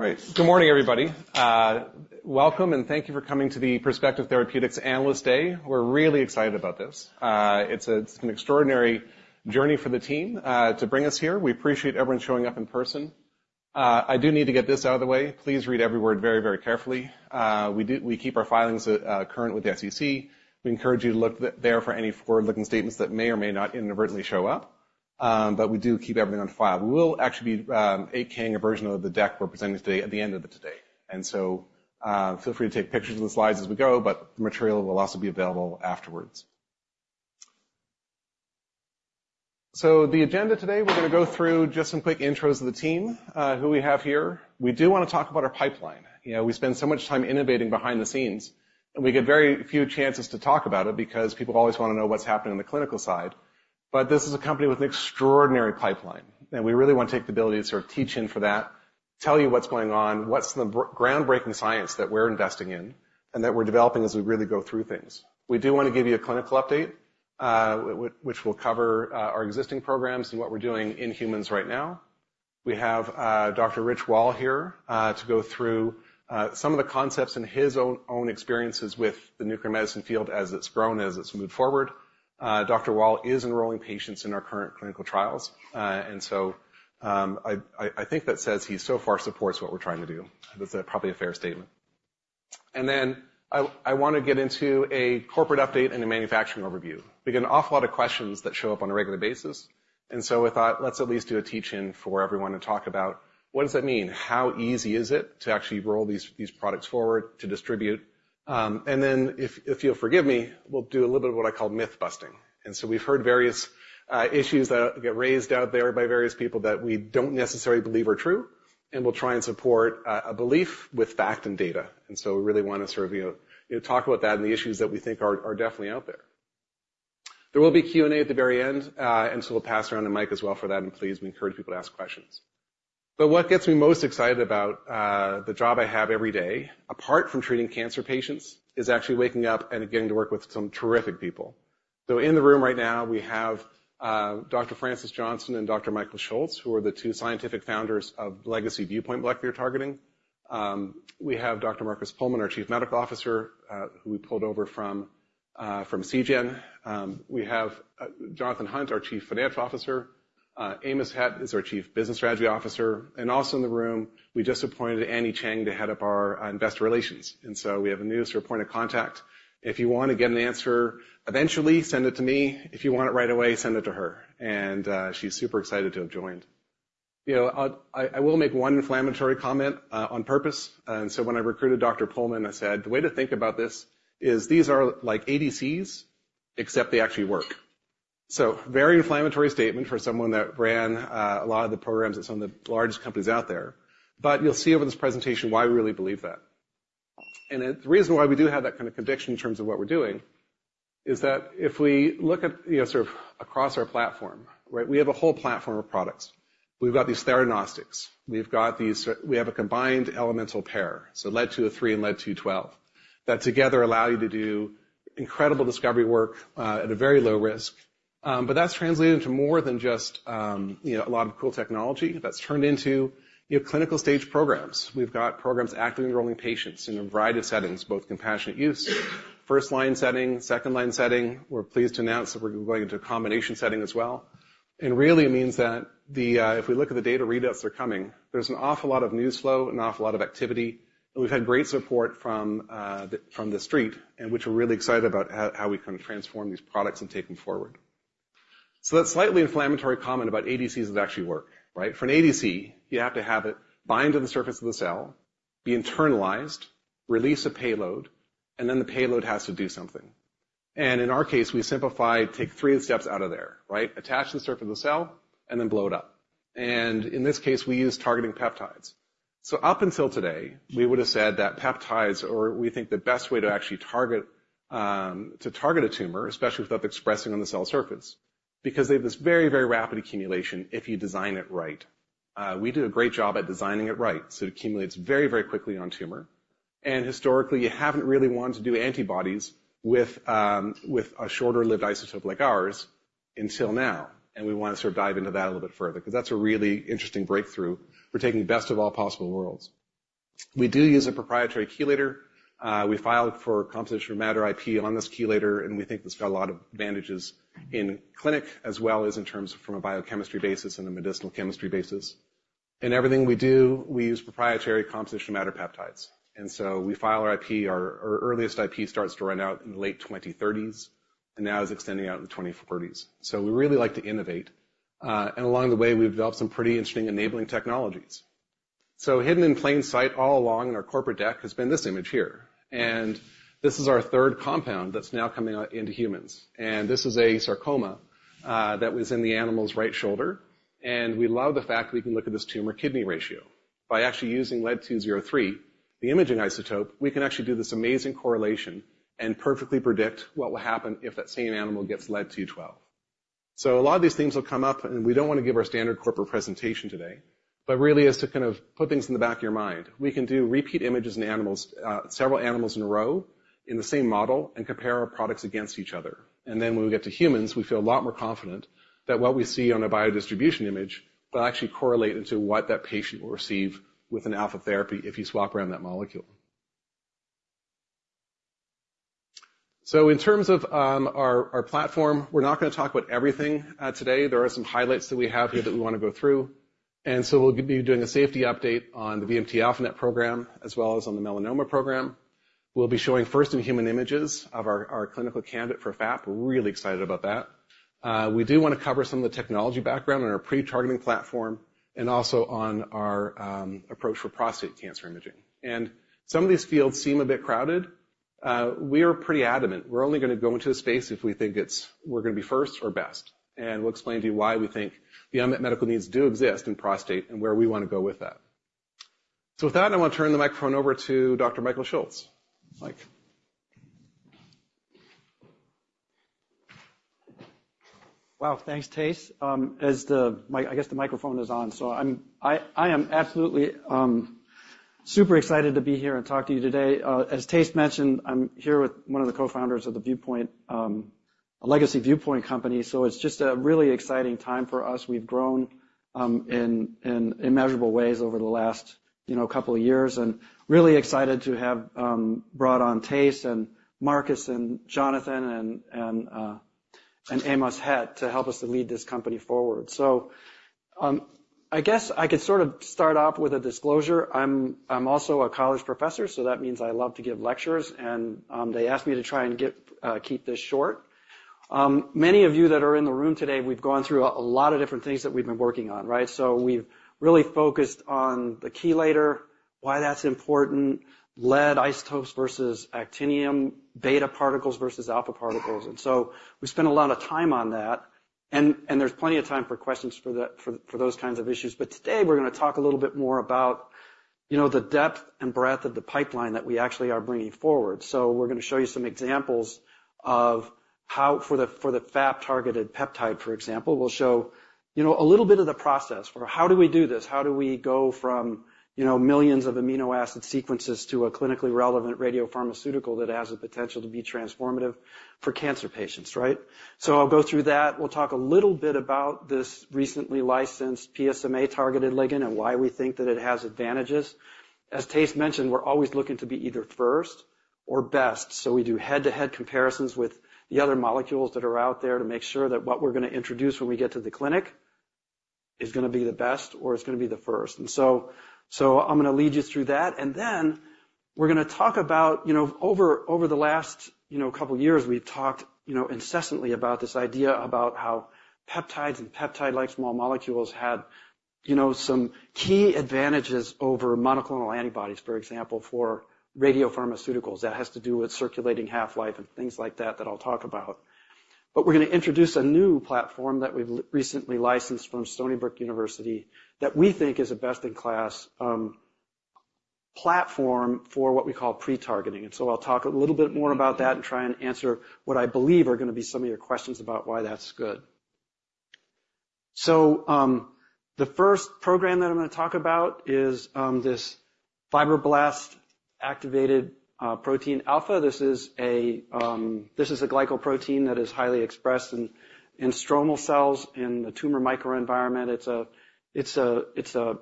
All right. Good morning, everybody. Welcome and thank you for coming to the Perspective Therapeutics Analyst Day. We're really excited about this. It's an extraordinary journey for the team to bring us here. We appreciate everyone showing up in person. I do need to get this out of the way. Please read every word very, very carefully. We keep our filings current with the SEC. We encourage you to look there for any forward-looking statements that may or may not inadvertently show up. But we do keep everything on file. We will actually be making a version of the deck we're presenting today available at the end of today. So, feel free to take pictures of the slides as we go, but the material will also be available afterwards. So the agenda today, we're going to go through just some quick intros of the team, who we have here. We do want to talk about our pipeline. You know, we spend so much time innovating behind the scenes, and we get very few chances to talk about it because people always want to know what's happening on the clinical side. But this is a company with an extraordinary pipeline, and we really want to take the ability to sort of teach in for that, tell you what's going on, what's the groundbreaking science that we're investing in, and that we're developing as we really go through things. We do want to give you a clinical update, which will cover our existing programs and what we're doing in humans right now. We have, Dr. Richard Wahl here, to go through some of the concepts and his own experiences with the nuclear medicine field as it's grown, as it's moved forward. Dr. Wahl is enrolling patients in our current clinical trials. I think that says he so far supports what we're trying to do. That's probably a fair statement. Then I want to get into a corporate update and a manufacturing overview. We get an awful lot of questions that show up on a regular basis. I thought, let's at least do a teach-in for everyone to talk about what does that mean? How easy is it to actually roll these products forward, to distribute? Then if you'll forgive me, we'll do a little bit of what I call myth-busting. We've heard various issues that get raised out there by various people that we don't necessarily believe are true. We'll try and support a belief with fact and data. We really want to sort of, you know, you know, talk about that and the issues that we think are definitely out there. There will be Q&A at the very end, and so we'll pass around to Mike as well for that. Please, we encourage people to ask questions. But what gets me most excited about the job I have every day, apart from treating cancer patients, is actually waking up and getting to work with some terrific people. In the room right now, we have Dr. Frances Johnson and Dr. Michael Schultz, who are the two scientific founders of legacy Viewpoint Molecular Targeting. We have Dr. Markus Puhlmann, our Chief Medical Officer, who we pulled over from Seagen. We have Jonathan Hunt, our Chief Financial Officer. Amos Hedt is our Chief Business Strategy Officer. And also in the room, we just appointed Annie Cheng to head up our investor relations. And so we have a new sort of point of contact. If you want to get an answer eventually, send it to me. If you want it right away, send it to her. And she's super excited to have joined. You know, I will make one inflammatory comment on purpose. And so when I recruited Dr. Puhlmann, I said, the way to think about this is these are like ADCs, except they actually work. So very inflammatory statement for someone that ran a lot of the programs at some of the largest companies out there. But you'll see over this presentation why we really believe that. And the reason why we do have that kind of conviction in terms of what we're doing is that if we look at, you know, sort of across our platform, right, we have a whole platform of products. We've got these theranostics. We've got these sort of we have a combined elemental pair, so Lead-203 and Lead-212, that together allow you to do incredible discovery work, at a very low risk. But that's translated into more than just, you know, a lot of cool technology that's turned into, you know, clinical stage programs. We've got programs actively enrolling patients in a variety of settings, both compassionate use, first-line setting, second-line setting. We're pleased to announce that we're going into a combination setting as well. And really, it means that if we look at the data readouts that are coming, there's an awful lot of news flow, an awful lot of activity. And we've had great support from the street, about which we're really excited how we kind of transform these products and take them forward. So that slightly inflammatory comment about ADCs that actually work, right? For an ADC, you have to have it bind to the surface of the cell, be internalized, release a payload, and then the payload has to do something. And in our case, we simplified, take three steps out of there, right? Attach to the surface of the cell and then blow it up. And in this case, we use targeting peptides. So up until today, we would have said that peptides, or we think the best way to actually target, to target a tumor, especially without expressing on the cell surface, because they have this very, very rapid accumulation if you design it right. We do a great job at designing it right so it accumulates very, very quickly on tumor. And historically, you haven't really wanted to do antibodies with, with a shorter-lived isotope like ours until now. And we want to sort of dive into that a little bit further because that's a really interesting breakthrough. We're taking the best of all possible worlds. We do use a proprietary chelator. We file for composition of matter IP on this chelator, and we think this got a lot of advantages in clinic as well as in terms of from a biochemistry basis and a medicinal chemistry basis. In everything we do, we use proprietary composition of matter peptides. So we file our IP. Our, our earliest IP starts to run out in the late 2030s and now is extending out in the 2040s. We really like to innovate. And along the way, we've developed some pretty interesting enabling technologies. Hidden in plain sight all along in our corporate deck has been this image here. This is our third compound that's now coming into humans. This is a sarcoma that was in the animal's right shoulder. We love the fact that we can look at this tumor kidney ratio. By actually using Lead-203, the imaging isotope, we can actually do this amazing correlation and perfectly predict what will happen if that same animal gets Lead-212. So a lot of these things will come up, and we don't want to give our standard corporate presentation today, but really is to kind of put things in the back of your mind. We can do repeat images in animals, several animals in a row in the same model and compare our products against each other. And then when we get to humans, we feel a lot more confident that what we see on a biodistribution image will actually correlate into what that patient will receive with an alpha therapy if you swap around that molecule. So in terms of our platform, we're not going to talk about everything today. There are some highlights that we have here that we want to go through. And so we'll be doing a safety update on the VMT-α-NET program as well as on the melanoma program. We'll be showing first-in-human images of our, our clinical candidate for FAP. We're really excited about that. We do want to cover some of the technology background on our pre-targeting platform and also on our approach for prostate cancer imaging. Some of these fields seem a bit crowded. We are pretty adamant. We're only going to go into the space if we think it's we're going to be first or best. We'll explain to you why we think the unmet medical needs do exist in prostate and where we want to go with that. With that, I want to turn the microphone over to Dr. Michael Schultz. Mike. Wow, thanks, Thijs. As the mic—I guess the microphone is on. So I am absolutely super excited to be here and talk to you today. As Thijs mentioned, I'm here with one of the co-founders of the Viewpoint, a legacy Viewpoint company. So it's just a really exciting time for us. We've grown in measurable ways over the last, you know, couple of years. And really excited to have brought on Thijs and Markus and Jonathan and Amos Hedt to help us to lead this company forward. So, I guess I could sort of start off with a disclosure. I'm also a college professor, so that means I love to give lectures. And they asked me to try and keep this short. Many of you that are in the room today, we've gone through a lot of different things that we've been working on, right? So we've really focused on the chelator, why that's important, lead isotopes versus actinium, beta particles versus alpha particles. And so we spent a lot of time on that. And there's plenty of time for questions for that, for those kinds of issues. But today, we're going to talk a little bit more about, you know, the depth and breadth of the pipeline that we actually are bringing forward. So we're going to show you some examples of how for the, for the FAP-targeted peptide, for example, we'll show, you know, a little bit of the process for how do we do this? How do we go from, you know, millions of amino acid sequences to a clinically relevant radiopharmaceutical that has the potential to be transformative for cancer patients, right? So I'll go through that. We'll talk a little bit about this recently licensed PSMA-targeted ligand and why we think that it has advantages. As Thijs mentioned, we're always looking to be either first or best. So we do head-to-head comparisons with the other molecules that are out there to make sure that what we're going to introduce when we get to the clinic is going to be the best or it's going to be the first. And so, so I'm going to lead you through that. And then we're going to talk about, you know, over the last, you know, couple of years, we've talked, you know, incessantly about this idea about how peptides and peptide-like small molecules had, you know, some key advantages over monoclonal antibodies, for example, for radiopharmaceuticals. That has to do with circulating half-life and things like that that I'll talk about. But we're going to introduce a new platform that we've recently licensed from Stony Brook University that we think is a best-in-class platform for what we call pre-targeting. And so I'll talk a little bit more about that and try and answer what I believe are going to be some of your questions about why that's good. So, the first program that I'm going to talk about is this fibroblast activation protein alpha. This is a glycoprotein that is highly expressed in stromal cells in the tumor microenvironment. It's a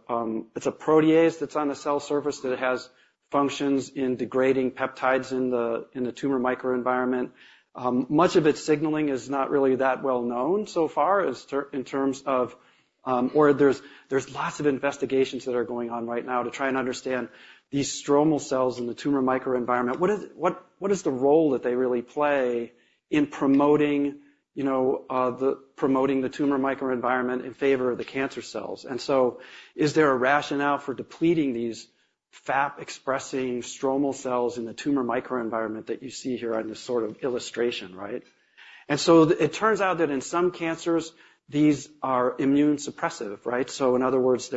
protease that's on the cell surface that has functions in degrading peptides in the tumor microenvironment. Much of its signaling is not really that well known so far as in terms of, or there's lots of investigations that are going on right now to try and understand these stromal cells in the tumor microenvironment. What is the role that they really play in promoting, you know, the promoting the tumor microenvironment in favor of the cancer cells? And so is there a rationale for depleting these FAP-expressing stromal cells in the tumor microenvironment that you see here on this sort of illustration, right? And so it turns out that in some cancers, these are immune suppressive, right? So in other words,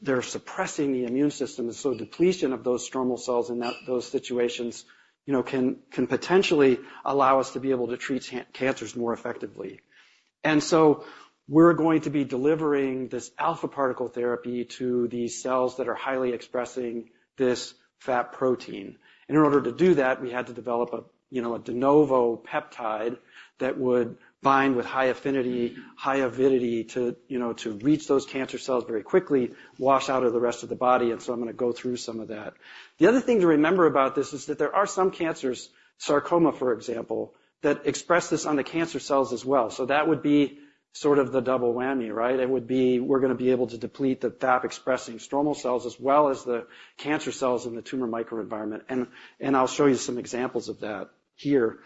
they're suppressing the immune system. And so depletion of those stromal cells in those situations, you know, can potentially allow us to be able to treat cancers more effectively. And so we're going to be delivering this alpha particle therapy to these cells that are highly expressing this FAP protein. And in order to do that, we had to develop a, you know, de novo peptide that would bind with high affinity, high avidity to, you know, to reach those cancer cells very quickly, wash out of the rest of the body. And so I'm going to go through some of that. The other thing to remember about this is that there are some cancers, sarcoma, for example, that express this on the cancer cells as well. So that would be sort of the double whammy, right? It would be we're going to be able to deplete the FAP-expressing stromal cells as well as the cancer cells in the tumor microenvironment. And I'll show you some examples of that here.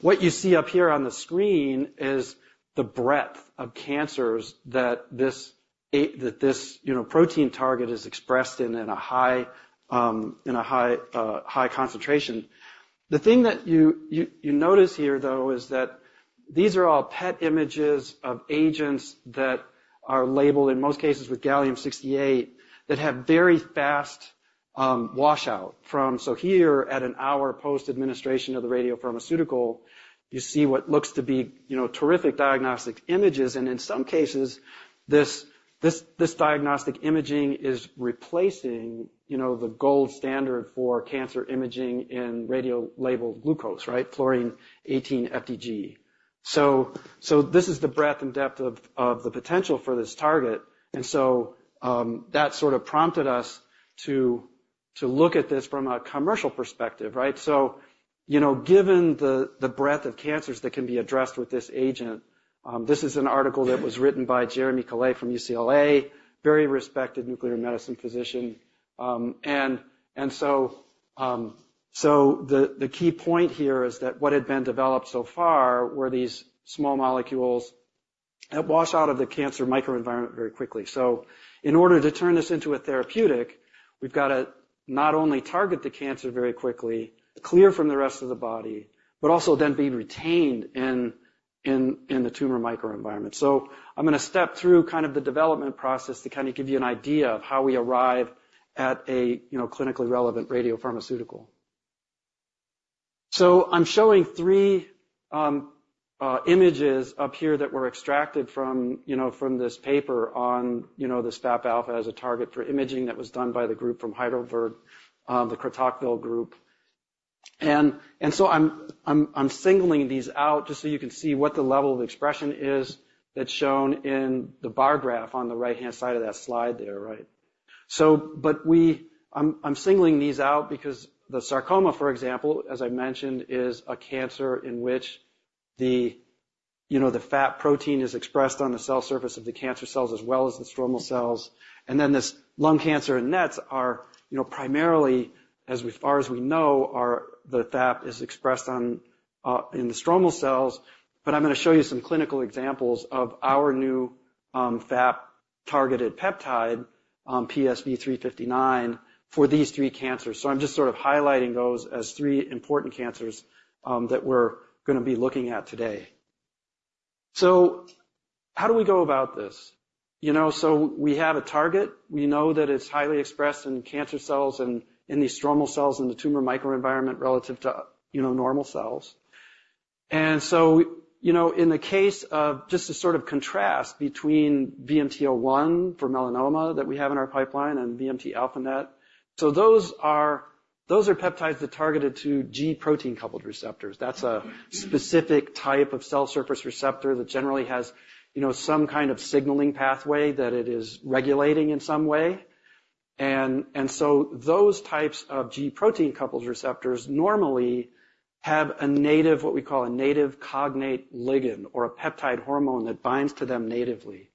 What you see up here on the screen is the breadth of cancers that this, that this, you know, protein target is expressed in, in a high concentration. The thing that you notice here, though, is that these are all PET images of agents that are labeled in most cases with gallium-68 that have very fast washout from. So here at an hour post-administration of the radiopharmaceutical, you see what looks to be, you know, terrific diagnostic images. And in some cases, this diagnostic imaging is replacing, you know, the gold standard for cancer imaging in radio-labeled glucose, right? Fluorine-18-FDG. So this is the breadth and depth of the potential for this target. And so that sort of prompted us to look at this from a commercial perspective, right? So, you know, given the breadth of cancers that can be addressed with this agent, this is an article that was written by Jeremie Calais from UCLA, very respected nuclear medicine physician. And so the key point here is that what had been developed so far were these small molecules that wash out of the cancer microenvironment very quickly. So in order to turn this into a therapeutic, we've got to not only target the cancer very quickly, clear from the rest of the body, but also then be retained in the tumor microenvironment. So I'm going to step through kind of the development process to kind of give you an idea of how we arrive at a, you know, clinically relevant radiopharmaceutical. So I'm showing three images up here that were extracted from, you know, from this paper on, you know, this FAP alpha as a target for imaging that was done by the group from Heidelberg, the Kratochwil group. And so I'm singling these out just so you can see what the level of expression is that's shown in the bar graph on the right-hand side of that slide there, right? So, but we, I'm singling these out because the sarcoma, for example, as I mentioned, is a cancer in which the, you know, the FAP protein is expressed on the cell surface of the cancer cells as well as the stromal cells. And then this lung cancer and NETs are, you know, primarily, as far as we know, where the FAP is expressed on, in the stromal cells. But I'm going to show you some clinical examples of our new, FAP-targeted peptide, PSV359 for these three cancers. So I'm just sort of highlighting those as three important cancers, that we're going to be looking at today. So how do we go about this? You know, so we have a target. We know that it's highly expressed in cancer cells and in the stromal cells in the tumor microenvironment relative to, you know, normal cells. And so, you know, in the case of just to sort of contrast between VMT-01 for melanoma that we have in our pipeline and VMT-α-NET. So those are, those are peptides that targeted to G protein-coupled receptors. That's a specific type of cell surface receptor that generally has, you know, some kind of signaling pathway that it is regulating in some way. And, and so those types of G protein-coupled receptors normally have a native, what we call a native cognate ligand or a peptide hormone that binds to them natively.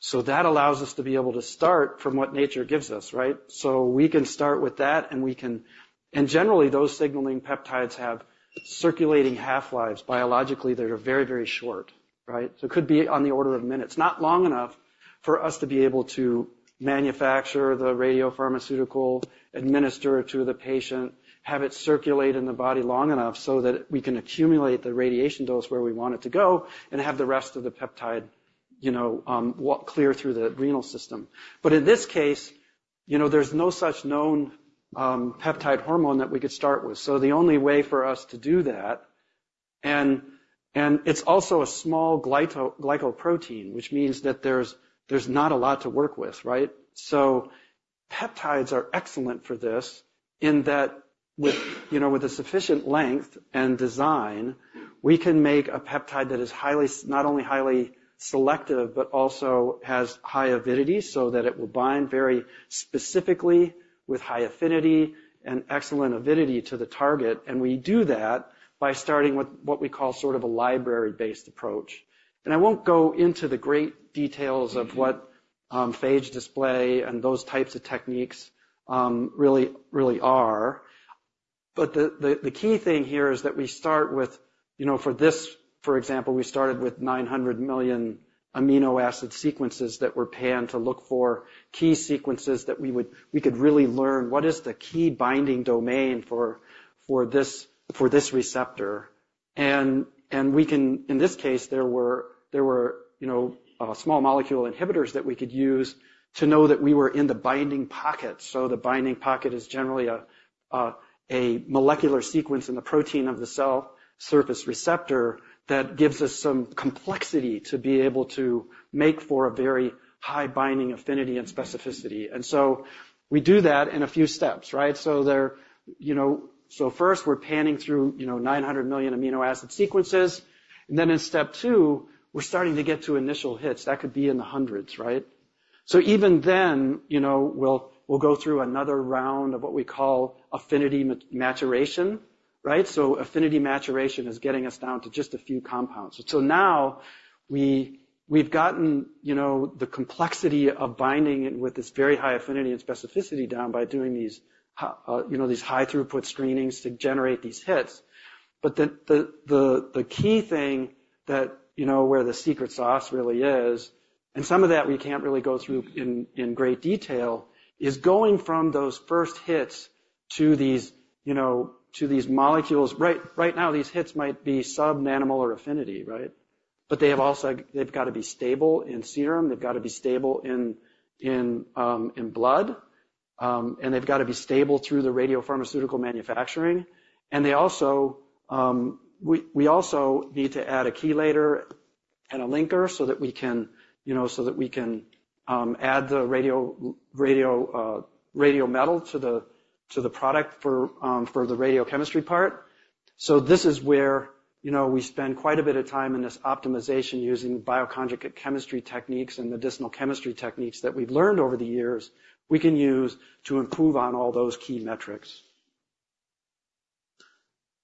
So that allows us to be able to start from what nature gives us, right? So we can start with that and we can, and generally those signaling peptides have circulating half-lives. Biologically, they're very, very short, right? So it could be on the order of minutes, not long enough for us to be able to manufacture the radiopharmaceutical, administer it to the patient, have it circulate in the body long enough so that we can accumulate the radiation dose where we want it to go and have the rest of the peptide, you know, clear through the renal system. But in this case, you know, there's no such known peptide hormone that we could start with. So the only way for us to do that, and it's also a small glycoprotein, which means that there's not a lot to work with, right? So peptides are excellent for this in that with, you know, with a sufficient length and design, we can make a peptide that is highly, not only highly selective, but also has high avidity so that it will bind very specifically with high affinity and excellent avidity to the target. And we do that by starting with what we call sort of a library-based approach. And I won't go into the great details of what phage display and those types of techniques really, really are. But the key thing here is that we start with, you know, for this, for example, we started with 900 million amino acid sequences that were panned to look for key sequences that we could really learn what is the key binding domain for this receptor. And we can, in this case, there were, you know, small molecule inhibitors that we could use to know that we were in the binding pocket. So the binding pocket is generally a molecular sequence in the protein of the cell surface receptor that gives us some complexity to be able to make for a very high binding affinity and specificity. And so we do that in a few steps, right? So there, you know, so first we're panning through, you know, 900 million amino acid sequences. And then in step two, we're starting to get to initial hits. That could be in the hundreds, right? So even then, you know, we'll go through another round of what we call affinity maturation, right? So affinity maturation is getting us down to just a few compounds. So now we've gotten, you know, the complexity of binding it with this very high affinity and specificity down by doing these, you know, these high throughput screenings to generate these hits. But the key thing that, you know, where the secret sauce really is, and some of that we can't really go through in great detail, is going from those first hits to these, you know, to these molecules. Right now, these hits might be sub-nanomolar affinity, right? But they have also, they've got to be stable in serum. They've got to be stable in blood. And they've got to be stable through the radiopharmaceutical manufacturing. And we also need to add a chelator and a linker so that we can, you know, add the radio metal to the product for the radiochemistry part. So this is where, you know, we spend quite a bit of time in this optimization using bioconjugate chemistry techniques and medicinal chemistry techniques that we've learned over the years we can use to improve on all those key metrics.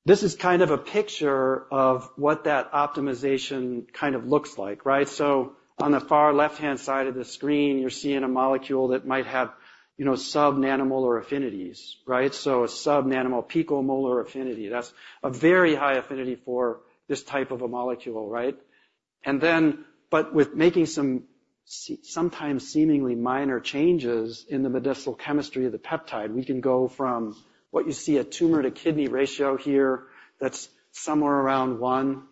This is kind of a picture of what that optimization kind of looks like, right? So on the far left-hand side of the screen, you're seeing a molecule that might have, you know, sub-nanomolar affinities, right? So a sub-nanomolar picomolar affinity, that's a very high affinity for this type of a molecule, right? But with making some, sometimes seemingly minor changes in the medicinal chemistry of the peptide, we can go from what you see a tumor to kidney ratio here that's somewhere around one.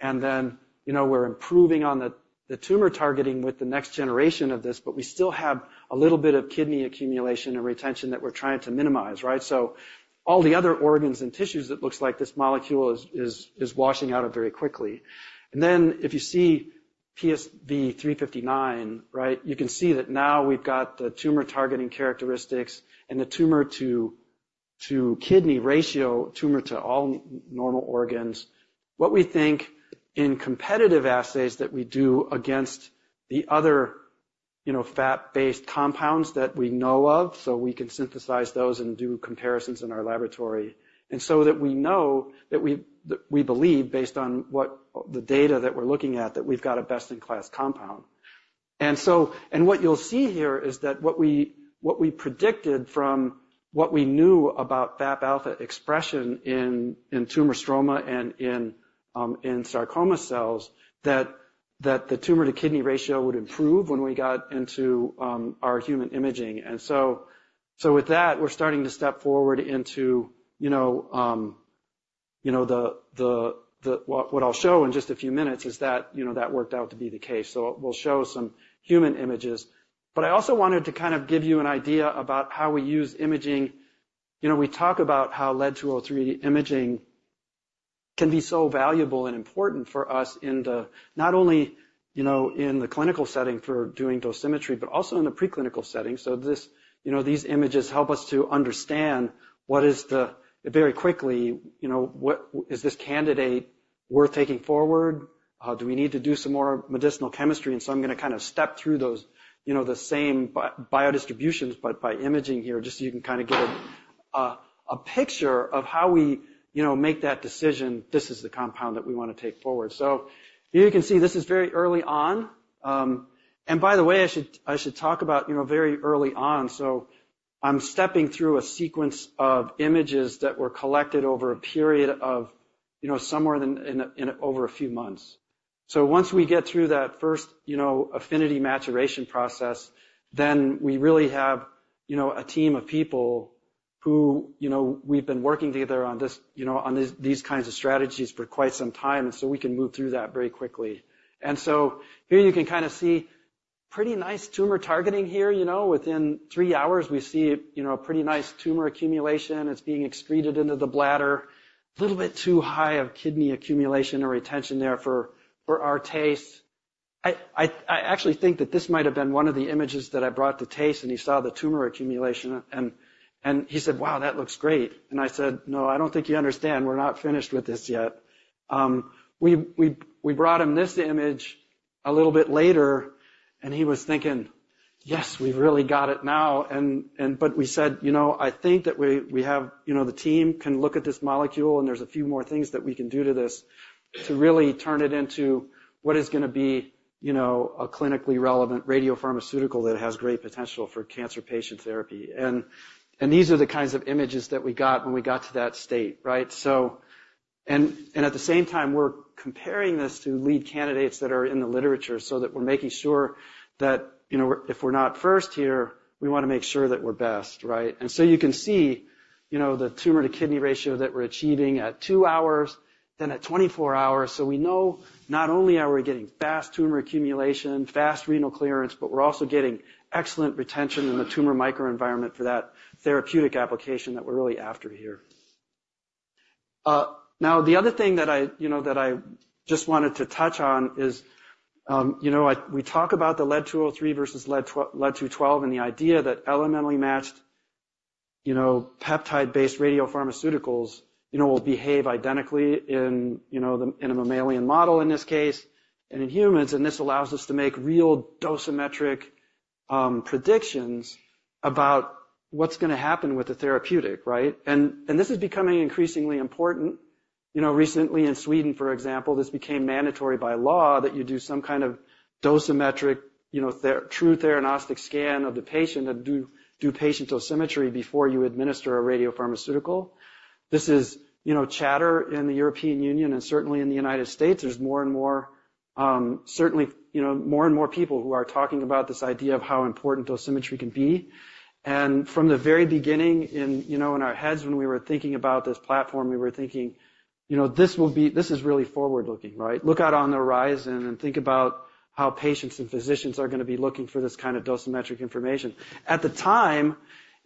And then, you know, we're improving on the tumor targeting with the next generation of this, but we still have a little bit of kidney accumulation and retention that we're trying to minimize, right? So all the other organs and tissues that looks like this molecule is washing out of very quickly. And then if you see PSV359, right, you can see that now we've got the tumor targeting characteristics and the tumor to kidney ratio, tumor to all normal organs. What we think in competitive assays that we do against the other, you know, FAP-based compounds that we know of, so we can synthesize those and do comparisons in our laboratory. And so that we know that we believe based on what the data that we're looking at that we've got a best-in-class compound. And so, and what you'll see here is that what we predicted from what we knew about FAP alpha expression in tumor stroma and in sarcoma cells, that the tumor to kidney ratio would improve when we got into our human imaging. And so, with that, we're starting to step forward into, you know, the what I'll show in just a few minutes is that, you know, that worked out to be the case. So we'll show some human images. But I also wanted to kind of give you an idea about how we use imaging. You know, we talk about how Lead-203 imaging can be so valuable and important for us in the not only, you know, in the clinical setting for doing dosimetry, but also in the preclinical setting. So this, you know, these images help us to understand what is the very quickly, you know, what is this candidate worth taking forward? Do we need to do some more medicinal chemistry? And so I'm going to kind of step through those, you know, the same biodistributions, but by imaging here just so you can kind of get a picture of how we, you know, make that decision. This is the compound that we want to take forward. So here you can see this is very early on. And by the way, I should talk about, you know, very early on. So I'm stepping through a sequence of images that were collected over a period of, you know, somewhere in over a few months. So once we get through that first, you know, affinity maturation process, then we really have, you know, a team of people who, you know, we've been working together on this, you know, on these kinds of strategies for quite some time. And so we can move through that very quickly. And so here you can kind of see pretty nice tumor targeting here, you know, within 3 hours we see, you know, a pretty nice tumor accumulation. It's being excreted into the bladder. A little bit too high of kidney accumulation or retention there for our taste. I actually think that this might have been one of the images that I brought to Thijs, and he saw the tumor accumulation, and he said, "Wow, that looks great." And I said, "No, I don't think you understand. We're not finished with this yet." We brought him this image a little bit later. And he was thinking, "Yes, we've really got it now." And, but we said, "You know, I think that we have, you know, the team can look at this molecule, and there's a few more things that we can do to this." To really turn it into what is going to be, you know, a clinically relevant radiopharmaceutical that has great potential for cancer patient therapy. And these are the kinds of images that we got when we got to that state, right? So, at the same time, we're comparing this to lead candidates that are in the literature so that we're making sure that, you know, if we're not first here, we want to make sure that we're best, right? And so you can see, you know, the tumor to kidney ratio that we're achieving at 2 hours, then at 24 hours. So we know not only are we getting fast tumor accumulation, fast renal clearance, but we're also getting excellent retention in the tumor microenvironment for that therapeutic application that we're really after here. Now, the other thing that I, you know, that I just wanted to touch on is, you know, I, we talk about the Lead-203 versus Lead-212 and the idea that elementally matched, you know, peptide-based radiopharmaceuticals, you know, will behave identically in, you know, the, in a mammalian model in this case, and in humans. This allows us to make real dosimetric predictions about what's going to happen with the therapeutic, right? And this is becoming increasingly important. You know, recently in Sweden, for example, this became mandatory by law that you do some kind of dosimetric, you know, true theranostic scan of the patient and do patient dosimetry before you administer a radiopharmaceutical. This is, you know, chatter in the European Union and certainly in the United States. There's more and more, certainly, you know, more and more people who are talking about this idea of how important dosimetry can be. And from the very beginning in, you know, in our heads when we were thinking about this platform, we were thinking, you know, this will be, this is really forward-looking, right? Look out on the horizon and think about how patients and physicians are going to be looking for this kind of dosimetric information. At the time,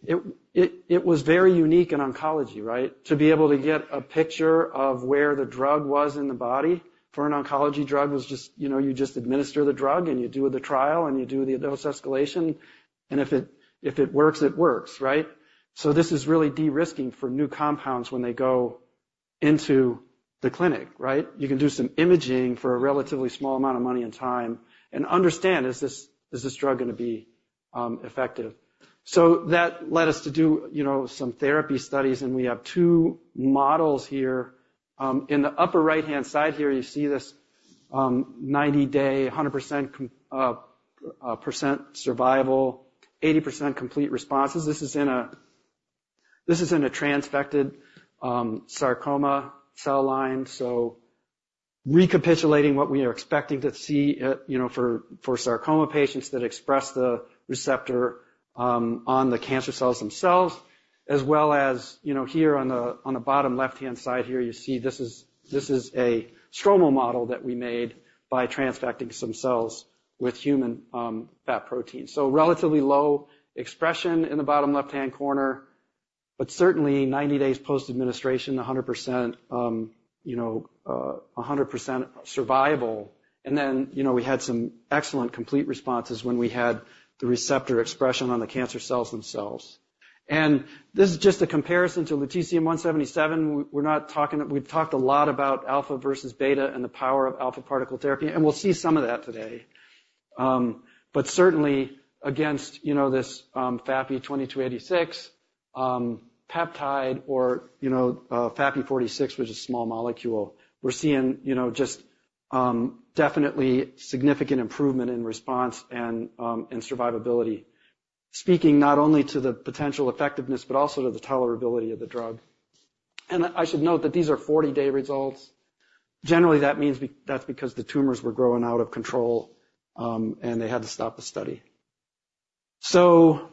it was very unique in oncology, right? To be able to get a picture of where the drug was in the body for an oncology drug was just, you know, you just administer the drug and you do the trial and you do the dose escalation. And if it works, it works, right? So this is really de-risking for new compounds when they go into the clinic, right? You can do some imaging for a relatively small amount of money and time and understand, is this drug going to be effective? So that led us to do, you know, some therapy studies. And we have 2 models here. In the upper right-hand side here, you see this 90-day, 100% survival, 80% complete responses. This is in a transfected sarcoma cell line. So recapitulating what we are expecting to see at, you know, for, for sarcoma patients that express the receptor on the cancer cells themselves, as well as, you know, here on the, on the bottom left-hand side here, you see this is a stromal model that we made by transfecting some cells with human FAP protein. So relatively low expression in the bottom left-hand corner. But certainly 90 days post-administration, 100%, you know, 100% survival. And then, you know, we had some excellent complete responses when we had the receptor expression on the cancer cells themselves. And this is just a comparison to Lutetium-177. We're not talking, we've talked a lot about alpha versus beta and the power of alpha particle therapy. And we'll see some of that today. But certainly against, you know, this, FAP-2286, peptide or, you know, FAPI-46, which is a small molecule, we're seeing, you know, just, definitely significant improvement in response and, and survivability. Speaking not only to the potential effectiveness, but also to the tolerability of the drug. And I should note that these are 40-day results. Generally, that means that's because the tumors were growing out of control, and they had to stop the study. So,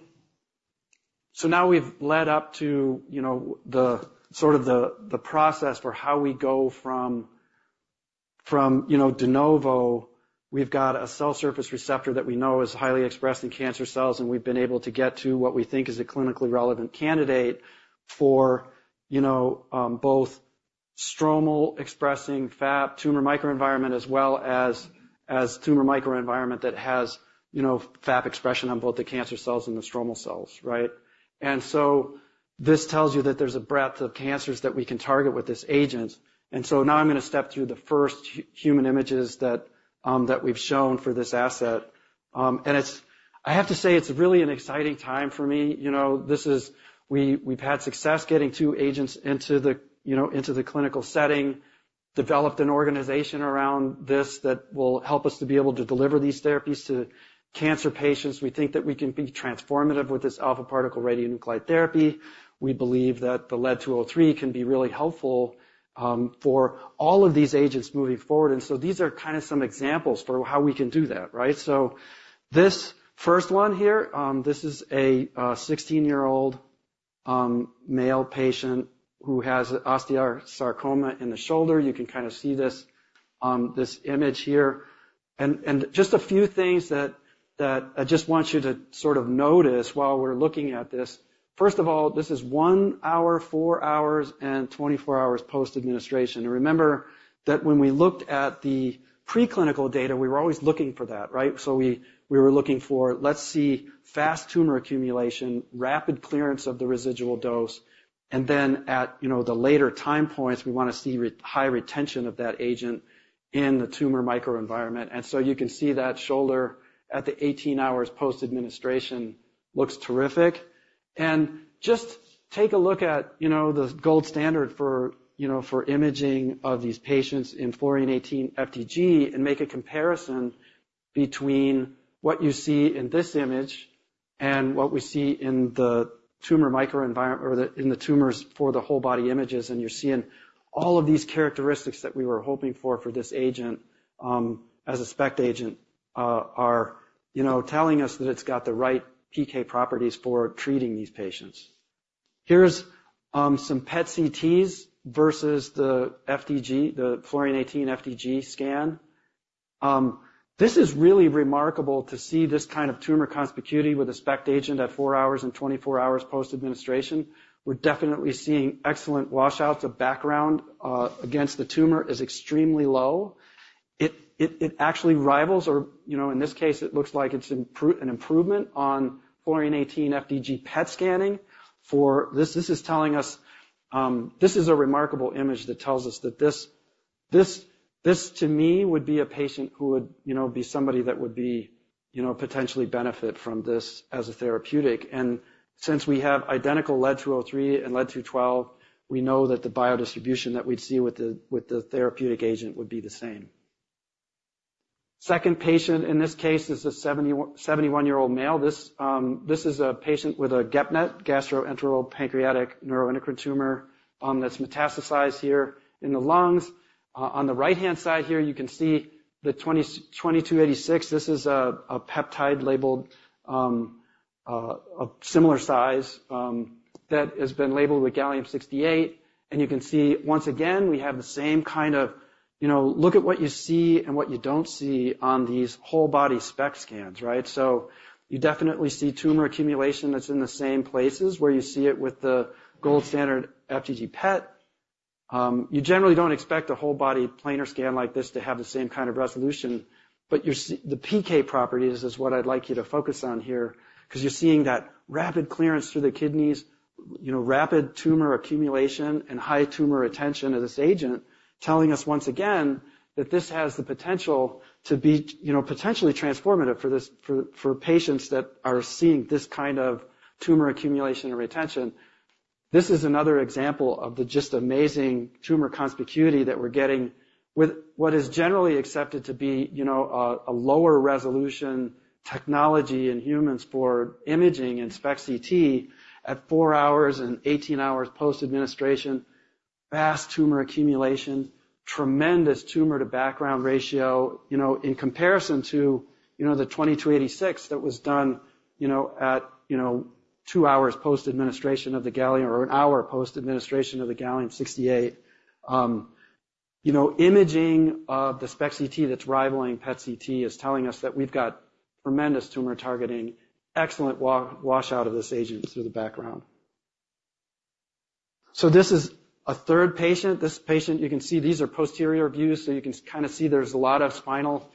so now we've led up to, you know, the sort of the, the process for how we go from, from, you know, de novo. We've got a cell surface receptor that we know is highly expressed in cancer cells. And we've been able to get to what we think is a clinically relevant candidate for, you know, both stromal expressing FAP tumor microenvironment, as well as, as tumor microenvironment that has, you know, FAP expression on both the cancer cells and the stromal cells, right? And so this tells you that there's a breadth of cancers that we can target with this agent. And so now I'm going to step through the first human images that, that we've shown for this asset. And it's, I have to say, it's really an exciting time for me. You know, this is, we, we've had success getting two agents into the, you know, into the clinical setting. Developed an organization around this that will help us to be able to deliver these therapies to cancer patients. We think that we can be transformative with this alpha particle radionuclide therapy. We believe that the Lead-203 can be really helpful for all of these agents moving forward. And so these are kind of some examples for how we can do that, right? So this first one here, this is a 16-year-old male patient who has osteosarcoma in the shoulder. You can kind of see this image here. And just a few things that I just want you to sort of notice while we're looking at this. First of all, this is 1 hour, 4 hours, and 24 hours post-administration. And remember that when we looked at the preclinical data, we were always looking for that, right? So we were looking for, let's see, fast tumor accumulation, rapid clearance of the residual dose. And then at, you know, the later time points, we want to see high retention of that agent in the tumor microenvironment. And so you can see that shoulder at the 18 hours post-administration looks terrific. And just take a look at, you know, the gold standard for, you know, for imaging of these patients in fluorine-18 FDG, and make a comparison between what you see in this image. And what we see in the tumor microenvironment, or the in the tumors for the whole body images. And you're seeing all of these characteristics that we were hoping for for this agent, as a SPECT agent, are, you know, telling us that it's got the right PK properties for treating these patients. Here's, some PET/CTs versus the FDG, the fluorine-18 FDG scan. This is really remarkable to see this kind of tumor conspicuity with a SPECT agent at 4 hours and 24 hours post-administration. We're definitely seeing excellent washouts. The background against the tumor is extremely low. It actually rivals, or, you know, in this case, it looks like it's an improvement on fluorine-18 FDG PET scanning for this. This is telling us, this is a remarkable image that tells us that this, to me, would be a patient who would, you know, be somebody that would be, you know, potentially benefit from this as a therapeutic. And since we have identical Pb-203 and Pb-212, we know that the biodistribution that we'd see with the therapeutic agent would be the same. Second patient in this case is a 71-year-old male. This, this is a patient with a GEP-NET, gastroenteropancreatic neuroendocrine tumor, that's metastasized here in the lungs. On the right-hand side here, you can see the FAP-2286. This is a peptide labeled, a similar size, that has been labeled with gallium-68. And you can see, once again, we have the same kind of, you know, look at what you see and what you don't see on these whole body SPECT scans, right? So you definitely see tumor accumulation that's in the same places where you see it with the gold standard FDG PET. You generally don't expect a whole body planar scan like this to have the same kind of resolution. But you're seeing the PK properties is what I'd like you to focus on here. Because you're seeing that rapid clearance through the kidneys, you know, rapid tumor accumulation and high tumor retention of this agent telling us, once again, that this has the potential to be, you know, potentially transformative for this, for for patients that are seeing this kind of tumor accumulation and retention. This is another example of the just amazing tumor conspicuity that we're getting with what is generally accepted to be, you know, a lower resolution technology in humans for imaging and SPECT/CT at 4 hours and 18 hours post-administration. Fast tumor accumulation. Tremendous tumor to background ratio, you know, in comparison to, you know, the FAP-2286 that was done, you know, at, you know, 2 hours post-administration of the gallium, or 1 hour post-administration of the Gallium-68. You know, imaging of the SPECT/CT that's rivaling PET CT is telling us that we've got tremendous tumor targeting, excellent washout of this agent through the background. So this is a third patient. This patient, you can see, these are posterior views. So you can kind of see there's a lot of spinal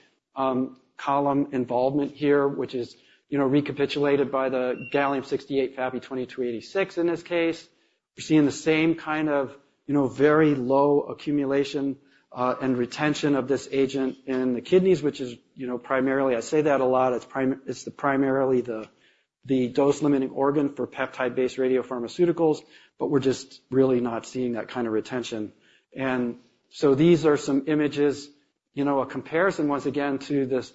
column involvement here, which is, you know, recapitulated by the Gallium-68 FAP-2286. In this case, we're seeing the same kind of, you know, very low accumulation and retention of this agent in the kidneys, which is, you know, primarily. I say that a lot. It's primarily the dose limiting organ for peptide-based radiopharmaceuticals. But we're just really not seeing that kind of retention. And so these are some images, you know, a comparison, once again, to this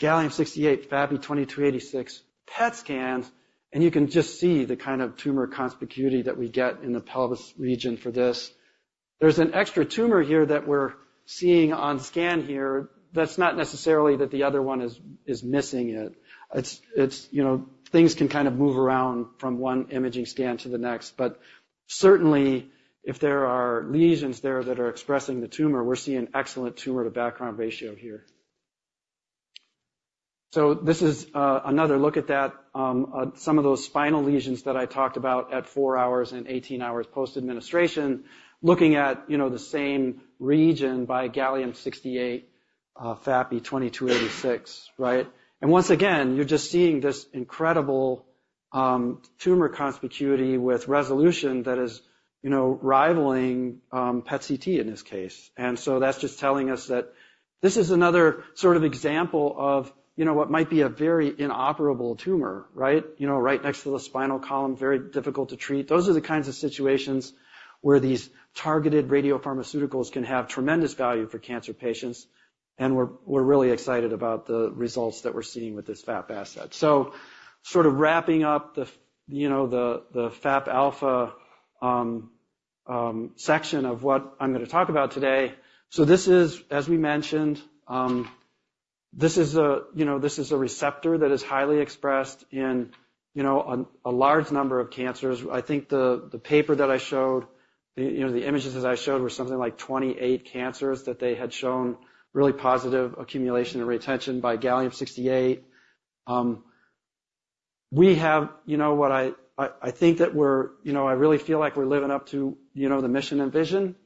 gallium-68 FAPI-2286 PET scans. And you can just see the kind of tumor conspicuity that we get in the pelvis region for this. There's an extra tumor here that we're seeing on scan here. That's not necessarily that the other one is missing it. It's, it's, you know, things can kind of move around from one imaging scan to the next. But certainly, if there are lesions there that are expressing the tumor, we're seeing excellent tumor to background ratio here. So this is another look at that, some of those spinal lesions that I talked about at 4 hours and 18 hours post-administration, looking at, you know, the same region by gallium-68, FAP-2286, right? And once again, you're just seeing this incredible, tumor conspicuity with resolution that is, you know, rivaling, PET/CT in this case. And so that's just telling us that this is another sort of example of, you know, what might be a very inoperable tumor, right? You know, right next to the spinal column, very difficult to treat. Those are the kinds of situations where these targeted radiopharmaceuticals can have tremendous value for cancer patients. And we're we're really excited about the results that we're seeing with this FAP asset. So sort of wrapping up the, you know, the FAP alpha section of what I'm going to talk about today. So this is, as we mentioned, this is a, you know, this is a receptor that is highly expressed in, you know, a large number of cancers. I think the paper that I showed, the, you know, the images that I showed were something like 28 cancers that they had shown really positive accumulation and retention by Gallium-68. We have, you know, what I think that we're, you know, I really feel like we're living up to, you know, the mission and vision.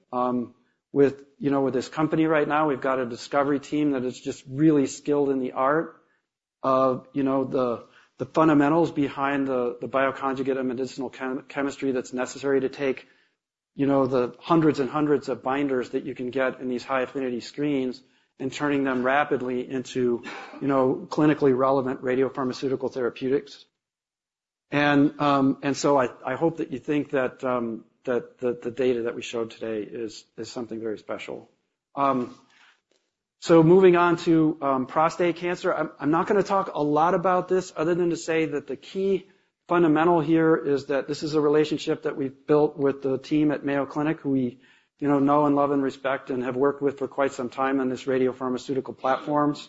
with, you know, with this company right now, we've got a discovery team that is just really skilled in the art of, you know, the fundamentals behind the bioconjugate and medicinal chemistry that's necessary to take, you know, the hundreds and hundreds of binders that you can get in these high affinity screens, and turning them rapidly into, you know, clinically relevant radiopharmaceutical therapeutics. And so I hope that you think that the data that we showed today is something very special. So, moving on to prostate cancer. I'm not going to talk a lot about this, other than to say that the key fundamental here is that this is a relationship that we've built with the team at Mayo Clinic, who, you know, know and love and respect, and have worked with for quite some time on this radiopharmaceutical platforms.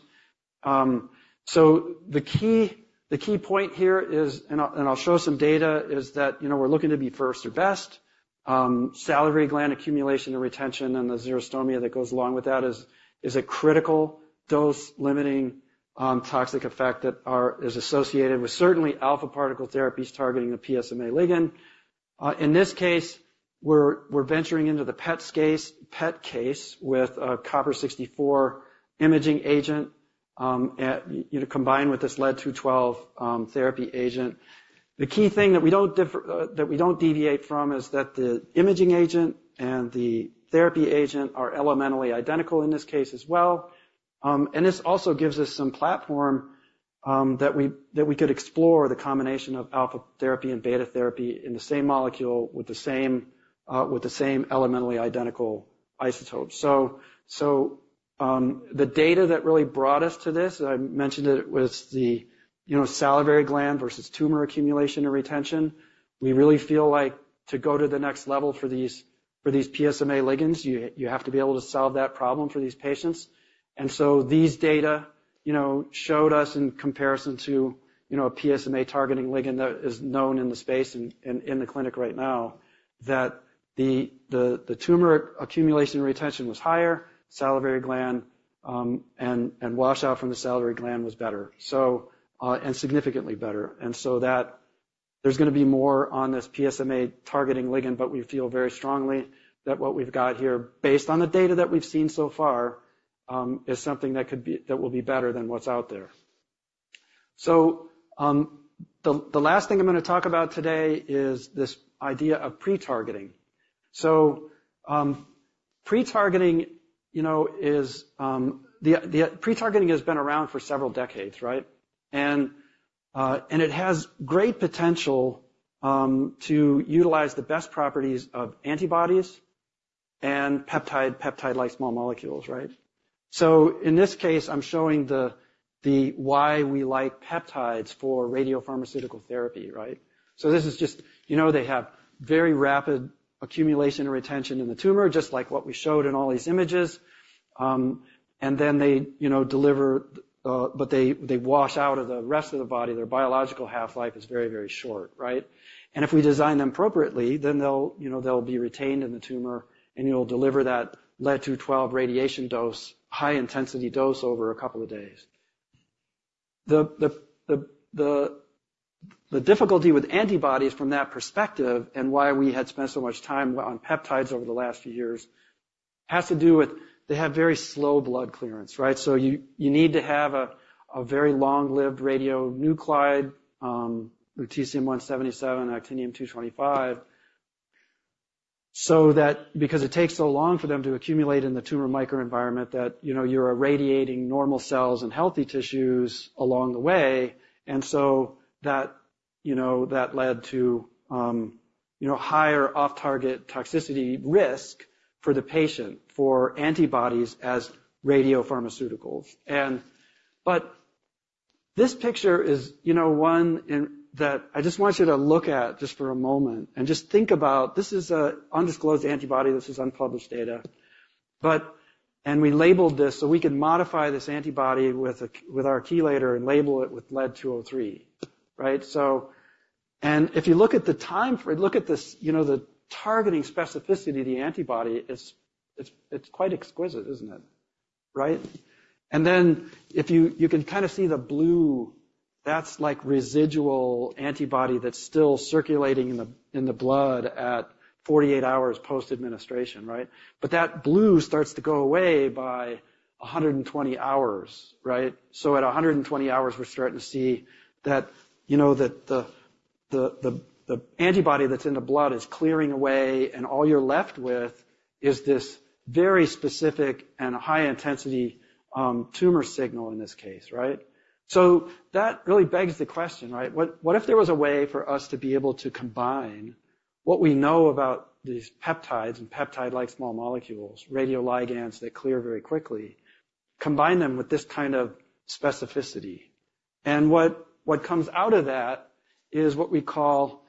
So the key point here is, and I'll show some data, is that, you know, we're looking to be 1st or best. Salivary gland accumulation and retention, and the xerostomia that goes along with that is a critical dose limiting toxic effect that is associated with certainly alpha particle therapies targeting the PSMA ligand. In this case, we're venturing into the PSMA case with a copper 64 imaging agent, you know, combined with this Lead-212 therapy agent. The key thing that we don't deviate from is that the imaging agent and the therapy agent are elementally identical in this case as well. And this also gives us some platform that we could explore the combination of alpha therapy and beta therapy in the same molecule with the same elementally identical isotopes. So, the data that really brought us to this, I mentioned that it was the, you know, salivary gland versus tumor accumulation and retention. We really feel like to go to the next level for these PSMA ligands, you have to be able to solve that problem for these patients. And so these data, you know, showed us, in comparison to, you know, a PSMA targeting ligand that is known in the space and in the clinic right now, that the tumor accumulation retention was higher. Salivary gland, and washout from the salivary gland was better, so, and significantly better. And so that there's going to be more on this PSMA targeting ligand. But we feel very strongly that what we've got here, based on the data that we've seen so far, is something that could be that will be better than what's out there. So, the last thing I'm going to talk about today is this idea of pre-targeting. So, pre-targeting, you know, is, the pre-targeting has been around for several decades, right? And it has great potential to utilize the best properties of antibodies and peptide-like small molecules, right? So in this case, I'm showing the why we like peptides for radiopharmaceutical therapy, right? So this is just, you know, they have very rapid accumulation and retention in the tumor, just like what we showed in all these images. And then they, you know, deliver, but they wash out of the rest of the body. Their biological half-life is very, very short, right? If we design them appropriately, then they'll, you know, they'll be retained in the tumor. And you'll deliver that Lead-212 radiation dose, high intensity dose, over a couple of days. The difficulty with antibodies from that perspective, and why we had spent so much time on peptides over the last few years, has to do with they have very slow blood clearance, right? So you need to have a very long-lived radionuclide, lutetium-177, Actinium-225. So that because it takes so long for them to accumulate in the tumor microenvironment that, you know, you're irradiating normal cells and healthy tissues along the way. And so that, you know, that led to, you know, higher off-target toxicity risk for the patient for antibodies as radiopharmaceuticals. This picture is, you know, one in that I just want you to look at just for a moment and just think about. This is an undisclosed antibody. This is unpublished data. We labeled this so we can modify this antibody with our chelator and label it with Lead-203, right? So if you look at, look at this, you know, the targeting specificity of the antibody, it's quite exquisite, isn't it? Right? And then if you can kind of see the blue, that's like residual antibody that's still circulating in the blood at 48 hours post-administration, right? That blue starts to go away by 120 hours, right? At 120 hours, we're starting to see that, you know, that the antibody that's in the blood is clearing away. All you're left with is this very specific and high intensity, tumor signal in this case, right? So that really begs the question, right? What what if there was a way for us to be able to combine what we know about these peptides and peptide-like small molecules, radioligands that clear very quickly, combine them with this kind of specificity? And what what comes out of that is what we call,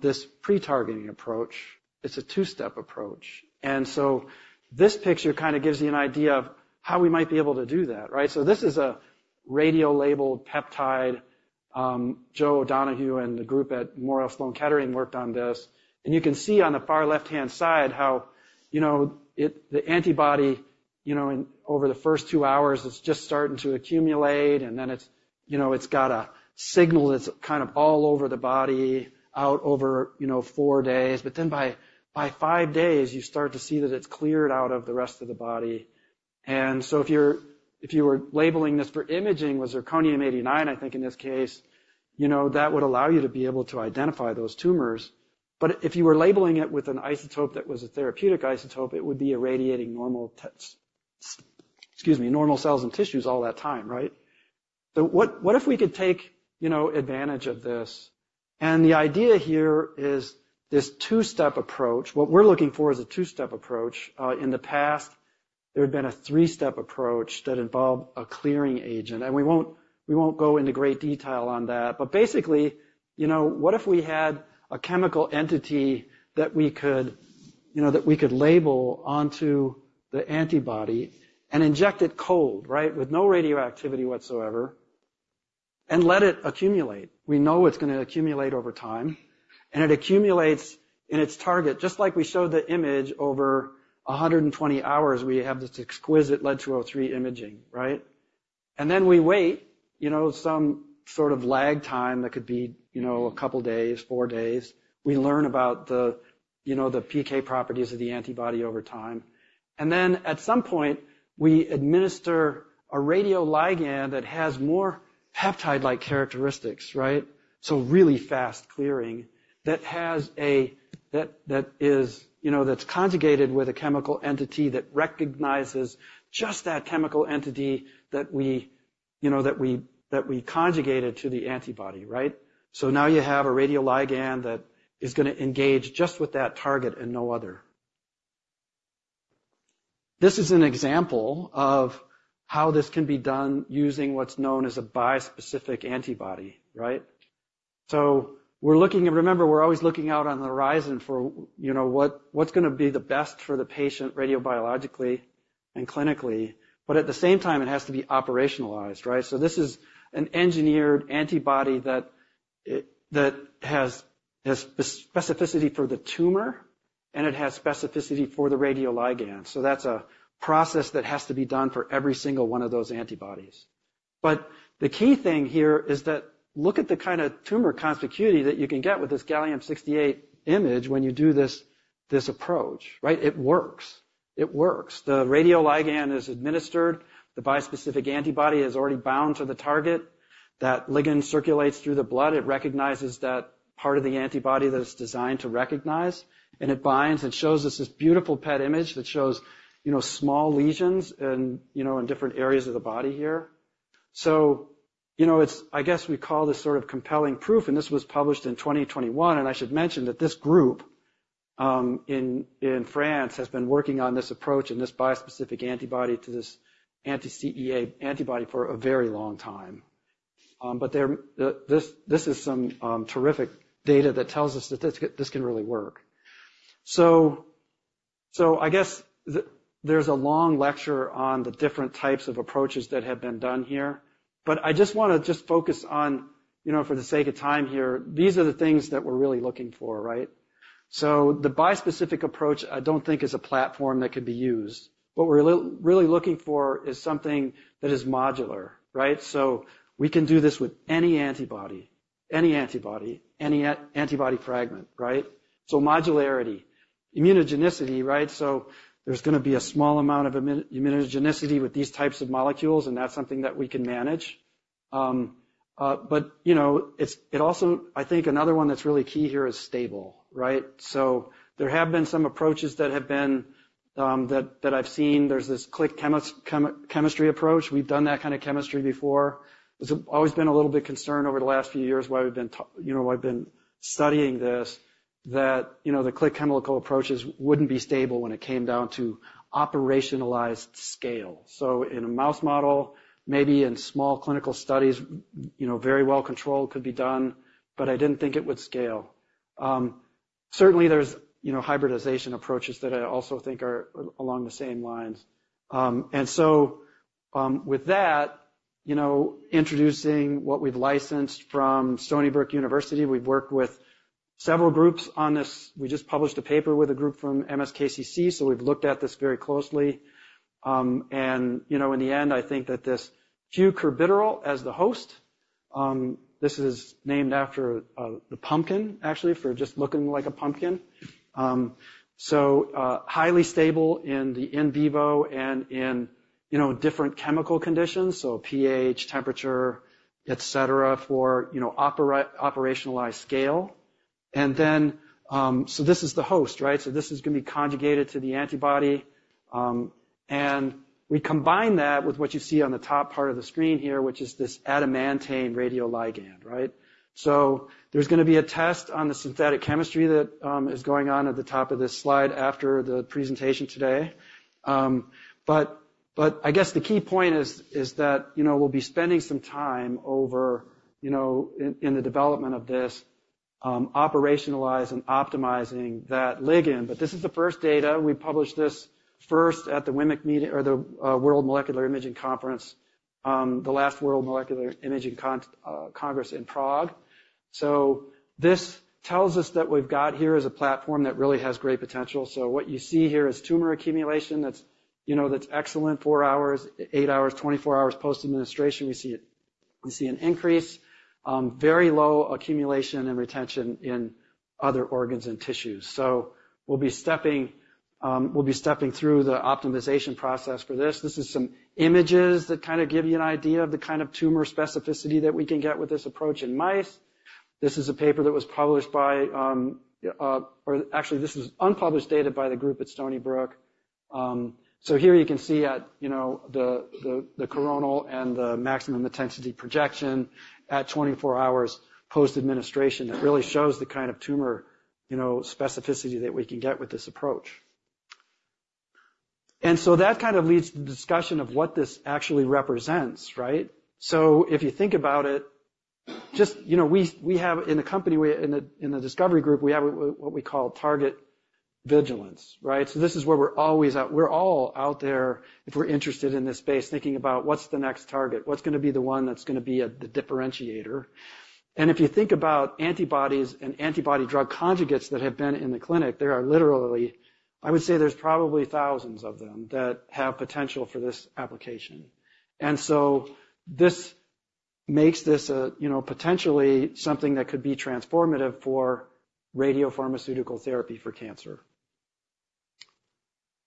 this pretargeting approach. It's a 2-step approach. And so this picture kind of gives you an idea of how we might be able to do that, right? So this is a radio-labeled peptide. Joe O'Donoghue and the group at Memorial Sloan Kettering worked on this. And you can see on the far left-hand side how, you know, it the antibody, you know, in over the first 2 hours, it's just starting to accumulate. And then it's, you know, it's got a signal that's kind of all over the body out over, you know, 4 days. But then by 5 days, you start to see that it's cleared out of the rest of the body. And so if you were labeling this for imaging, was zirconium-89, I think, in this case, you know, that would allow you to be able to identify those tumors. But if you were labeling it with an isotope that was a therapeutic isotope, it would be irradiating normal. Excuse me, normal cells and tissues all that time, right? So what if we could take, you know, advantage of this? And the idea here is this 2-step approach. What we're looking for is a 2-step approach. In the past, there had been a 3-step approach that involved a clearing agent. And we won't go into great detail on that. But basically, you know, what if we had a chemical entity that we could label onto the antibody and inject it cold, right, with no radioactivity whatsoever. And let it accumulate. We know it's going to accumulate over time. And it accumulates in its target, just like we showed the image over 120 hours. We have this exquisite Lead-203 imaging, right? And then we wait, you know, some sort of lag time that could be, you know, a couple of days, 4 days. We learn about the, you know, the PK properties of the antibody over time. And then at some point, we administer a radioligand that has more peptide-like characteristics, right? So really fast clearing that has, you know, that's conjugated with a chemical entity that recognizes just that chemical entity that we, you know, conjugated to the antibody, right? So now you have a radioligand that is going to engage just with that target and no other. This is an example of how this can be done using what's known as a bispecific antibody, right? So we're looking. And remember, we're always looking out on the horizon for, you know, what's going to be the best for the patient radiobiologically and clinically. But at the same time, it has to be operationalized, right? So this is an engineered antibody that has specificity for the tumor. And it has specificity for the radioligand. So that's a process that has to be done for every single one of those antibodies. But the key thing here is that look at the kind of tumor conspicuity that you can get with this Gallium-68 image when you do this approach, right? It works. It works. The radioligand is administered. The bispecific antibody is already bound to the target. That ligand circulates through the blood. It recognizes that part of the antibody that is designed to recognize. And it binds and shows us this beautiful PET image that shows, you know, small lesions and, you know, in different areas of the body here. So, you know, it's, I guess, we call this sort of compelling proof. And this was published in 2021. And I should mention that this group, in France has been working on this approach and this bispecific antibody to this anti-CEA antibody for a very long time. But they're this. This is some terrific data that tells us that this this can really work. So. So I guess there's a long lecture on the different types of approaches that have been done here. But I just want to just focus on, you know, for the sake of time here, these are the things that we're really looking for, right? So the bispecific approach, I don't think, is a platform that could be used. What we're really looking for is something that is modular, right? So we can do this with any antibody, any antibody, any antibody fragment, right? So modularity, immunogenicity, right? So there's going to be a small amount of immunogenicity with these types of molecules. And that's something that we can manage. But, you know, it's it also, I think, another one that's really key here is stable, right? So there have been some approaches that have been that I've seen. There's this click chemistry approach. We've done that kind of chemistry before. It's always been a little bit concerned over the last few years, you know, why I've been studying this, that, you know, the click chemical approaches wouldn't be stable when it came down to operationalized scale. So in a mouse model, maybe in small clinical studies, you know, very well controlled could be done. But I didn't think it would scale. Certainly, there's, you know, hybridization approaches that I also think are along the same lines. And so, with that, you know, introducing what we've licensed from Stony Brook University, we've worked with several groups on this. We just published a paper with a group from MSKCC. So we've looked at this very closely. You know, in the end, I think that this cucurbituril as the host. This is named after the pumpkin, actually, for just looking like a pumpkin. So, highly stable in the in vivo and in, you know, different chemical conditions. So pH temperature, etc., for, you know, operational scale. And then, so this is the host, right? So this is going to be conjugated to the antibody. And we combine that with what you see on the top part of the screen here, which is this adamantane radioligand, right? So there's going to be a test on the synthetic chemistry that is going on at the top of this slide after the presentation today. But I guess the key point is that, you know, we'll be spending some time over, you know, in the development of this, operationalizing and optimizing that ligand. But this is the first data. We published this first at the WMIC meeting, or the World Molecular Imaging Conference, the last World Molecular Imaging Congress in Prague. So this tells us that what we've got here is a platform that really has great potential. So what you see here is tumor accumulation that's, you know, that's excellent 4 hours, 8 hours, 24 hours post-administration. We see it. We see an increase, very low accumulation and retention in other organs and tissues. So we'll be stepping through the optimization process for this. This is some images that kind of give you an idea of the kind of tumor specificity that we can get with this approach in mice. This is a paper that was published by, or actually, this is unpublished data by the group at Stony Brook. So here you can see at, you know, the coronal and the maximum intensity projection at 24 hours post-administration that really shows the kind of tumor, you know, specificity that we can get with this approach. And so that kind of leads to the discussion of what this actually represents, right? So if you think about it. Just, you know, we have in the company. We in the discovery group. We have what we call target vigilance, right? So this is where we're always out. We're all out there. If we're interested in this space, thinking about what's the next target? What's going to be the one that's going to be the differentiator? If you think about antibodies and antibody drug conjugates that have been in the clinic, there are literally, I would say, there's probably thousands of them that have potential for this application. So this makes this a, you know, potentially something that could be transformative for radiopharmaceutical therapy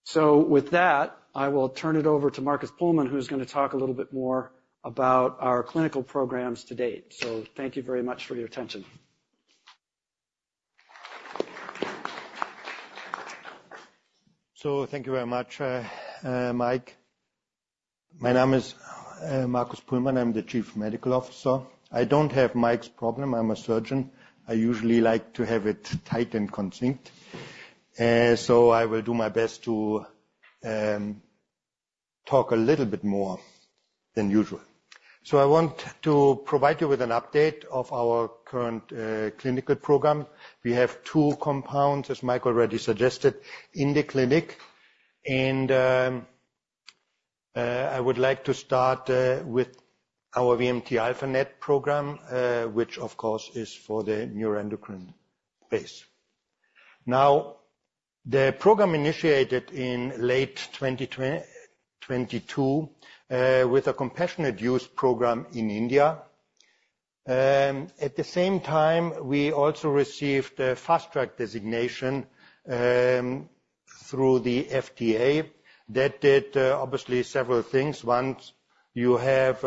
for cancer. So with that, I will turn it over to Markus Puhlmann, who's going to talk a little bit more about our clinical programs to date. So thank you very much for your attention. So thank you very much, Mike. My name is Markus Puhlmann. I'm the Chief Medical Officer. I don't have Mike's problem. I'm a surgeon. I usually like to have it tight and concise. So I will do my best to talk a little bit more than usual. So I want to provide you with an update of our current clinical program. We have 2 compounds, as Mike already suggested, in the clinic. I would like to start with our VMT-α-NET program, which, of course, is for the neuroendocrine tumors. Now. The program initiated in late 2022 with a compassionate use program in India. At the same time, we also received a fast track designation through the FDA that did, obviously, several things. One, you have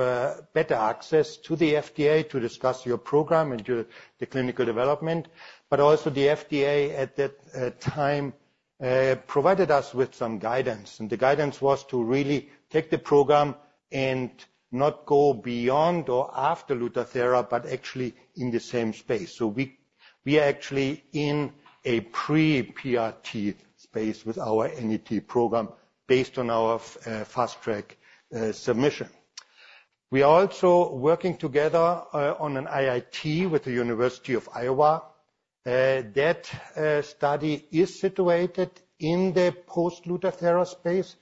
better access to the FDA to discuss your program and the clinical development. But also the FDA, at that time, provided us with some guidance. And the guidance was to really take the program and not go beyond or after Lutathera, but actually in the same space. So we are actually in a pre-PRT space with our NET program based on our fast track submission. We are also working together on an IIT with the University of Iowa. That study is situated in the post-Lutathera space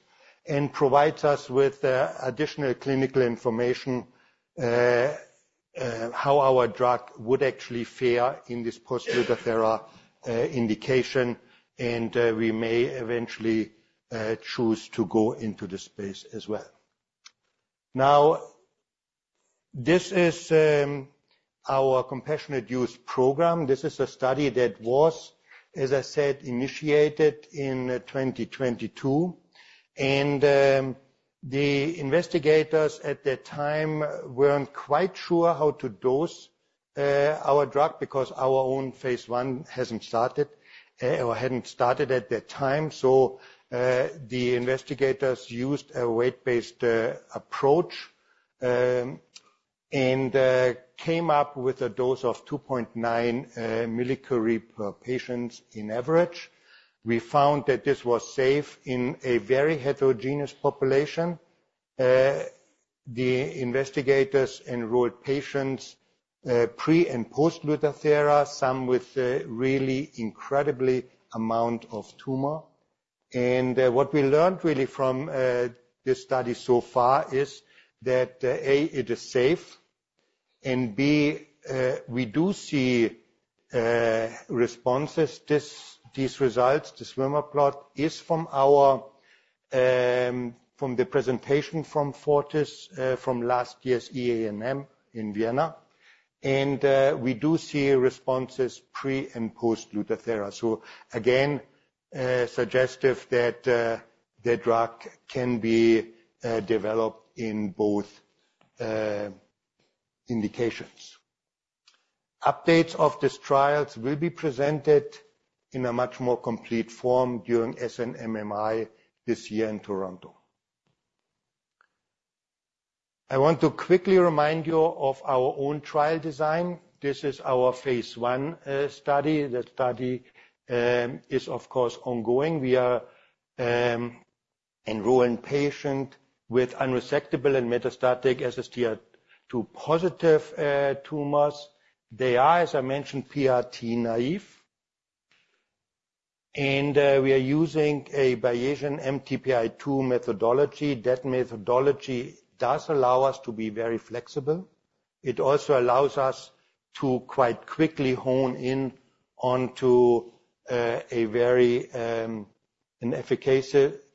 and provides us with additional clinical information how our drug would actually fare in this post-Lutathera indication. And we may eventually choose to go into the space as well. Now. This is our compassionate use program. This is a study that was, as I said, initiated in 2022. And the investigators at that time weren't quite sure how to dose our drug because our own phase I hasn't started, or hadn't started at that time. So the investigators used a weight-based approach and came up with a dose of 2.9 millicurie per patient in average. We found that this was safe in a very heterogeneous population. The investigators enrolled patients pre and post-Lutathera, some with a really incredible amount of tumor. And what we learned really from this study so far is that a, it is safe. B, we do see responses. These results, this waterfall plot, is from our presentation from Fortis from last year's EANM in Vienna. We do see responses pre and post-Lutathera. So again, suggestive that the drug can be developed in both indications. Updates of these trials will be presented in a much more complete form during SNMMI this year in Toronto. I want to quickly remind you of our own trial design. This is our phase I study. The study is, of course, ongoing. We are enrolling patients with unresectable and metastatic SSTR2-positive tumors. They are, as I mentioned, PRT naive. We are using a Bayesian MTPI-2 methodology. That methodology does allow us to be very flexible. It also allows us to quite quickly hone in onto a very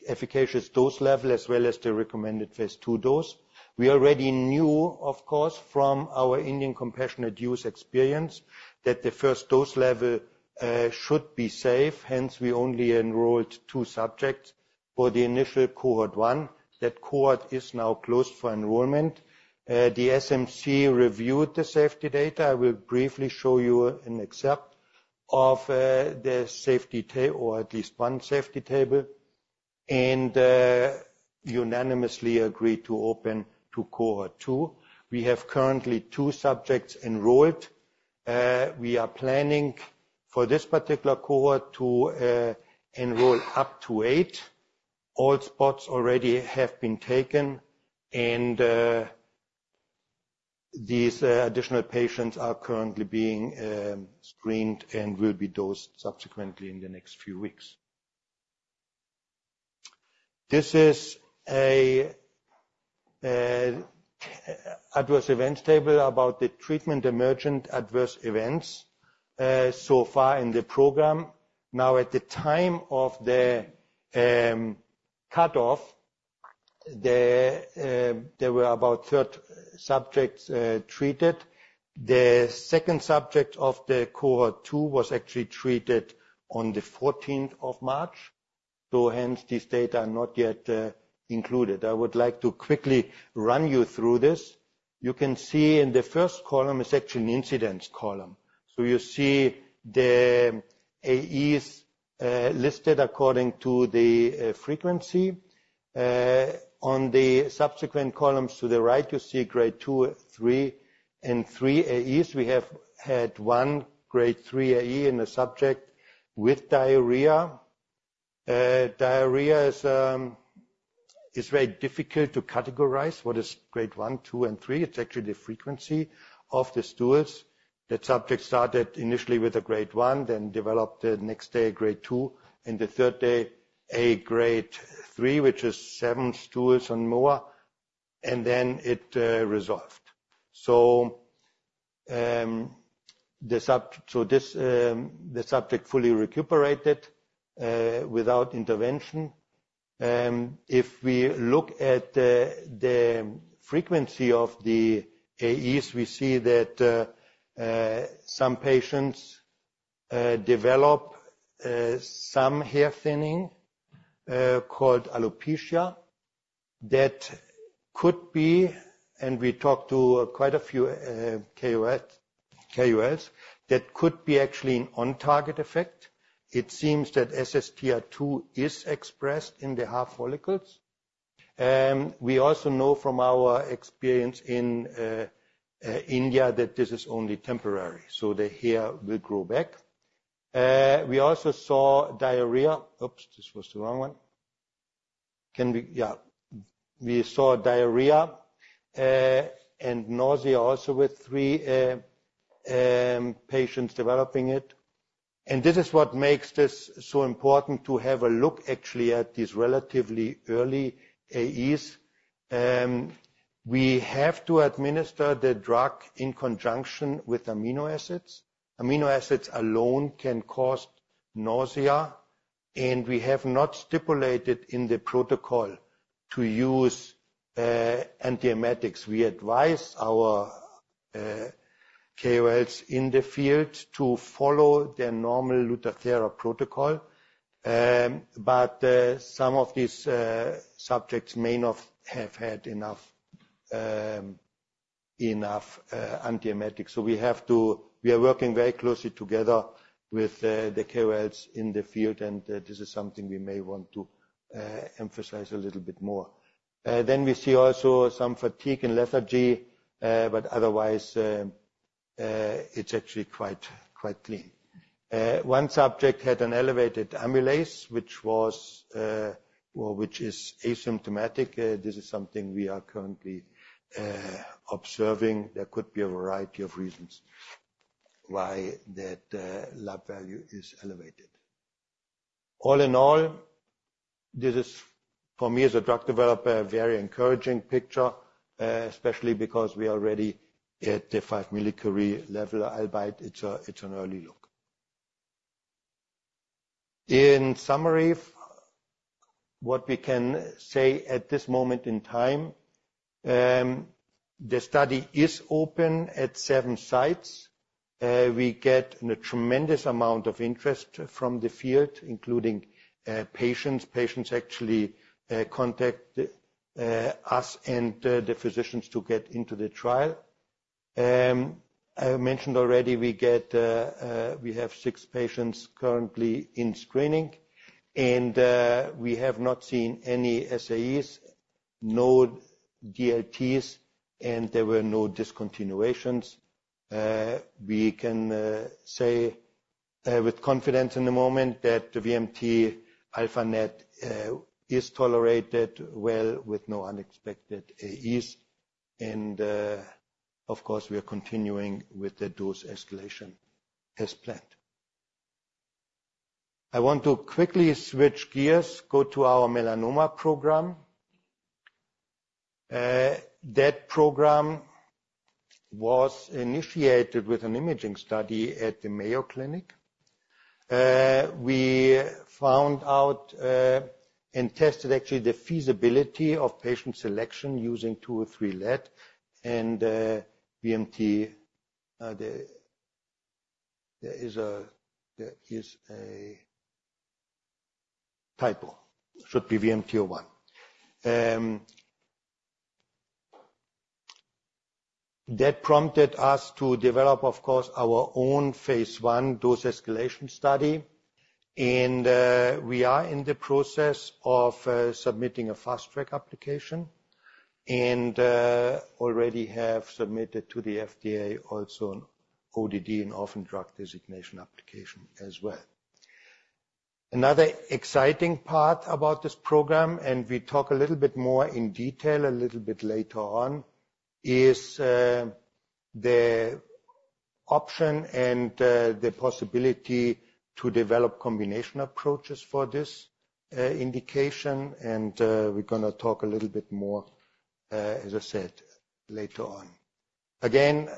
efficacious dose level, as well as the recommended phase II dose. We already knew, of course, from our Indian compassionate use experience that the first dose level should be safe. Hence, we only enrolled 2 subjects for the initial cohort 1. That cohort is now closed for enrollment. The SMC reviewed the safety data. I will briefly show you an excerpt of the safety table, or at least one safety table. And unanimously agreed to open to cohort 2. We have currently 2 subjects enrolled. We are planning for this particular cohort to enroll up to 8. All spots already have been taken. These additional patients are currently being screened and will be dosed subsequently in the next few weeks. This is an adverse events table about the treatment emergent adverse events so far in the program. Now, at the time of the cutoff, there were about 30 subjects treated. The 2nd subject of the cohort 2 was actually treated on the 14th of March. So hence, these data are not yet included. I would like to quickly run you through this. You can see in the first column is actually an incidence column. So you see the AEs listed according to the frequency. On the subsequent columns to the right, you see grade 2, 3, and 3 AEs. We have had one grade 3 AE in a subject with diarrhea. Diarrhea is very difficult to categorize. What is grade 1, 2, and 3? It's actually the frequency of the stools. That subject started initially with a grade 1, then developed the next day a grade 2, and the third day a grade 3, which is 7 stools and more. And then it resolved. So, the subject so this, the subject fully recuperated without intervention. If we look at the frequency of the AEs, we see that some patients develop some hair thinning, called alopecia. That could be, and we talked to quite a few KOLs, that could be actually an on-target effect. It seems that SSTR2 is expressed in the hair follicles. We also know from our experience in India that this is only temporary. So the hair will grow back. We also saw diarrhea. Oops, this was the wrong one. Can we yeah. We saw diarrhea, and nausea also with 3 patients developing it. And this is what makes this so important to have a look, actually, at these relatively early AEs. We have to administer the drug in conjunction with amino acids. Amino acids alone can cause nausea. And we have not stipulated in the protocol to use antiemetics. We advise our KOLs in the field to follow their normal Lutathera protocol, but some of these subjects may not have had enough antiemetics. So we have to we are working very closely together with the KOLs in the field. And this is something we may want to emphasize a little bit more. Then we see also some fatigue and lethargy, but otherwise, it's actually quite clean. One subject had an elevated amylase, which was, or which is, asymptomatic. This is something we are currently observing. There could be a variety of reasons why that lab value is elevated. All in all, this is, for me as a drug developer, a very encouraging picture, especially because we are already at the 5 millicurie level, albeit. It's an early look. In summary, what we can say at this moment in time. The study is open at 7 sites. We get a tremendous amount of interest from the field, including patients. Patients actually contact us and the physicians to get into the trial. I mentioned already we get, we have 6 patients currently in screening. And we have not seen any SAEs, no DLTs, and there were no discontinuations. We can say with confidence in the moment that the VMT-α-NET is tolerated well with no unexpected AEs. And of course we are continuing with the dose escalation as planned. I want to quickly switch gears, go to our Melanoma program. That program was initiated with an imaging study at the Mayo Clinic. We found out and tested actually the feasibility of patient selection using Lead-203. And VMT the there is a there is a typo. Should be VMT-01. That prompted us to develop, of course, our own phase I dose escalation study. We are in the process of submitting a fast track application. We already have submitted to the FDA also an ODD and orphan drug designation application as well. Another exciting part about this program, and we talk a little bit more in detail a little bit later on, is the option and the possibility to develop combination approaches for this indication. We're going to talk a little bit more, as I said, later on. Again.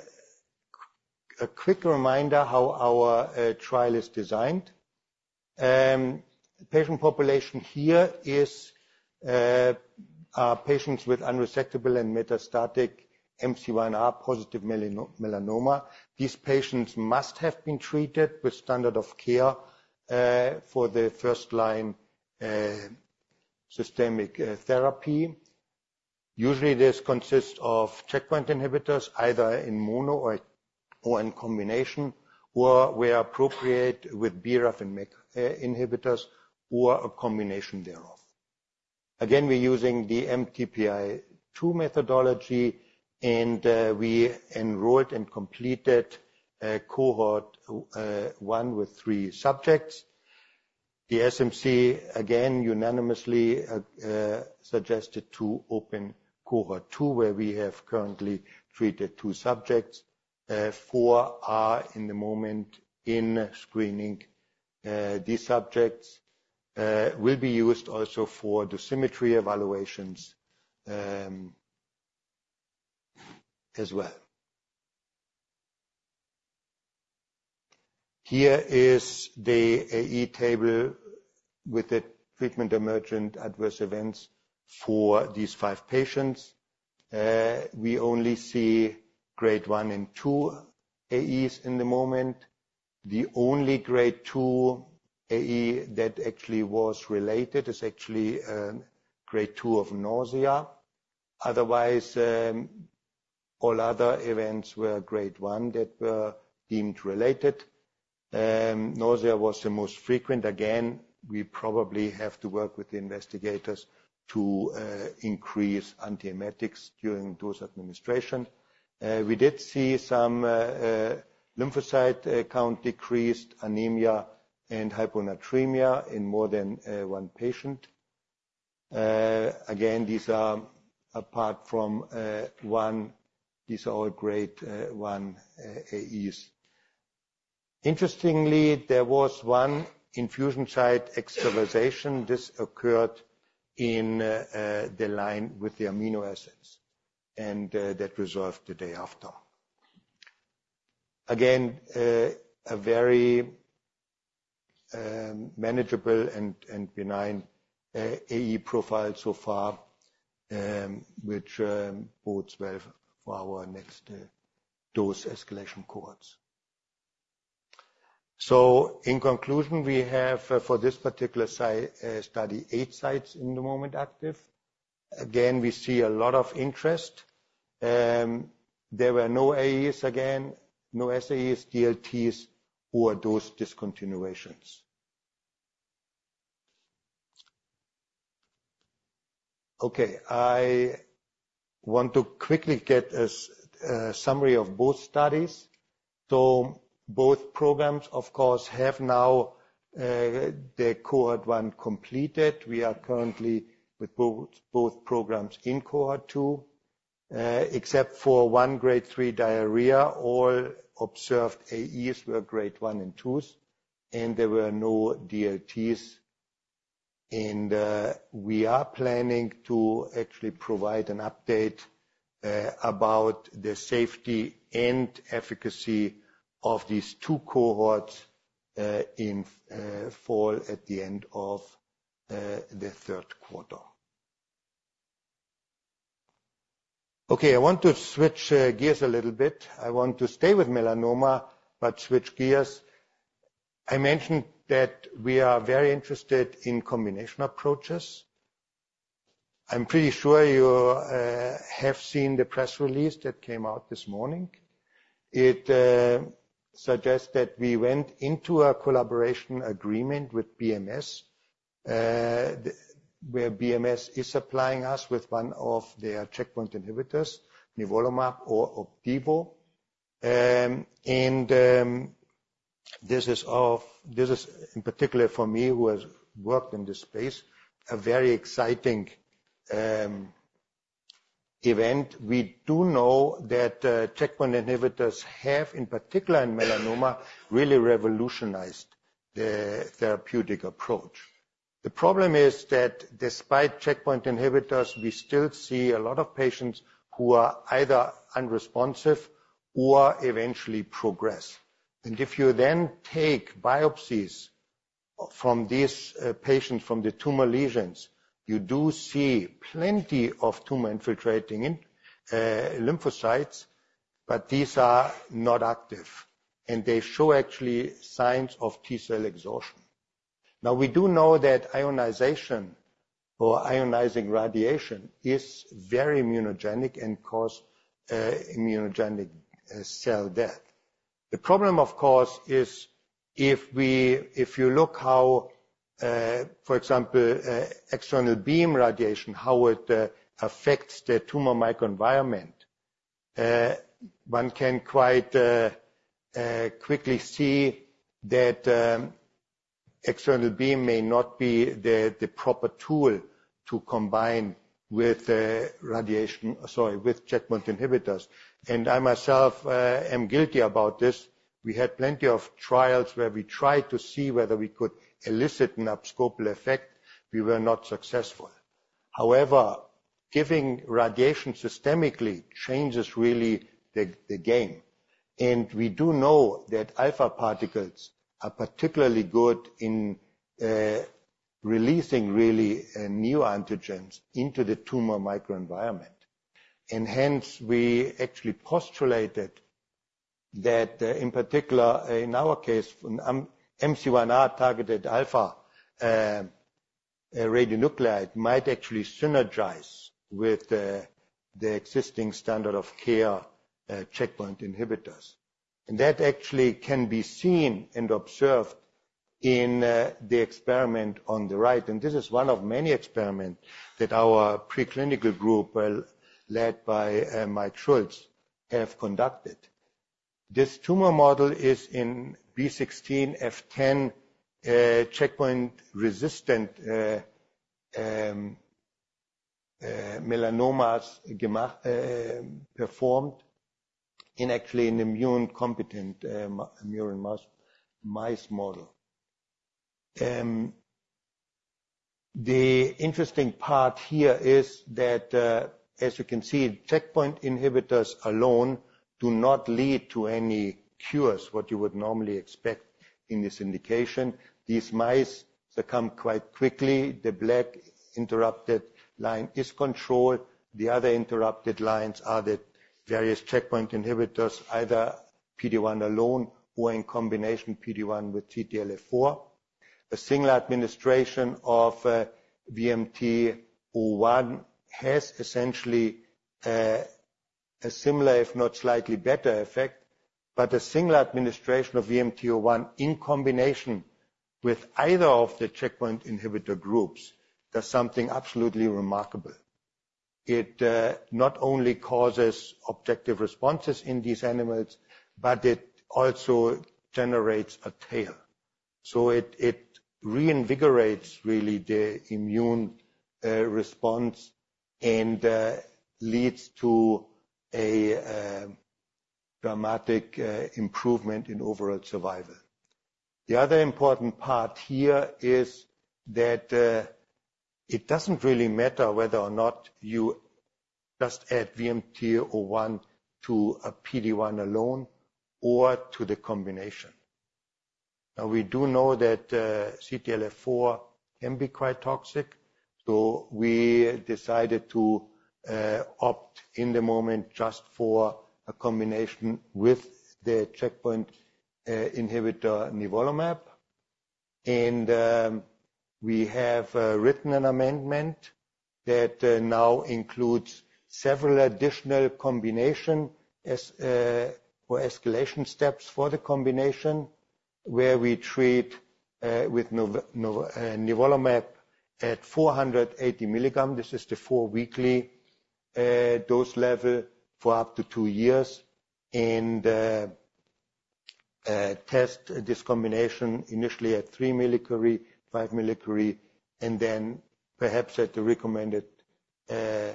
A quick reminder how our trial is designed. The patient population here is—are patients with unresectable and metastatic MC1R-positive melanoma. These patients must have been treated with standard of care for the first-line systemic therapy. Usually, this consists of checkpoint inhibitors, either in mono or in combination, or where appropriate with BRAF and MEK inhibitors, or a combination thereof. Again, we're using the MTPI-2 methodology. We enrolled and completed cohort 1 with 3 subjects. The SMC, again, unanimously, suggested to open cohort 2, where we have currently treated 2 subjects. Four are in the moment in screening. These subjects will be used also for dosimetry evaluations, as well. Here is the AE table with the treatment emergent adverse events for these 5 patients. We only see grade 1 and 2 AEs in the moment. The only grade 2 AE that actually was related is actually grade 2 of nausea. Otherwise, all other events were grade 1 that were deemed related. Nausea was the most frequent. Again, we probably have to work with the investigators to increase antiemetics during dose administration. We did see some lymphocyte count decreased, anemia, and hyponatremia in more than 1 patient. Again, these are apart from 1; these are all grade 1 AEs. Interestingly, there was 1 infusion site extravasation. This occurred in the line with the amino acids. And that resolved the day after. Again, a very manageable and benign AE profile so far, which bodes well for our next dose escalation cohorts. So, in conclusion, we have, for this particular site study, 8 sites in the moment active. Again, we see a lot of interest. There were no AEs, again, no SAEs, DLTs, or dose discontinuations. Okay. I want to quickly get a summary of both studies. So both programs, of course, have now their cohort 1 completed. We are currently with both programs in cohort 2. Except for 1 grade 3 diarrhea, all observed AEs were grade 1 and 2s. There were no DLTs. We are planning to actually provide an update about the safety and efficacy of these two cohorts in fall at the end of the third quarter. Okay. I want to switch gears a little bit. I want to stay with melanoma, but switch gears. I mentioned that we are very interested in combination approaches. I'm pretty sure you have seen the press release that came out this morning. It suggests that we went into a collaboration agreement with BMS, where BMS is supplying us with one of their checkpoint inhibitors, nivolumab or Opdivo. And this is, this is, in particular, for me, who has worked in this space, a very exciting event. We do know that checkpoint inhibitors have, in particular in melanoma, really revolutionized the therapeutic approach. The problem is that despite checkpoint inhibitors, we still see a lot of patients who are either unresponsive or eventually progress. If you then take biopsies from these patients, from the tumor lesions, you do see plenty of tumor infiltrating lymphocytes, but these are not active. They actually show signs of T-cell exhaustion. Now, we do know that ionizing radiation is very immunogenic and causes immunogenic cell death. The problem, of course, is if you look how, for example, external beam radiation affects the tumor microenvironment, one can quickly see that external beam may not be the proper tool to combine with radiation sorry with checkpoint inhibitors. I myself am guilty about this. We had plenty of trials where we tried to see whether we could elicit an abscopal effect. We were not successful. However, giving radiation systemically changes really the game. And we do know that alpha particles are particularly good in releasing really neoantigens into the tumor microenvironment. And hence, we actually postulated that, in particular, in our case, MC1R targeted alpha radionuclide might actually synergize with the existing standard of care, checkpoint inhibitors. And that actually can be seen and observed in the experiment on the right. And this is one of many experiments that our preclinical group, well, led by Mike Schultz, have conducted. This tumor model is in B16F10 checkpoint-resistant melanomas performed in actually an immune-competent murine mouse model. The interesting part here is that, as you can see, checkpoint inhibitors alone do not lead to any cures, what you would normally expect in this indication. These mice succumb quite quickly. The black interrupted line is controlled. The other interrupted lines are the various checkpoint inhibitors, either PD-1 alone or in combination PD-1 with CTLA-4. A single administration of VMT-01 has essentially a similar, if not slightly better, effect. But a single administration of VMT-01 in combination with either of the checkpoint inhibitor groups does something absolutely remarkable. It not only causes objective responses in these animals, but it also generates a tail. So it reinvigorates really the immune response and leads to a dramatic improvement in overall survival. The other important part here is that it doesn't really matter whether or not you just add VMT-01 to a PD-1 alone or to the combination. Now, we do know that CTLA-4 can be quite toxic. So we decided to opt in the moment just for a combination with the checkpoint inhibitor nivolumab. We have written an amendment that now includes several additional combinations or escalation steps for the combination, where we treat with nivolumab at 480 milligrams (this is the four-weekly dose level for up to two years) and test this combination initially at 3 millicurie, 5 millicurie, and then perhaps at the recommended two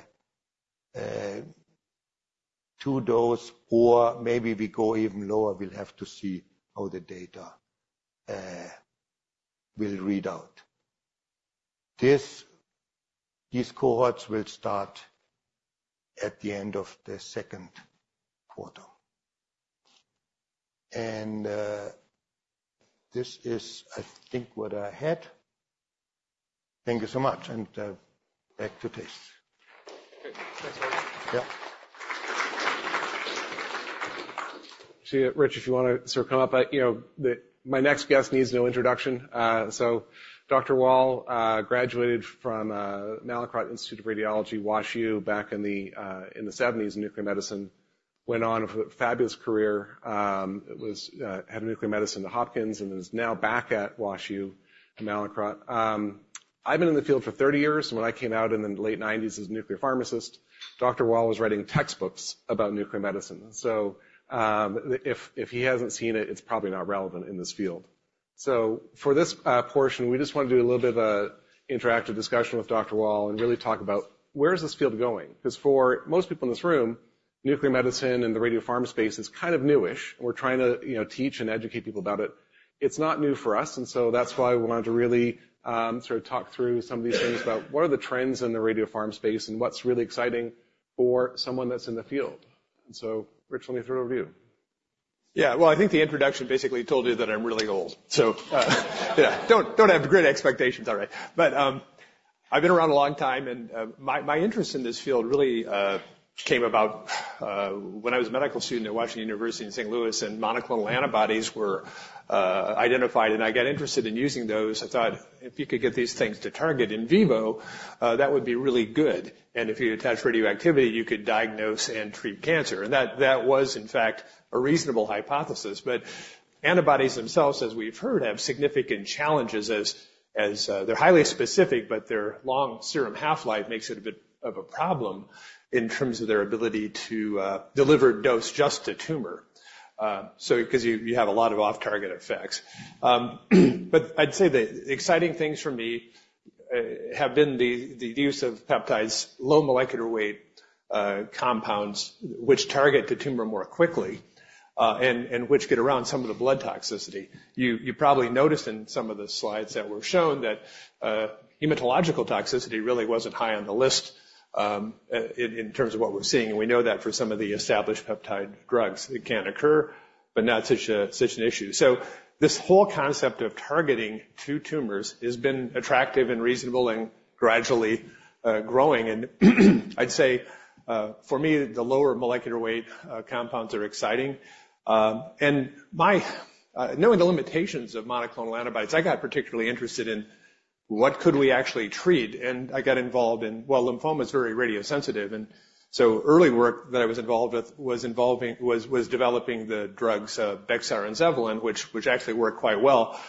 doses. Or maybe we go even lower. We'll have to see how the data will read out. These cohorts will start at the end of the second quarter. This is, I think, what I had. Thank you so much. Back to Thijs. Okay. Thanks, Markus. Yeah. See, Rich, if you want to sort of come up. You know, my next guest needs no introduction. So Dr. Wahl graduated from Mallinckrodt Institute of Radiology, WashU, back in the seventies in nuclear medicine. Went on a fabulous career. It was, had nuclear medicine at Hopkins and is now back at WashU, Mallinckrodt. I've been in the field for 30 years. And when I came out in the late 1990s as a nuclear pharmacist, Dr. Wahl was writing textbooks about nuclear medicine. So, if he hasn't seen it, it's probably not relevant in this field. So for this portion, we just want to do a little bit of an interactive discussion with Dr. Wahl and really talk about where is this field going? Because for most people in this room, nuclear medicine and the radio pharma space is kind of new-ish. We're trying to, you know, teach and educate people about it. It's not new for us. And so that's why we wanted to really, sort of talk through some of these things about what are the trends in the radio pharma space and what's really exciting for someone that's in the field. And so, Rich, let me throw it over to you. Yeah. Well, I think the introduction basically told you that I'm really old. So, yeah. Don't have great expectations. All right. I've been around a long time. My interest in this field really came about when I was a medical student at Washington University in St. Louis and monoclonal antibodies were identified and I got interested in using those. I thought, if you could get these things to target in vivo, that would be really good. And if you attach radioactivity, you could diagnose and treat cancer. And that was, in fact, a reasonable hypothesis. But antibodies themselves, as we've heard, have significant challenges, as they're highly specific, but their long serum half-life makes it a bit of a problem in terms of their ability to deliver dose just to tumor, so because you have a lot of off-target effects. But I'd say the exciting things for me have been the use of peptides, low molecular weight compounds, which target to tumor more quickly, and which get around some of the blood toxicity. You probably noticed in some of the slides that were shown that hematological toxicity really wasn't high on the list, in terms of what we're seeing. And we know that for some of the established peptide drugs, it can occur, but not such an issue. So this whole concept of targeting two tumors has been attractive and reasonable and gradually growing. And I'd say, for me, the lower molecular weight compounds are exciting. And my knowing the limitations of monoclonal antibodies, I got particularly interested in what could we actually treat. And I got involved in well, lymphoma is very radiosensitive. And so early work that I was involved with was involving developing the drugs, Bexxar and Zevalin, which actually worked quite well,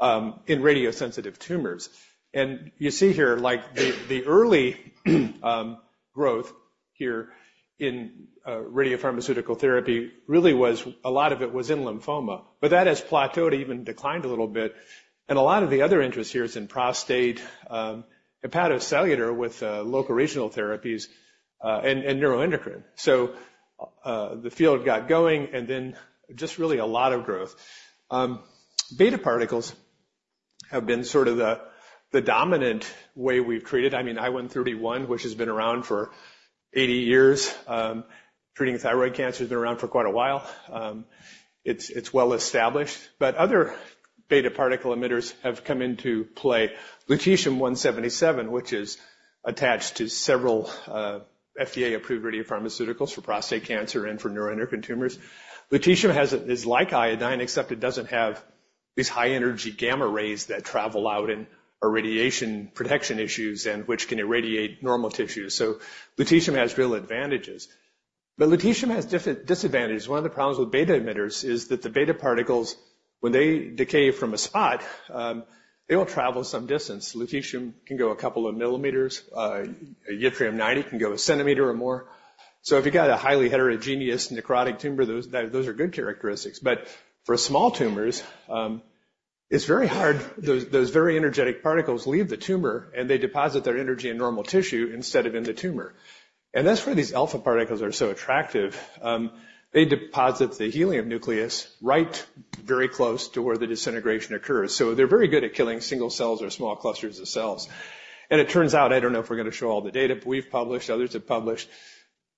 in radiosensitive tumors. And you see here, like, the early growth here in radiopharmaceutical therapy really was a lot of it was in lymphoma. But that has plateaued, even declined a little bit. And a lot of the other interest here is in prostate, hepatocellular with local regional therapies, and neuroendocrine. So, the field got going and then just really a lot of growth. Beta particles have been sort of the dominant way we've treated. I mean, I-131, which has been around for 80 years, treating thyroid cancer has been around for quite a while. It's it's well established. But other beta particle emitters have come into play. Lutetium-177, which is attached to several FDA-approved radiopharmaceuticals for prostate cancer and for neuroendocrine tumors. Lutetium-177 is like iodine, except it doesn't have these high-energy gamma rays that travel out and are radiation protection issues and which can irradiate normal tissues. So lutetium has real advantages. But lutetium has different disadvantages. One of the problems with beta emitters is that the beta particles, when they decay from a spot, they will travel some distance. Lutetium can go a couple of millimeters. Yttrium-90 can go a centimeter or more. So if you've got a highly heterogeneous necrotic tumor, those those are good characteristics. But for small tumors, it's very hard; those very energetic particles leave the tumor and they deposit their energy in normal tissue instead of in the tumor. And that's where these alpha particles are so attractive. They deposit the helium nucleus right very close to where the disintegration occurs. So they're very good at killing single cells or small clusters of cells. And it turns out I don't know if we're going to show all the data, but we've published. Others have published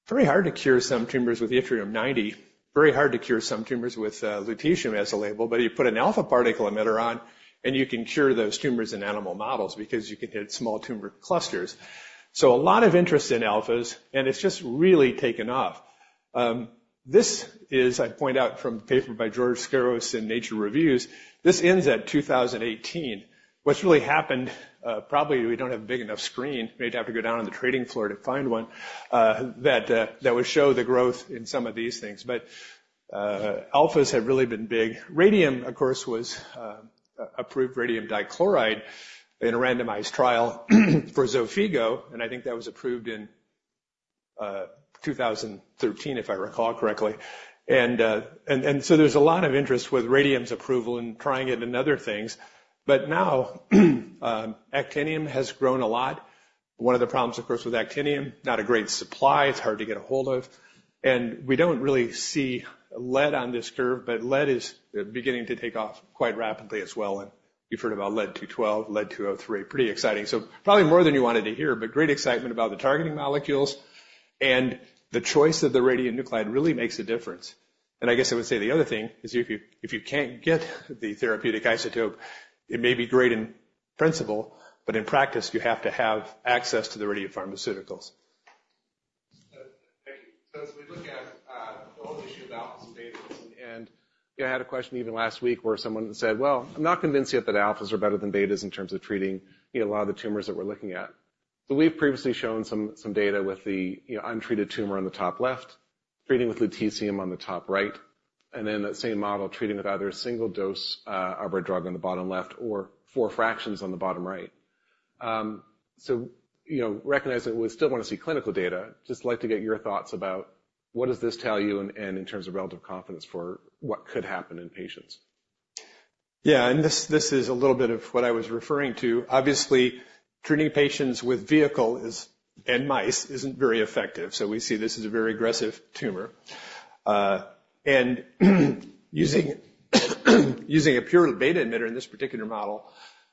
very hard to cure some tumors with Yttrium-90, very hard to cure some tumors with lutetium as a label. But you put an alpha particle emitter on, and you can cure those tumors in animal models because you can hit small tumor clusters. So a lot of interest in alphas, and it's just really taken off. This is, I point out, from a paper by George Sgouros in Nature Reviews. This ends at 2018. What's really happened, probably we don't have a big enough screen. We may have to go down on the trading floor to find one, that that would show the growth in some of these things. But, alphas have really been big. Radium, of course, was approved radium dichloride in a randomized trial for Xofigo. And I think that was approved in 2013, if I recall correctly. And, and and so there's a lot of interest with radium's approval and trying it in other things. But now, actinium has grown a lot. One of the problems, of course, with actinium, not a great supply. It's hard to get a hold of. And we don't really see lead on this curve, but lead is beginning to take off quite rapidly as well. You've heard about Lead-212, Lead-203. Pretty exciting. Probably more than you wanted to hear, but great excitement about the targeting molecules. The choice of the radionuclide really makes a difference. I guess I would say the other thing is if you can't get the therapeutic isotope, it may be great in principle, but in practice, you have to have access to the radiopharmaceuticals. Thank you. So as we look at the whole issue of alphas and betas, and you know I had a question even last week where someone said, "Well, I'm not convinced yet that alphas are better than betas in terms of treating, you know, a lot of the tumors that we're looking at." So we've previously shown some data with the, you know, untreated tumor on the top left, treating with lutetium on the top right, and then that same model treating with either a single dose alpha drug on the bottom left or 4 fractions on the bottom right. So, you know, recognize that we still want to see clinical data. Just like to get your thoughts about what does this tell you in terms of relative confidence for what could happen in patients. Yeah. And this is a little bit of what I was referring to. Obviously, treating tumors with vehicle in mice isn't very effective. So we see this is a very aggressive tumor. And using a pure beta emitter in this particular model,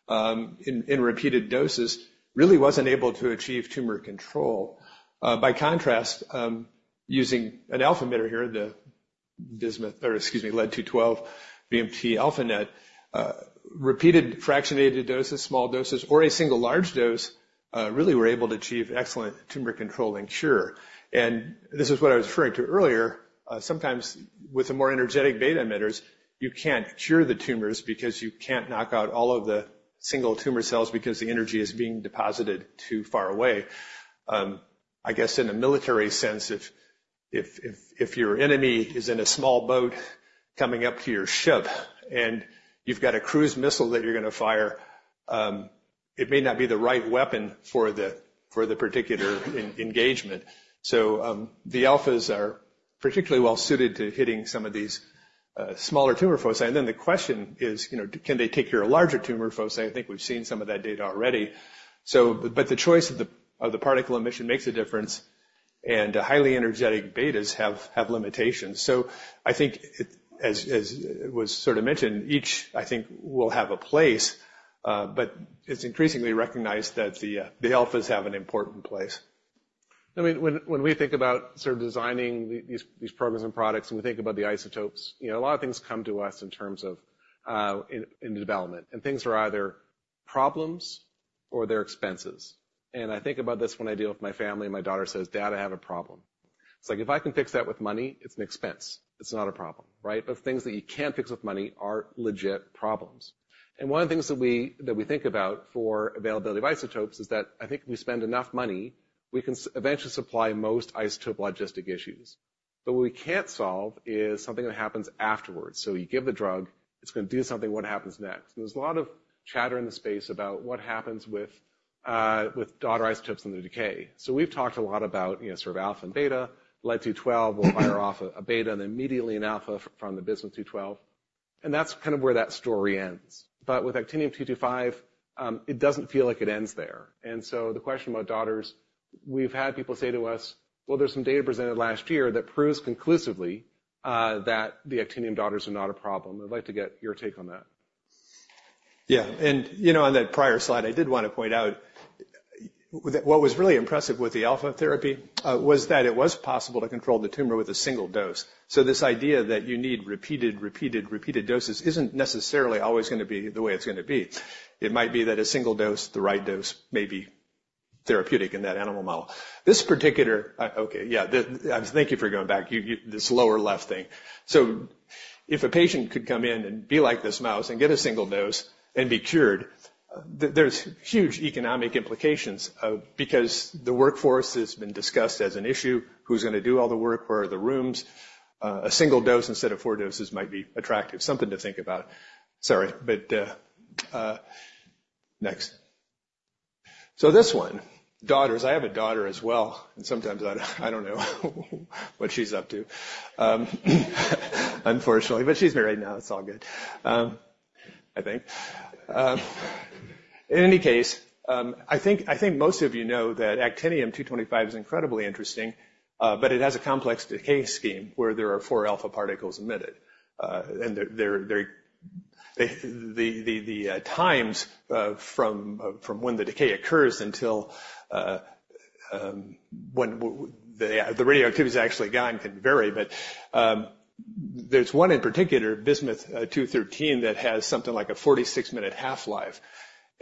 in repeated doses really wasn't able to achieve tumor control. By contrast, using an alpha emitter here, the bismuth, or, excuse me, Lead-212 VMT-α-NET, repeated fractionated doses, small doses, or a single large dose, really were able to achieve excellent tumor control and cure. And this is what I was referring to earlier. Sometimes with the more energetic beta emitters, you can't cure the tumors because you can't knock out all of the single tumor cells because the energy is being deposited too far away. I guess in a military sense, if your enemy is in a small boat coming up to your ship and you've got a cruise missile that you're going to fire, it may not be the right weapon for the particular engagement. So, the alphas are particularly well suited to hitting some of these, smaller tumor foci. And then the question is, you know, can they take your larger tumor foci? I think we've seen some of that data already. So but the choice of the particle emission makes a difference. And highly energetic betas have limitations. So I think it as was sort of mentioned, each, I think, will have a place. but it's increasingly recognized that the alphas have an important place. I mean, when we think about sort of designing these programs and products, and we think about the isotopes, you know, a lot of things come to us in terms of, in development. And things are either problems or they're expenses. And I think about this when I deal with my family. My daughter says, "Dad, I have a problem." It's like, if I can fix that with money, it's an expense. It's not a problem, right? But things that you can't fix with money are legit problems. And one of the things that we think about for availability of isotopes is that I think if we spend enough money, we can eventually supply most isotope logistic issues. But what we can't solve is something that happens afterwards. So you give the drug. It's going to do something. What happens next? There's a lot of chatter in the space about what happens with daughter isotopes in the decay. So we've talked a lot about, you know, sort of alpha and beta. Lead-212 will fire off a beta, and then immediately an alpha from the Bismuth-212. And that's kind of where that story ends. But with Actinium-225, it doesn't feel like it ends there. And so the question about daughters, we've had people say to us, "Well, there's some data presented last year that proves conclusively that the Actinium daughters are not a problem." I'd like to get your take on that. Yeah. And, you know, on that prior slide, I did want to point out what was really impressive with the alpha therapy was that it was possible to control the tumor with a single dose. So this idea that you need repeated, repeated, repeated doses isn't necessarily always going to be the way it's going to be. It might be that a single dose, the right dose, may be therapeutic in that animal model. This particular okay, yeah. Thank you for going back. You this lower left thing. So if a patient could come in and be like this mouse and get a single dose and be cured, there's huge economic implications because the workforce has been discussed as an issue. Who's going to do all the work? Where are the rooms? A single dose instead of four doses might be attractive. Something to think about. Sorry. But, next. So this one, daughters. I have a daughter as well. And sometimes I don't I don't know what she's up to, unfortunately. But she's with me right now. It's all good, I think. In any case, I think most of you know that Actinium-225 is incredibly interesting, but it has a complex decay scheme where there are four alpha particles emitted. And the times from when the decay occurs until when the radioactivity is actually gone can vary. But there's one in particular, Bismuth-213, that has something like a 46-minute half-life.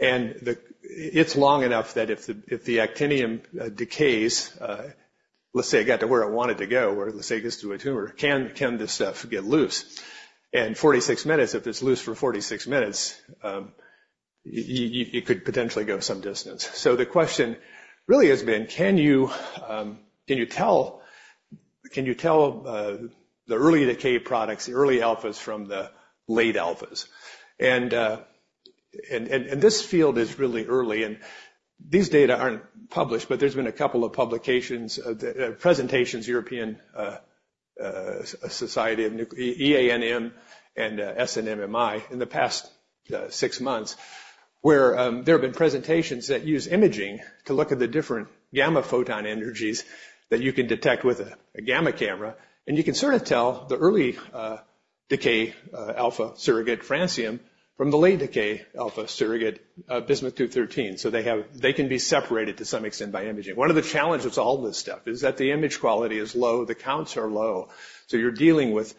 And it's long enough that if the actinium decays, let's say it got to where it wanted to go, where let's say it gets to a tumor, can this stuff get loose? And 46 minutes, if it's loose for 46 minutes, you could potentially go some distance. So the question really has been, can you tell the early decay products, the early alphas from the late alphas? And this field is really early. These data aren't published, but there's been a couple of publications of the presentations, European Society of EANM and SNMMI in the past six months, where there have been presentations that use imaging to look at the different gamma photon energies that you can detect with a gamma camera. You can sort of tell the early decay alpha surrogate francium from the late decay alpha surrogate Bismuth-213. So they can be separated to some extent by imaging. One of the challenges with all this stuff is that the image quality is low. The counts are low. So you're dealing with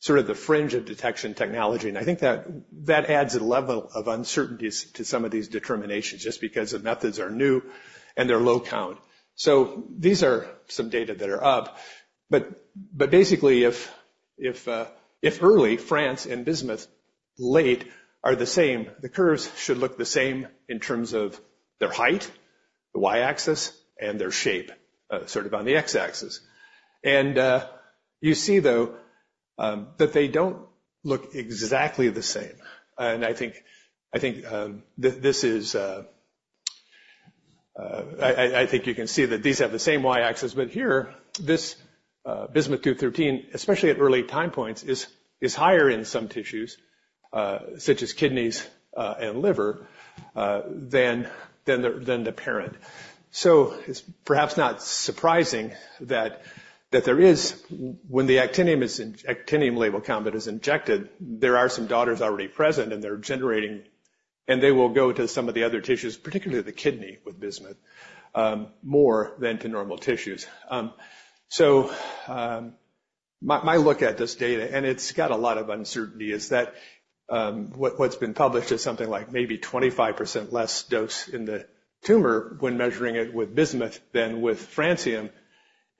sort of the fringe of detection technology. I think that adds a level of uncertainties to some of these determinations just because the methods are new and they're low count. So these are some data that are up. But basically, if Actinium-225 and Bismuth-213 are the same, the curves should look the same in terms of their height, the y-axis, and their shape sort of on the x-axis. And you see, though, that they don't look exactly the same. And I think you can see that these have the same y-axis. But here, this Bismuth-213, especially at early time points, is higher in some tissues, such as kidneys and liver, than the parent. So it's perhaps not surprising that when the Actinium-labeled compound is injected, there are some daughters already present, and they're migrating. And they will go to some of the other tissues, particularly the kidney with Bismuth, more than to normal tissues. So, my look at this data, and it's got a lot of uncertainty, is that what's been published is something like maybe 25% less dose in the tumor when measuring it with Bismuth than with francium.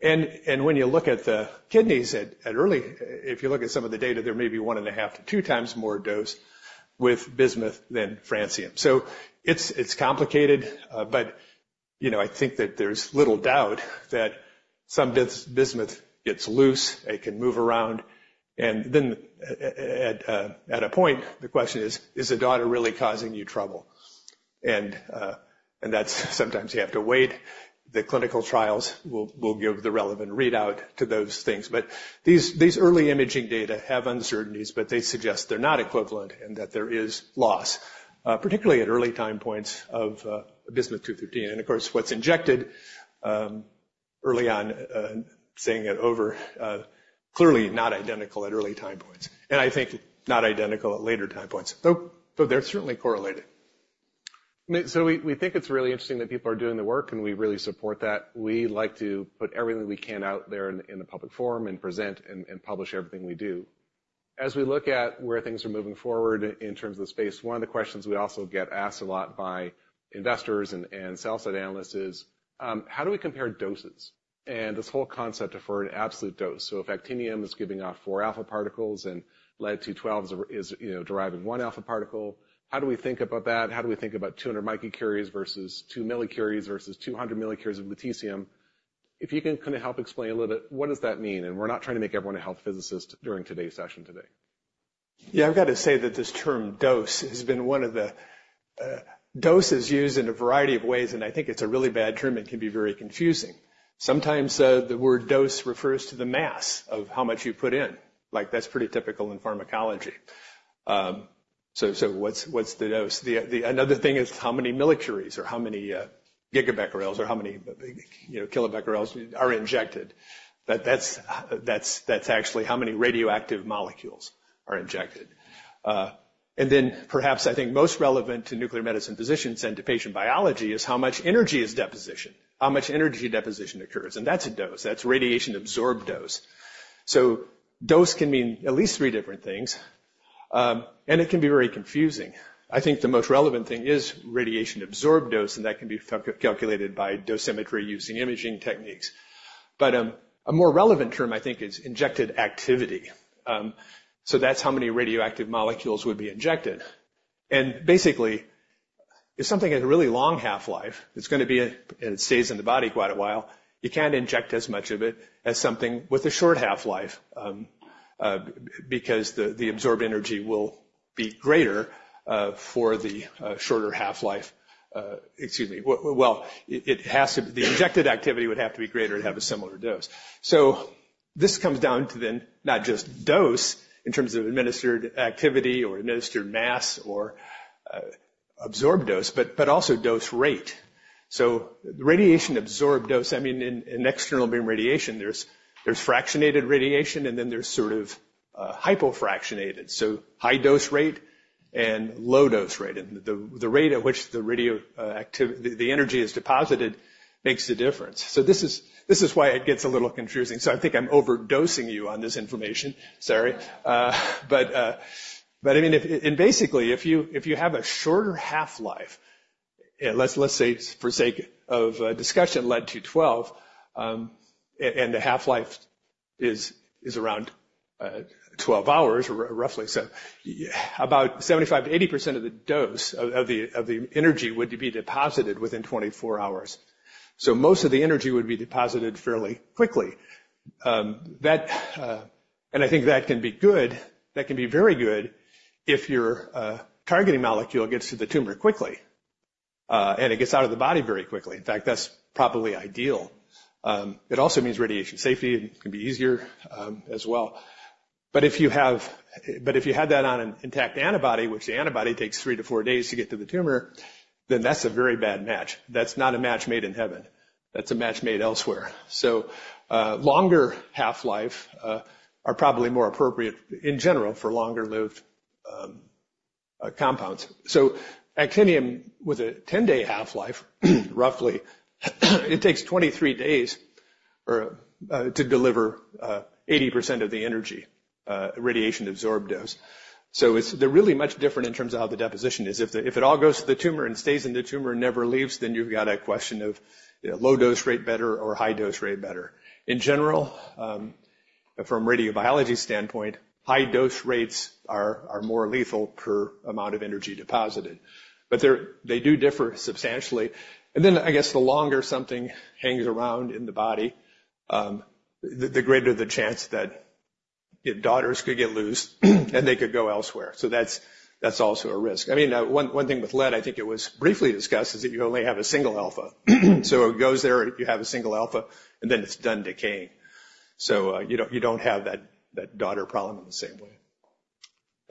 And when you look at the kidneys at early, if you look at some of the data, there may be 1.5x-2x more dose with Bismuth than francium. So it's complicated. But you know I think that there's little doubt that some Bismuth gets loose. It can move around. And then at a point, the question is, is a daughter really causing you trouble? And that's sometimes you have to wait. The clinical trials will give the relevant readout to those things. But these early imaging data have uncertainties, but they suggest they're not equivalent and that there is loss, particularly at early time points of Bismuth-213. And of course, what's injected early on, saying it over, clearly not identical at early time points. And I think not identical at later time points, though they're certainly correlated. So we think it's really interesting that people are doing the work, and we really support that. We like to put everything we can out there in the public forum and present and publish everything we do. As we look at where things are moving forward in terms of the space, one of the questions we also get asked a lot by investors and sell-side analysts is, how do we compare doses? And this whole concept of for an absolute dose. So if actinium is giving off 4 alpha particles and lead-212 is, you know, deriving 1 alpha particle, how do we think about that? How do we think about 200 microcuries versus 2 millicuries versus 200 millicuries of lutetium? If you can kind of help explain a little bit, what does that mean? And we're not trying to make everyone a health physicist during today's session today. Yeah. I've got to say that this term dose has been one of the doses used in a variety of ways. And I think it's a really bad term and can be very confusing. Sometimes the word dose refers to the mass of how much you put in. Like that's pretty typical in pharmacology. So what's the dose? The another thing is how many millicuries or how many gigabecquerels or how many, you know, kilobecquerels are injected. That's actually how many radioactive molecules are injected. And then perhaps I think most relevant to nuclear medicine physicians and to patient biology is how much energy is deposited, how much energy deposition occurs. And that's a dose. That's radiation absorbed dose. So dose can mean at least three different things. And it can be very confusing. I think the most relevant thing is radiation absorbed dose. And that can be calculated by dosimetry using imaging techniques. But a more relevant term, I think, is injected activity. So that's how many radioactive molecules would be injected. And basically, if something has a really long half-life, it's going to be a and it stays in the body quite a while. You can't inject as much of it as something with a short half-life because the absorbed energy will be greater for the shorter half-life. Excuse me. Well, it has to be the injected activity would have to be greater to have a similar dose. So this comes down to then not just dose in terms of administered activity or administered mass or absorbed dose, but also dose rate. So the radiation absorbed dose, I mean, in external beam radiation, there's fractionated radiation, and then there's sort of hypofractionated. So high dose rate and low dose rate. And the rate at which the radioactivity the energy is deposited makes the difference. So this is why it gets a little confusing. So I think I'm overdosing you on this information. Sorry. But I mean, if and basically, if you have a shorter half-life, let's say, for sake of discussion, Lead-212, and the half-life is around 12 hours, roughly. So, about 75%-80% of the dose of the energy would be deposited within 24 hours. So most of the energy would be deposited fairly quickly. That, and I think that can be good. That can be very good if your targeting molecule gets to the tumor quickly and it gets out of the body very quickly. In fact, that's probably ideal. It also means radiation safety. It can be easier as well. But if you had that on an intact antibody, which the antibody takes 3-4 days to get to the tumor, then that's a very bad match. That's not a match made in heaven. That's a match made elsewhere. So longer half-life are probably more appropriate in general for longer-lived compounds. So actinium with a 10-day half-life, roughly, it takes 23 days or to deliver 80% of the energy radiation absorbed dose. So it's; they're really much different in terms of how the deposition is. If it all goes to the tumor and stays in the tumor and never leaves, then you've got a question of low dose rate better or high dose rate better. In general, from a radiobiology standpoint, high dose rates are more lethal per amount of energy deposited. But they're; they do differ substantially. And then I guess the longer something hangs around in the body, the greater the chance that you know daughters could get loose and they could go elsewhere. So that's also a risk. I mean, one thing with lead, I think it was briefly discussed, is that you only have a single alpha. So it goes there. You have a single alpha, and then it's done decaying. So you don't have that daughter problem in the same way.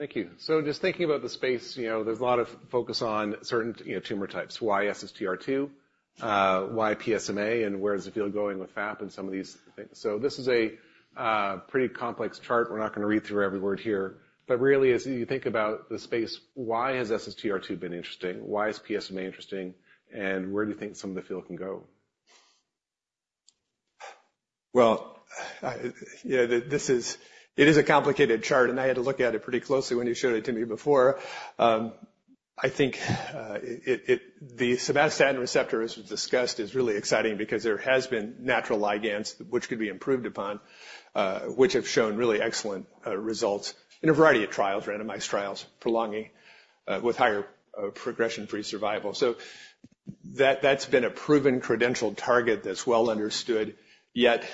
Thank you. So just thinking about the space, you know there's a lot of focus on certain you know tumor types, SSTR2, PSMA, and where is the field going with FAP and some of these things. So this is a pretty complex chart. We're not going to read through every word here. But really, as you think about the space, why has SSTR2 been interesting? Why is PSMA interesting? And where do you think some of the field can go? Well, yeah, this is a complicated chart, and I had to look at it pretty closely when you showed it to me before. I think it the somatostatin receptor, as was discussed, is really exciting because there has been natural ligands, which could be improved upon, which have shown really excellent results in a variety of trials, randomized trials, prolonging with higher progression-free survival. So that's been a proven credentialed target that's well understood. Yet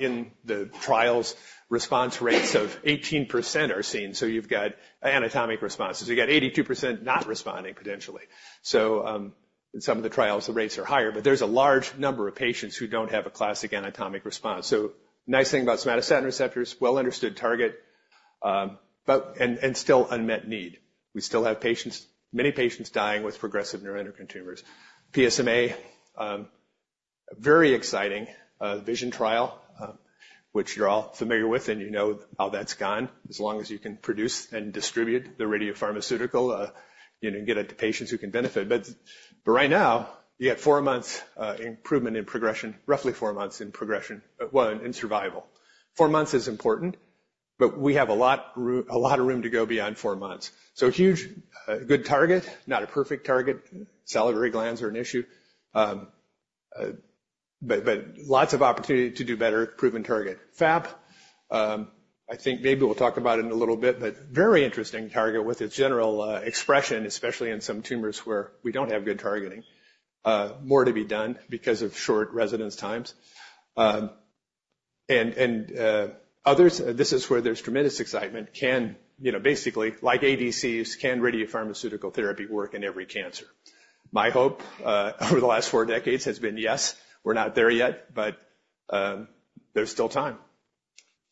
in the trials, response rates of 18% are seen. So you've got anatomic responses. You've got 82% not responding potentially. So in some of the trials, the rates are higher. But there's a large number of patients who don't have a classic anatomic response. So nice thing about somatostatin receptors, well understood target, but still unmet need. We still have patients, many patients dying with progressive neuroendocrine tumors. PSMA, very exciting, VISION trial, which you're all familiar with. And you know how that's gone as long as you can produce and distribute the radiopharmaceutical, you know, and get it to patients who can benefit. But right now, you got 4 months improvement in progression, roughly 4 months in progression, well, in survival. 4 months is important, but we have a lot a lot of room to go beyond 4 months. So a huge good target, not a perfect target. Salivary glands are an issue. But lots of opportunity to do better, proven target. FAP, I think maybe we'll talk about it in a little bit, but very interesting target with its general expression, especially in some tumors where we don't have good targeting. More to be done because of short residence times. And others, this is where there's tremendous excitement, can you know basically, like ADCs, can radiopharmaceutical therapy work in every cancer? My hope over the last four decades has been, yes, we're not there yet, but there's still time.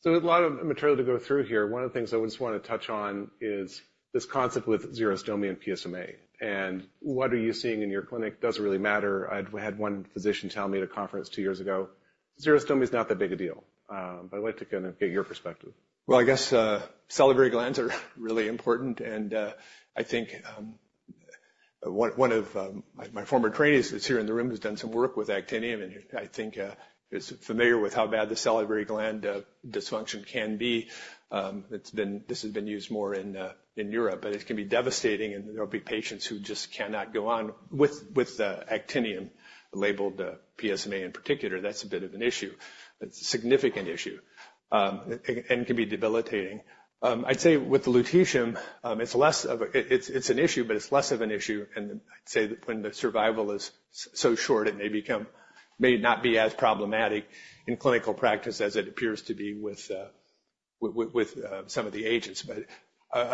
So with a lot of material to go through here, one of the things I would just want to touch on is this concept with xerostomia and PSMA. And what are you seeing in your clinic doesn't really matter. I'd had one physician tell me at a conference two years ago, xerostomia is not that big a deal. But I'd like to kind of get your perspective. Well, I guess salivary glands are really important. And I think one of my former trainees that's here in the room has done some work with actinium. And I think is familiar with how bad the salivary gland dysfunction can be. It's been this has been used more in Europe, but it can be devastating. There'll be patients who just cannot go on with the actinium-labeled PSMA in particular. That's a bit of an issue. It's a significant issue and can be debilitating. I'd say with the lutetium, it's less of an issue, but it's less of an issue. And I'd say that when the survival is so short, it may not be as problematic in clinical practice as it appears to be with some of the agents. But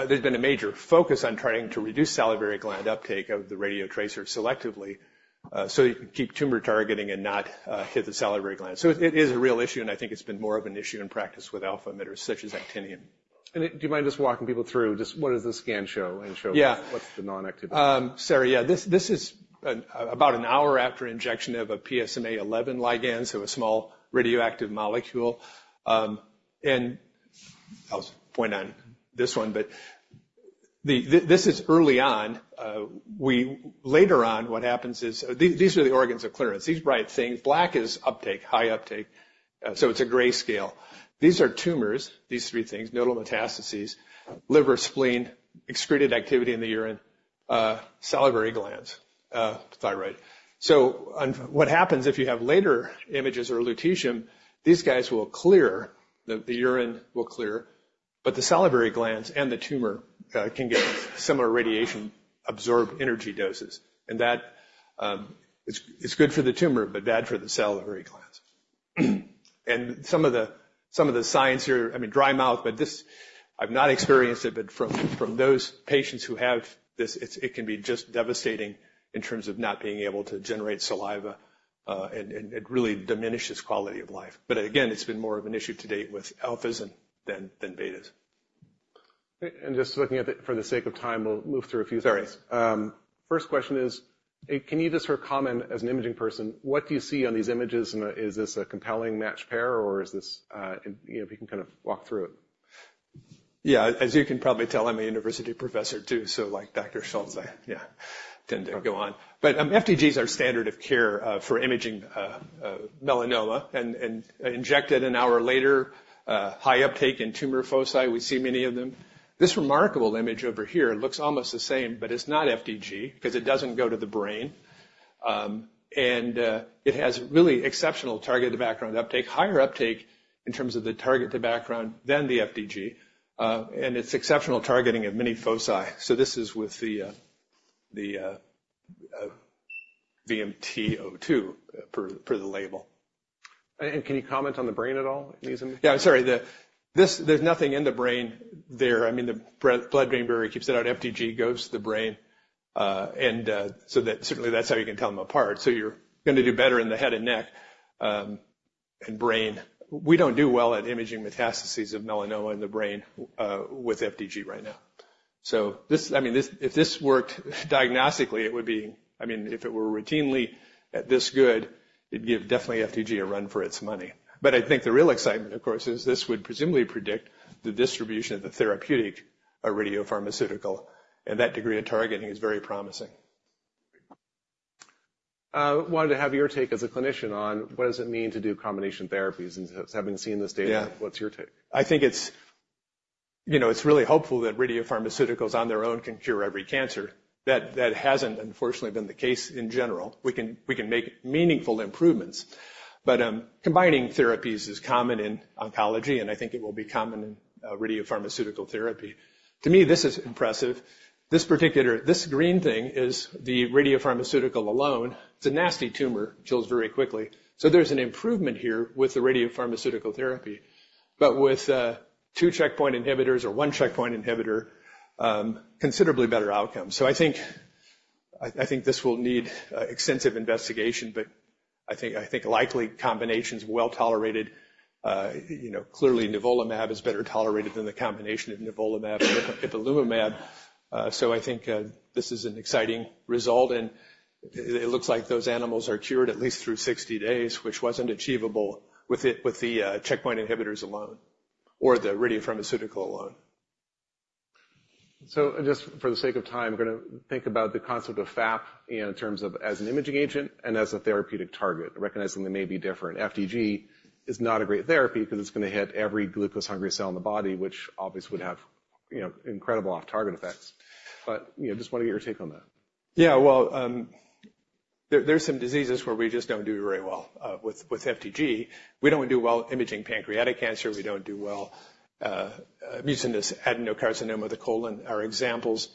there's been a major focus on trying to reduce salivary gland uptake of the radiotracer selectively so you can keep tumor targeting and not hit the salivary gland. So it is a real issue. And I think it's been more of an issue in practice with alpha emitters such as actinium. Do you mind just walking people through just what does the scan show and what's the non-activity? Sorry. Yeah. This is about an hour after injection of a PSMA-11 ligand, so a small radioactive molecule. And I'll just point on this one. But this is early on. Later on, what happens is these are the organs of clearance. These bright things, black is uptake, high uptake. So it's a gray scale. These are tumors, these three things, nodal metastases, liver, spleen, excreted activity in the urine, salivary glands, thyroid. So what happens if you have later images or lutetium, these guys will clear, the urine will clear, but the salivary glands and the tumor can get similar radiation absorbed energy doses. And that's good for the tumor, but bad for the salivary glands. And some of the science here, I mean, dry mouth, but this I've not experienced it, but from those patients who have this, it can be just devastating in terms of not being able to generate saliva. And it really diminishes quality of life. But again, it's been more of an issue to date with alphas than betas. Great. And just looking at the for the sake of time, we'll move through a few things. Sorry. First question is, can you just sort of comment as an imaging person, what do you see on these images? And is this a compelling match pair, or is this, you know, if you can kind of walk through it? Yeah. As you can probably tell, I'm a university professor too. So like Dr. Schultz, I yeah, tend to go on. But FDGs are standard of care for imaging melanoma. And injected an hour later, high uptake in tumor foci. We see many of them. This remarkable image over here looks almost the same, but it's not FDG because it doesn't go to the brain. And it has really exceptional targeted to background uptake, higher uptake in terms of the target to background than the FDG. And it's exceptional targeting of many foci. So this is with the VMT-02 per the label. And can you comment on the brain at all in these images? Yeah. I'm sorry. There's nothing in the brain there. I mean, the blood brain barrier keeps it out. FDG goes to the brain. And so that certainly, that's how you can tell them apart. So you're going to do better in the head and neck and brain. We don't do well at imaging metastases of melanoma in the brain with FDG right now. So this, I mean, this if this worked diagnostically, it would be, I mean, if it were routinely at this good, it'd give definitely FDG a run for its money. But I think the real excitement, of course, is this would presumably predict the distribution of the therapeutic or radiopharmaceutical. And that degree of targeting is very promising. Great. I wanted to have your take as a clinician on what does it mean to do combination therapies? And having seen this data, what's your take? I think it's, you know, it's really hopeful that radiopharmaceuticals on their own can cure every cancer. That hasn't, unfortunately, been the case in general. We can make meaningful improvements. But combining therapies is common in oncology, and I think it will be common in radiopharmaceutical therapy. To me, this is impressive. This particular this green thing is the radiopharmaceutical alone. It's a nasty tumor. It kills very quickly. So there's an improvement here with the radiopharmaceutical therapy, but with two checkpoint inhibitors or one checkpoint inhibitor, considerably better outcomes. So I think this will need extensive investigation, but I think likely combinations well tolerated. You know, clearly, nivolumab is better tolerated than the combination of nivolumab and ipilimumab. So I think this is an exciting result. And it looks like those animals are cured at least through 60 days, which wasn't achievable with the checkpoint inhibitors alone or the radiopharmaceutical alone. So just for the sake of time, I'm going to think about the concept of FAP in terms of as an imaging agent and as a therapeutic target, recognizing they may be different. FDG is not a great therapy because it's going to hit every glucose-hungry cell in the body, which obviously would have you know incredible off-target effects. But you know just want to get your take on that. Yeah. Well, there's some diseases where we just don't do very well with FDG. We don't do well imaging pancreatic cancer. We don't do well mucinous adenocarcinoma of the colon are examples.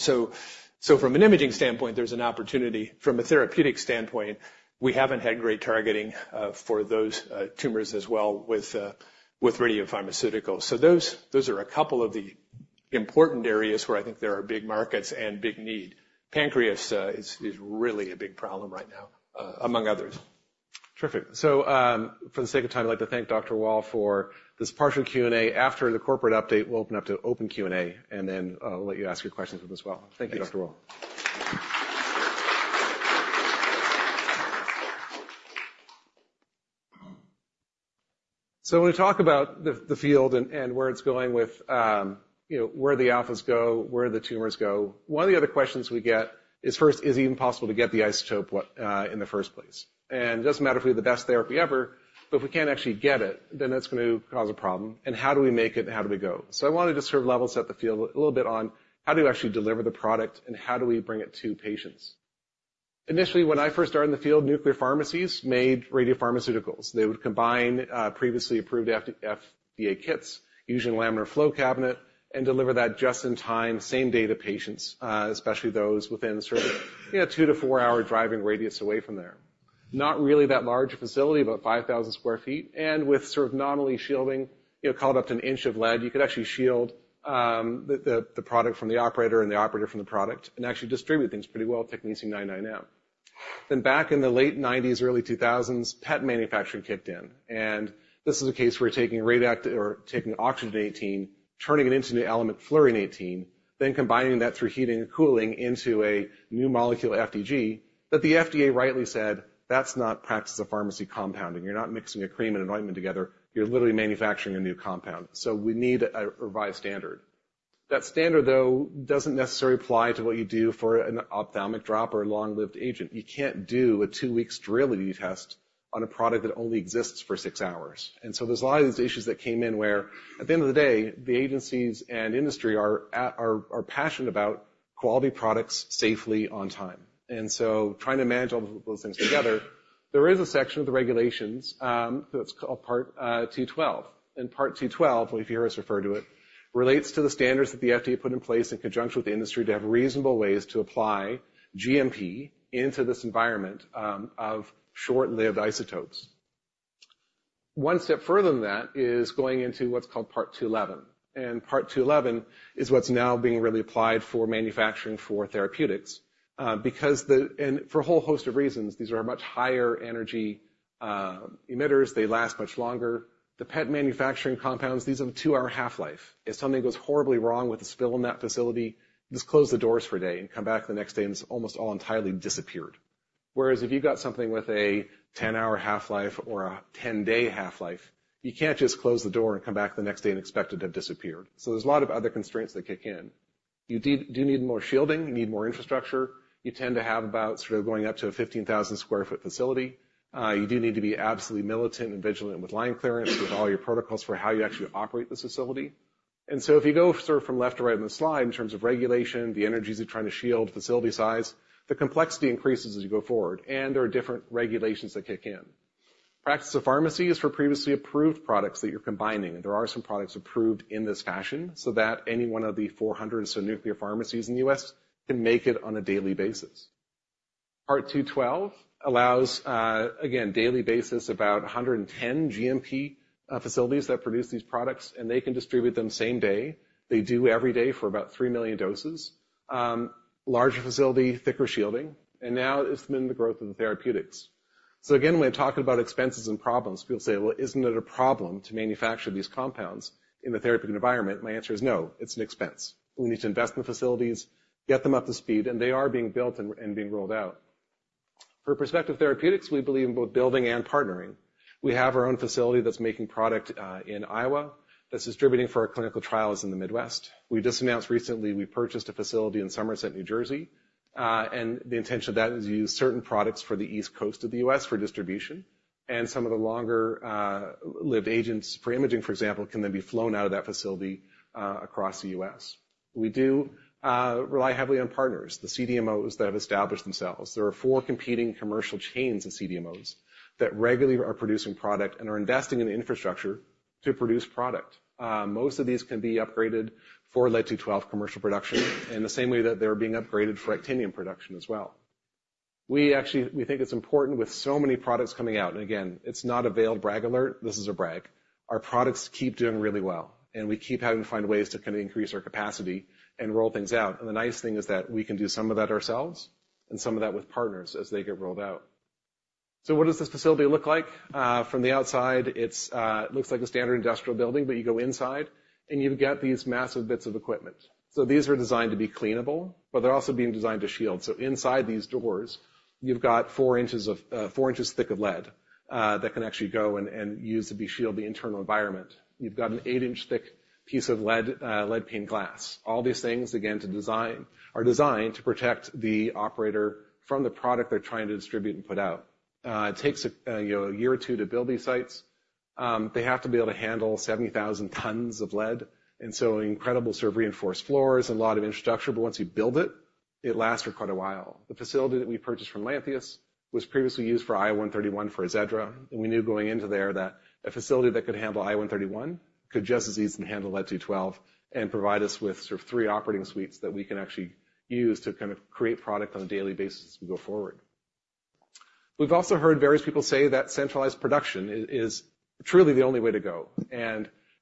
So from an imaging standpoint, there's an opportunity from a therapeutic standpoint. We haven't had great targeting for those tumors as well with radiopharmaceuticals. So those are a couple of the important areas where I think there are big markets and big need. Pancreas is really a big problem right now, among others. Terrific. So for the sake of time, I'd like to thank Dr. Wahl for this partial Q&A. After the corporate update, we'll open up to open Q&A and then we'll let you ask your questions with us as well. Thank you, Dr. Wahl. So when we talk about the field and where it's going with you know where the alphas go, where the tumors go, one of the other questions we get is first, is it even possible to get the isotope what in the first place? And it doesn't matter if we have the best therapy ever, but if we can't actually get it, then that's going to cause a problem. And how do we make it and how do we go? So I want to just sort of level set the field a little bit on how do we actually deliver the product and how do we bring it to patients? Initially, when I first started in the field, nuclear pharmacies made radiopharmaceuticals. They would combine previously approved FDA kits, using laminar flow cabinet, and deliver that just in time, same day to patients, especially those within sort of you know 2-4-hour driving radius away from there. Not really that large facility, about 5,000 sq ft. And with sort of non-lead shielding, you know call it up to an inch of lead, you could actually shield the product from the operator and the operator from the product and actually distribute things pretty well, technetium 99m. Then back in the late 1990s, early 2000s, PET manufacturing kicked in. And this is a case where taking or taking oxygen-18, turning it into an element, fluorine-18, then combining that through heating and cooling into a new molecule FDG, that the FDA rightly said, that's not practice of pharmacy compounding. You're not mixing a cream and an ointment together. You're literally manufacturing a new compound. So we need a revised standard. That standard, though, doesn't necessarily apply to what you do for an ophthalmic drop or a long-lived agent. You can't do a two-week sterility test on a product that only exists for six hours. And so there's a lot of these issues that came in where at the end of the day, the agencies and industry are passionate about quality products safely on time. And so trying to manage all of those things together, there is a section of the regulations that's called Part 212. Part 212, if you hear us refer to it, relates to the standards that the FDA put in place in conjunction with the industry to have reasonable ways to apply GMP into this environment of short-lived isotopes. One step further than that is going into what's called Part 211. And Part 211 is what's now being really applied for manufacturing for therapeutics because, and for a whole host of reasons, these are much higher energy emitters. They last much longer. The PET manufacturing compounds, these have a 2-hour half-life. If something goes horribly wrong with a spill in that facility, just close the doors for a day and come back the next day and it's almost all entirely disappeared. Whereas if you've got something with a 10-hour half-life or a 10-day half-life, you can't just close the door and come back the next day and expect it to have disappeared. So there's a lot of other constraints that kick in. You do need more shielding. You need more infrastructure. You tend to have about sort of going up to a 15,000 sq ft facility. You do need to be absolutely militant and vigilant with line clearance, with all your protocols for how you actually operate the facility. And so if you go sort of from left to right on the slide in terms of regulation, the energies you're trying to shield, facility size, the complexity increases as you go forward. And there are different regulations that kick in. Practice of pharmacies for previously approved products that you're combining. There are some products approved in this fashion so that any one of the 400 or so nuclear pharmacies in the U.S. can make it on a daily basis. Part 212 allows, again, daily basis about 110 GMP facilities that produce these products. And they can distribute them same day. They do every day for about 3 million doses. Larger facility, thicker shielding. And now it's been the growth of the therapeutics. So again, when we talk about expenses and problems, people say, well, isn't it a problem to manufacture these compounds in the therapeutic environment? My answer is no. It's an expense. We need to invest in the facilities, get them up to speed, and they are being built and being rolled out. For Perspective Therapeutics, we believe in both building and partnering. We have our own facility that's making product in Iowa that's distributing for our clinical trials in the Midwest. We just announced recently we purchased a facility in Somerset, New Jersey. The intention of that is to use certain products for the East Coast of the U.S. for distribution. Some of the longer-lived agents for imaging, for example, can then be flown out of that facility across the U.S. We do rely heavily on partners, the CDMOs that have established themselves. There are four competing commercial chains of CDMOs that regularly are producing product and are investing in infrastructure to produce product. Most of these can be upgraded for Lead-212 commercial production in the same way that they're being upgraded for actinium production as well. We actually think it's important with so many products coming out, and again, it's not a veiled brag alert. This is a brag. Our products keep doing really well, and we keep having to find ways to kind of increase our capacity and roll things out. The nice thing is that we can do some of that ourselves and some of that with partners as they get rolled out. What does this facility look like? From the outside, it looks like a standard industrial building, but you go inside and you've got these massive bits of equipment. These are designed to be cleanable, but they're also being designed to shield. Inside these doors, you've got 4 inches of 4 inches thick of lead that can actually go and use to be shielded the internal environment. You've got an 8-inch-thick piece of lead paint glass. All these things, again, to design are designed to protect the operator from the product they're trying to distribute and put out. It takes a year or two to build these sites. They have to be able to handle 70,000 tons of lead. And so incredible sort of reinforced floors and a lot of infrastructure, but once you build it, it lasts for quite a while. The facility that we purchased from Lantheus was previously used for I-131 for Azedra. And we knew going into there that a facility that could handle I-131 could just as easily handle Lead-212 and provide us with sort of three operating suites that we can actually use to kind of create product on a daily basis as we go forward. We've also heard various people say that centralized production is truly the only way to go.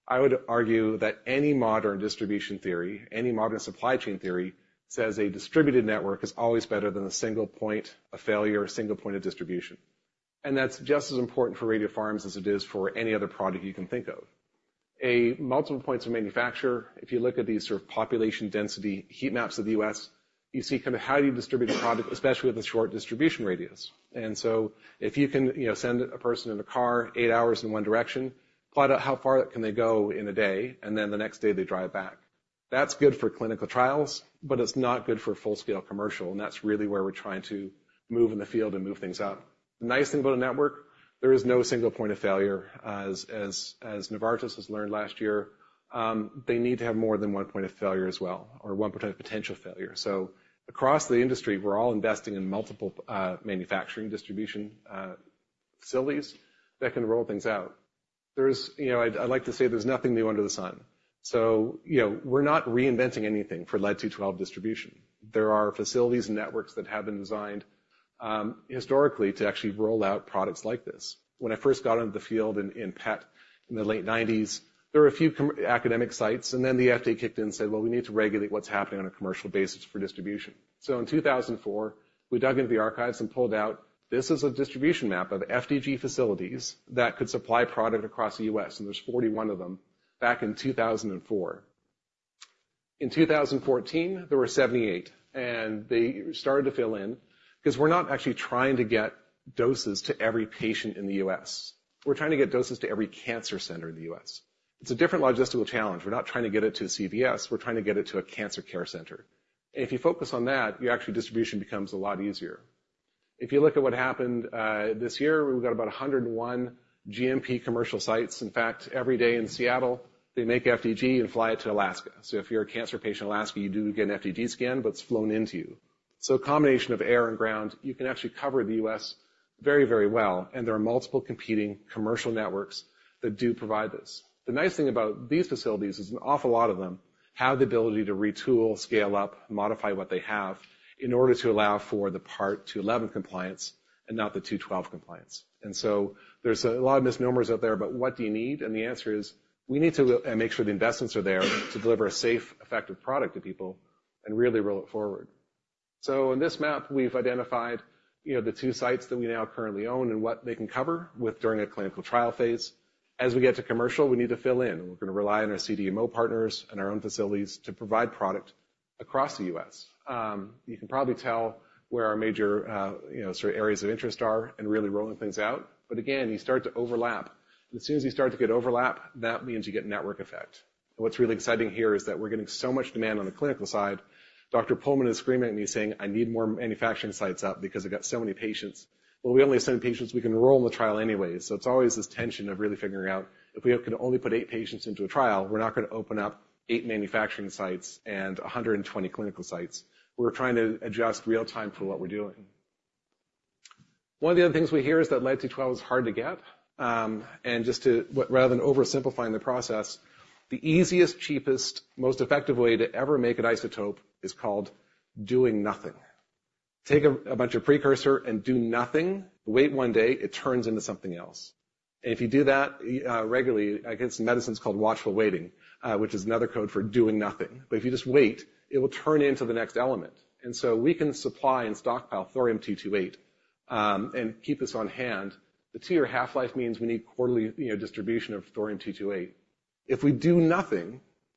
I would argue that any modern distribution theory, any modern supply chain theory, says a distributed network is always better than a single point of failure, a single point of distribution. That's just as important for radiopharms as it is for any other product you can think of. Multiple points of manufacture, if you look at these sort of population density heat maps of the U.S., you see kind of how do you distribute a product, especially with a short distribution radius. So if you can, you know, send a person in a car eight hours in one direction, plot out how far can they go in a day, and then the next day they drive back. That's good for clinical trials, but it's not good for full-scale commercial. That's really where we're trying to move in the field and move things up. The nice thing about a network, there is no single point of failure. As Novartis has learned last year, they need to have more than one point of failure as well, or one point of potential failure. So across the industry, we're all investing in multiple manufacturing distribution facilities that can roll things out. There's, you know, I'd like to say there's nothing new under the sun. So, you know, we're not reinventing anything for Lead-212 distribution. There are facilities and networks that have been designed historically to actually roll out products like this. When I first got into the field in PET in the late 1990s, there were a few academic sites, and then the FDA kicked in and said, well, we need to regulate what's happening on a commercial basis for distribution. In 2004, we dug into the archives and pulled out, this is a distribution map of FDG facilities that could supply product across the U.S., and there's 41 of them back in 2004. In 2014, there were 78, and they started to fill in because we're not actually trying to get doses to every patient in the U.S. We're trying to get doses to every cancer center in the U.S. It's a different logistical challenge. We're not trying to get it to a CVS. We're trying to get it to a cancer care center. And if you focus on that, your actual distribution becomes a lot easier. If you look at what happened this year, we've got about 101 GMP commercial sites. In fact, every day in Seattle, they make FDG and fly it to Alaska. So if you're a cancer patient in Alaska, you do get an FDG scan, but it's flown into you. So a combination of air and ground, you can actually cover the U.S. very, very well, and there are multiple competing commercial networks that do provide this. The nice thing about these facilities is an awful lot of them have the ability to retool, scale up, modify what they have in order to allow for the Part 211 compliance and not the 212 compliance. And so there's a lot of misnomers out there, but what do you need? And the answer is, we need to make sure the investments are there to deliver a safe, effective product to people and really roll it forward. So in this map, we've identified you know the two sites that we now currently own and what they can cover with during a clinical trial phase. As we get to commercial, we need to fill in. We're going to rely on our CDMO partners and our own facilities to provide product across the US. You can probably tell where our major, you know, sort of areas of interest are and really rolling things out. But again, you start to overlap. And as soon as you start to get overlap, that means you get network effect. And what's really exciting here is that we're getting so much demand on the clinical side. Dr. Puhlmann is screaming at me saying, I need more manufacturing sites up because I got so many patients. Well, we only have so many patients we can roll in the trial anyways. So it's always this tension of really figuring out if we can only put eight patients into a trial, we're not going to open up eight manufacturing sites and 120 clinical sites. We're trying to adjust real-time for what we're doing. One of the other things we hear is that Lead-212 is hard to get. And just to what rather than oversimplifying the process, the easiest, cheapest, most effective way to ever make an isotope is called doing nothing. Take a bunch of precursor and do nothing. Wait one day, it turns into something else. And if you do that regularly, I guess medicine's called watchful waiting, which is another code for doing nothing. But if you just wait, it will turn into the next element. And so we can supply and stockpile Thorium-228 and keep this on hand. The 2-year half-life means we need quarterly you know distribution of Thorium-228. If we do nothing,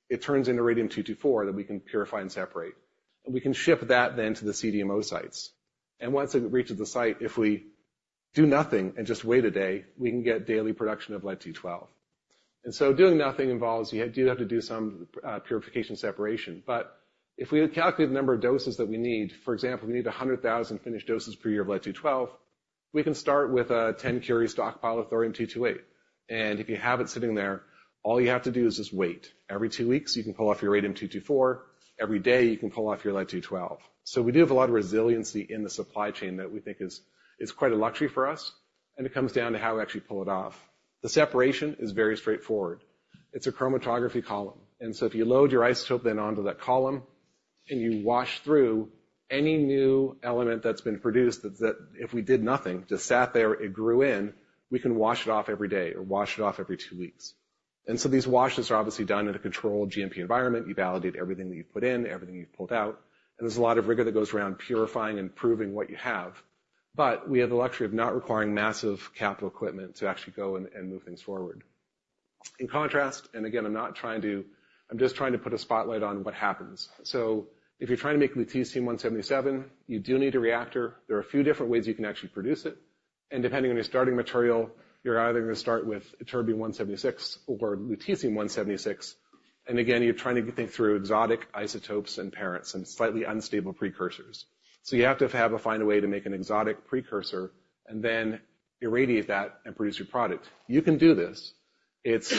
it turns into Radium-224 that we can purify and separate. And we can ship that then to the CDMO sites. Once it reaches the site, if we do nothing and just wait a day, we can get daily production of Lead-212. So doing nothing involves, you do have to do some purification separation. But if we calculate the number of doses that we need, for example, we need 100,000 finished doses per year of Lead-212, we can start with a 10-curie stockpile of Thorium-228. If you have it sitting there, all you have to do is just wait. Every 2 weeks, you can pull off your Radium-224. Every day, you can pull off your Lead-212. So we do have a lot of resiliency in the supply chain that we think is quite a luxury for us. And it comes down to how we actually pull it off. The separation is very straightforward. It's a chromatography column. And so if you load your isotope then onto that column and you wash through any new element that's been produced that if we did nothing, just sat there, it grew in, we can wash it off every day or wash it off every two weeks. And so these washes are obviously done in a controlled GMP environment. You validate everything that you've put in, everything you've pulled out. And there's a lot of rigor that goes around purifying and proving what you have. But we have the luxury of not requiring massive capital equipment to actually go and move things forward. In contrast, and again, I'm not trying to, I'm just trying to put a spotlight on what happens. So if you're trying to make Lutetium-177, you do need a reactor. There are a few different ways you can actually produce it. And depending on your starting material, you're either going to start with Ytterbium-176 or Lutetium-176. And again, you're trying to think through exotic isotopes and parents and slightly unstable precursors. So you have to find a way to make an exotic precursor and then irradiate that and produce your product. You can do this. It's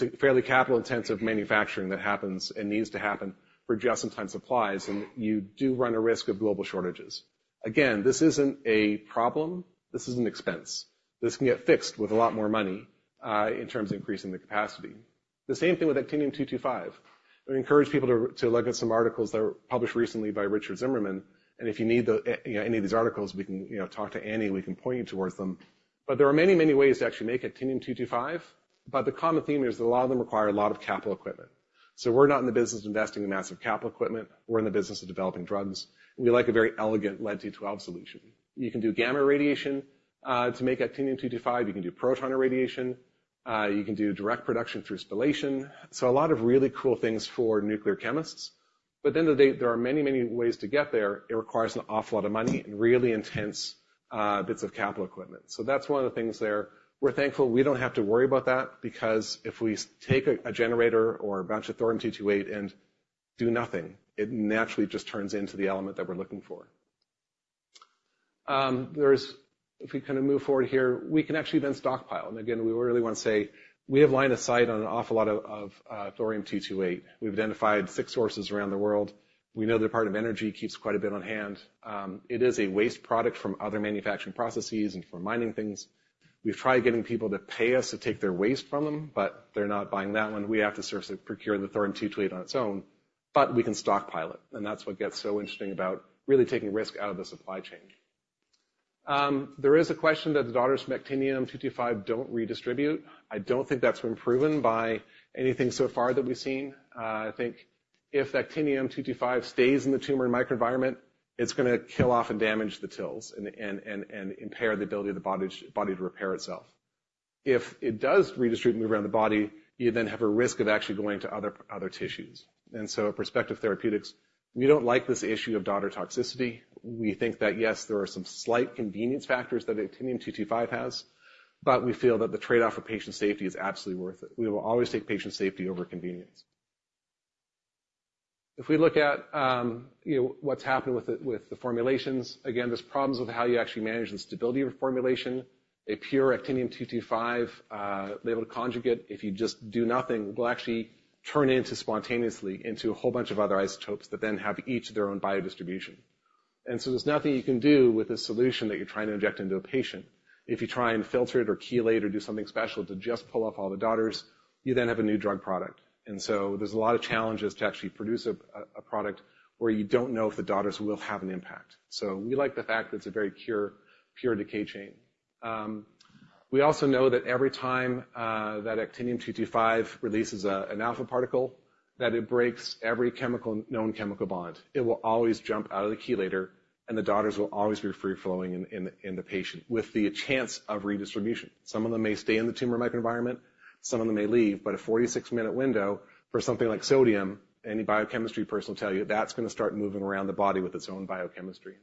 a fairly capital-intensive manufacturing that happens and needs to happen for just-in-time supplies. And you do run a risk of global shortages. Again, this isn't a problem. This is an expense. This can get fixed with a lot more money in terms of increasing the capacity. The same thing with Actinium-225. We encourage people to look at some articles that were published recently by Richard Zimmermann. And if you need the, you know, any of these articles, we can, you know, talk to Annie. We can point you towards them. But there are many, many ways to actually make Actinium-225. But the common theme is that a lot of them require a lot of capital equipment. So we're not in the business of investing in massive capital equipment. We're in the business of developing drugs. And we like a very elegant Lead-212 solution. You can do gamma irradiation to make Actinium-225. You can do proton irradiation. You can do direct production through spallation. So a lot of really cool things for nuclear chemists. But at the end of the day, there are many, many ways to get there. It requires an awful lot of money and really intense bits of capital equipment. So that's one of the things there. We're thankful we don't have to worry about that because if we take a generator or a bunch of Thorium-228 and do nothing, it naturally just turns into the element that we're looking for. There's, if we kind of move forward here, we can actually then stockpile. And again, we really want to say, we have lined a site on an awful lot of Thorium-228. We've identified 6 sources around the world. We know the Department of Energy keeps quite a bit on hand. It is a waste product from other manufacturing processes and from mining things. We've tried getting people to pay us to take their waste from them, but they're not buying that one. We have to procure the Thorium-228 on its own. But we can stockpile it. And that's what gets so interesting about really taking risk out of the supply chain. There is a question that the daughters from Actinium-225 don't redistribute. I don't think that's been proven by anything so far that we've seen. I think if Actinium-225 stays in the tumor and microenvironment, it's going to kill off and damage the TILs and impair the ability of the body to repair itself. If it does redistribute and move around the body, you then have a risk of actually going to other tissues. And so at Perspective Therapeutics, we don't like this issue of daughter toxicity. We think that, yes, there are some slight convenience factors that Actinium-225 has, but we feel that the trade-off for patient safety is absolutely worth it. We will always take patient safety over convenience. If we look at you know what's happened with the formulations, again, there's problems with how you actually manage the stability of your formulation. A pure Actinium-225 labeled conjugate, if you just do nothing, will actually turn into spontaneously into a whole bunch of other isotopes that then have each of their own biodistribution. And so there's nothing you can do with this solution that you're trying to inject into a patient. If you try and filter it or chelate or do something special to just pull off all the daughters, you then have a new drug product. And so there's a lot of challenges to actually produce a product where you don't know if the daughters will have an impact. So we like the fact that it's a very pure pure decay chain. We also know that every time that Actinium-225 releases an alpha particle, that it breaks every chemical known chemical bond. It will always jump out of the chelator, and the daughters will always be free-flowing in the patient with the chance of redistribution. Some of them may stay in the tumor microenvironment. Some of them may leave. But a 46-minute window for something like sodium, any biochemistry person will tell you that's going to start moving around the body with its own biochemistry.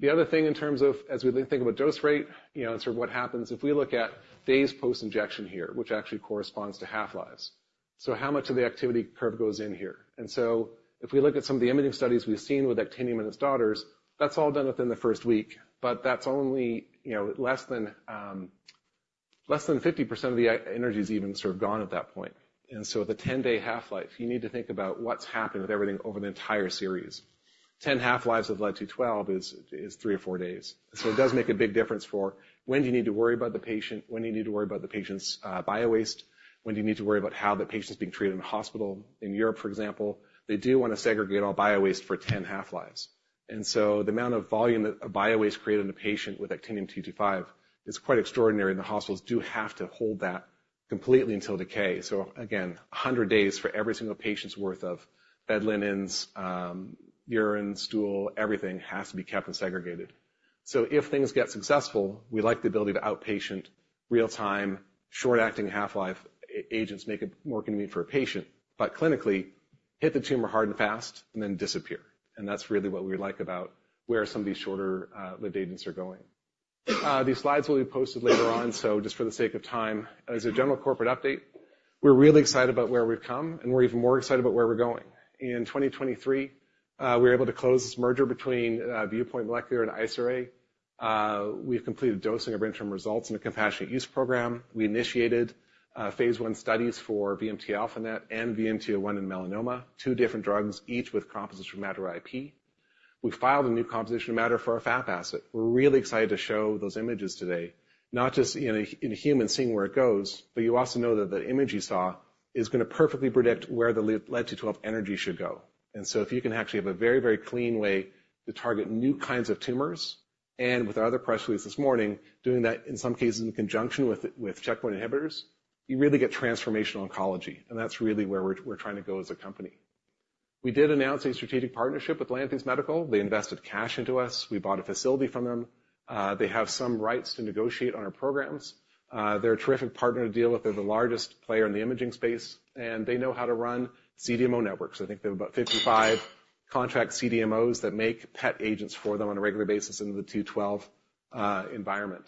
The other thing in terms of, as we think about dose rate, you know and sort of what happens, if we look at days post-injection here, which actually corresponds to half-lives, so how much of the activity curve goes in here? And so if we look at some of the imaging studies we've seen with actinium and its daughters, that's all done within the first week, but that's only you know less than 50% of the energy is even sort of gone at that point. At the 10-day half-life, you need to think about what's happened with everything over the entire series. 10 half-lives of Lead-212 is 3 or 4 days. So it does make a big difference for when do you need to worry about the patient, when do you need to worry about the patient's bio-waste, when do you need to worry about how the patient's being treated in a hospital. In Europe, for example, they do want to segregate all bio-waste for 10 half-lives. And so the amount of volume that bio-waste created in a patient with Actinium-225 is quite extraordinary, and the hospitals do have to hold that completely until decay. So again, 100 days for every single patient's worth of bed linens, urine, stool, everything has to be kept and segregated. So if things get successful, we like the ability to outpatient real-time, short-acting half-life agents make it more convenient for a patient, but clinically, hit the tumor hard and fast and then disappear. And that's really what we like about where some of these shorter lived agents are going. These slides will be posted later on. So just for the sake of time, as a general corporate update, we're really excited about where we've come, and we're even more excited about where we're going. In 2023, we were able to close this merger between Viewpoint Molecular and Isoray. We've completed dosing of interim results in a compassionate use program. We initiated phase I studies for VMT-α-NET and VMT-01 in melanoma, two different drugs, each with composition of matter IP. We filed a new composition of matter for our FAP asset. We're really excited to show those images today, not just in a human seeing where it goes, but you also know that the image you saw is going to perfectly predict where the Lead-212 energy should go. And so if you can actually have a very, very clean way to target new kinds of tumors, and with our other press release this morning, doing that in some cases in conjunction with checkpoint inhibitors, you really get transformational oncology. And that's really where we're trying to go as a company. We did announce a strategic partnership with Lantheus. They invested cash into us. We bought a facility from them. They have some rights to negotiate on our programs. They're a terrific partner to deal with. They're the largest player in the imaging space, and they know how to run CDMO networks. I think they have about 55 contract CDMOs that make PET agents for them on a regular basis in the 212 environment.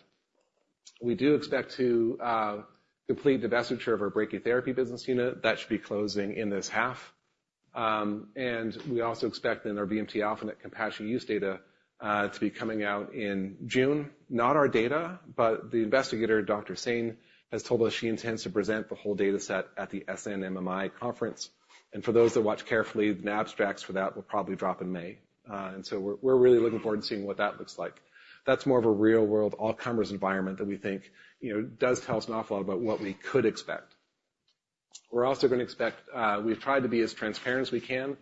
We do expect to complete the divestiture of our brachytherapy business unit. That should be closing in this half. We also expect then our VMT-α-NET compassionate use data to be coming out in June. Not our data, but the investigator, Dr. Sen, has told us she intends to present the whole data set at the SNMMI conference. For those that watch carefully, the abstracts for that will probably drop in May. We're really looking forward to seeing what that looks like. That's more of a real-world evidence environment that we think you know does tell us an awful lot about what we could expect. We're also going to expect, we've tried to be as transparent as we can.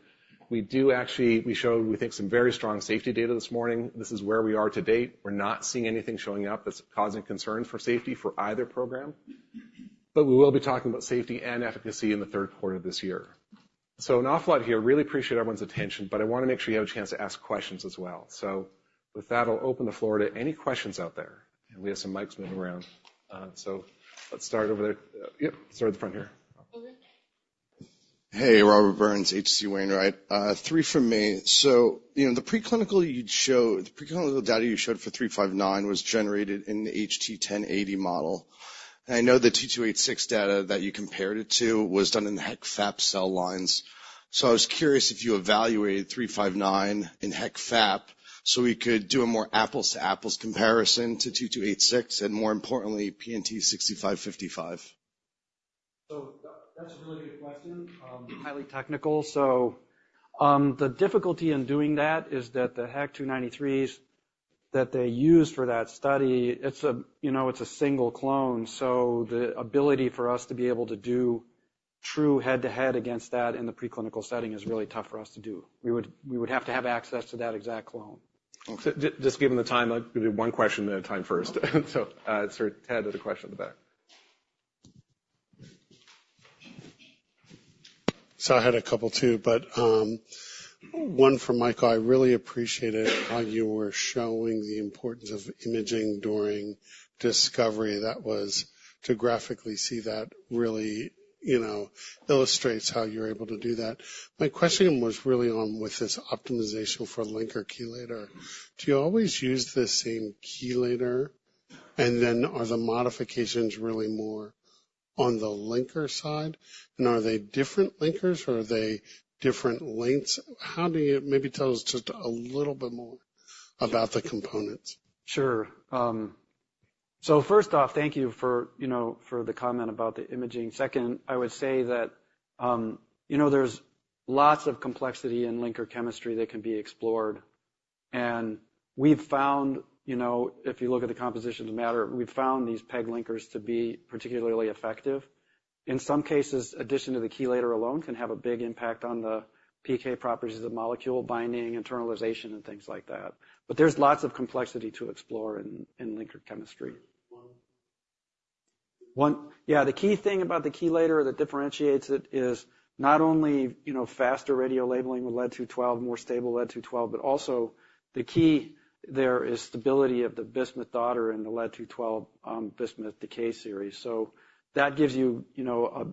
We do actually. We showed, we think, some very strong safety data this morning. This is where we are to date. We're not seeing anything showing up that's causing concern for safety for either program. But we will be talking about safety and efficacy in the third quarter of this year. So an awful lot here. Really appreciate everyone's attention, but I want to make sure you have a chance to ask questions as well. So with that, I'll open the floor to any questions out there. And we have some mics moving around. So let's start over there. Yep, start at the front here. Hey, Robert Burns, H.C. Wainwright. Three from me. So you know the preclinical you'd showed, the preclinical data you showed for 359 was generated in the HT1080 model. And I know the 2286 data that you compared it to was done in the HEK-FAP cell lines. So I was curious if you evaluated 359 in HEK-FAP so we could do a more apples-to-apples comparison to 2286 and more importantly, PNT6555. So that's a really good question. Highly technical. So the difficulty in doing that is that the HEK293s that they used for that study, it's a you know, it's a single clone. So the ability for us to be able to do true head-to-head against that in the preclinical setting is really tough for us to do. We would have to have access to that exact clone. Okay. Just given the time, I'll give you one question at a time first. So it's sort of Ted with a question at the back. So I had a couple too, but one from Michael. I really appreciated how you were showing the importance of imaging during discovery. That was to graphically see that really, you know, illustrates how you're able to do that. My question was really on with this optimization for linker chelator. Do you always use the same chelator? And then are the modifications really more on the linker side? And are they different linkers or are they different lengths? How do you maybe tell us just a little bit more about the components? Sure. So first off, thank you for, you know, for the comment about the imaging. Second, I would say that, you know, there's lots of complexity in linker chemistry that can be explored. And we've found, you know, if you look at the compositions of matter, we've found these PEG linkers to be particularly effective. In some cases, addition to the chelator alone can have a big impact on the PK properties of the molecule, binding, internalization, and things like that. But there's lots of complexity to explore in linker chemistry. One, yeah, the key thing about the chelator that differentiates it is not only, you know, faster radiolabeling with Lead-212, more stable Lead-212, but also the key there is stability of the Bismuth daughter in the Lead-212 Bismuth decay series. So that gives you, you know,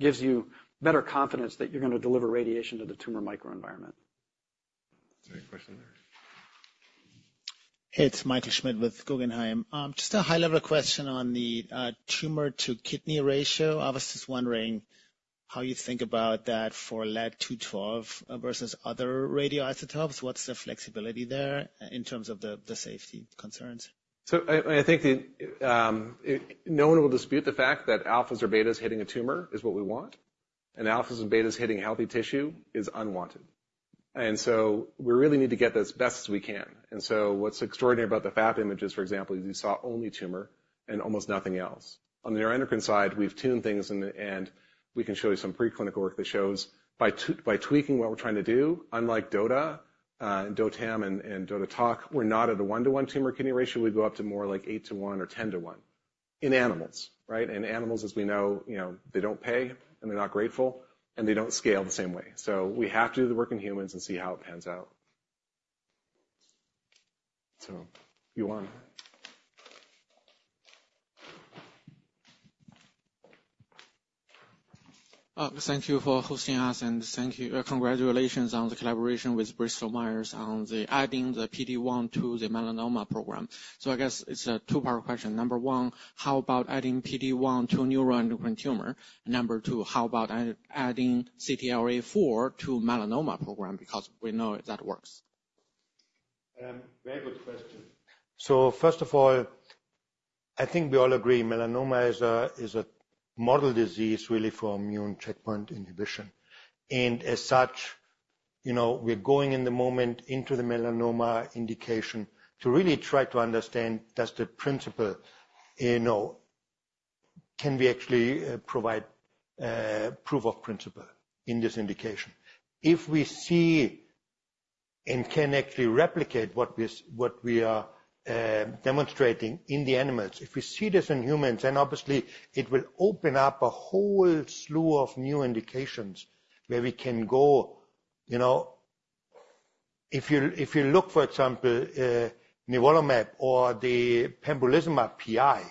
gives you better confidence that you're going to deliver radiation to the tumor microenvironment. Is there any question there? Hey, it's Michael Schmidt with Guggenheim. Just a high-level question on the tumor-to-kidney ratio. I was just wondering how you think about that for Lead-212 versus other radioisotopes. What's the flexibility there in terms of the safety concerns? I think that no one will dispute the fact that alphas or betas hitting a tumor is what we want. Alphas and betas hitting healthy tissue is unwanted. We really need to get this best as we can. What's extraordinary about the FAP images, for example, is you saw only tumor and almost nothing else. On the neuroendocrine side, we've tuned things and we can show you some preclinical work that shows by tweaking what we're trying to do, unlike DOTA and DOTAM and DOTATOC, we're not at a 1:1 tumor-kidney ratio. We go up to more like 8:1 or 10:1 in animals, right? Animals, as we know, you know, they don't pay and they're not grateful and they don't scale the same way. We have to do the work in humans and see how it pans out. You want. Thank you for hosting us and thank you, congratulations on the collaboration with Bristol Myers on adding the PD-1 to the melanoma program. So I guess it's a two-part question. Number one, how about adding PD-1 to neuroendocrine tumor? And number two, how about adding CTLA-4 to melanoma program because we know that works? Very good question. So first of all, I think we all agree melanoma is a model disease really for immune checkpoint inhibition. And as such, you know, we're going in the moment into the melanoma indication to really try to understand, does the principle, you know, can we actually provide proof of principle in this indication? If we see and can actually replicate what we are demonstrating in the animals, if we see this in humans, then obviously it will open up a whole slew of new indications where we can go, you know, if you look, for example, nivolumab or the pembrolizumab PI,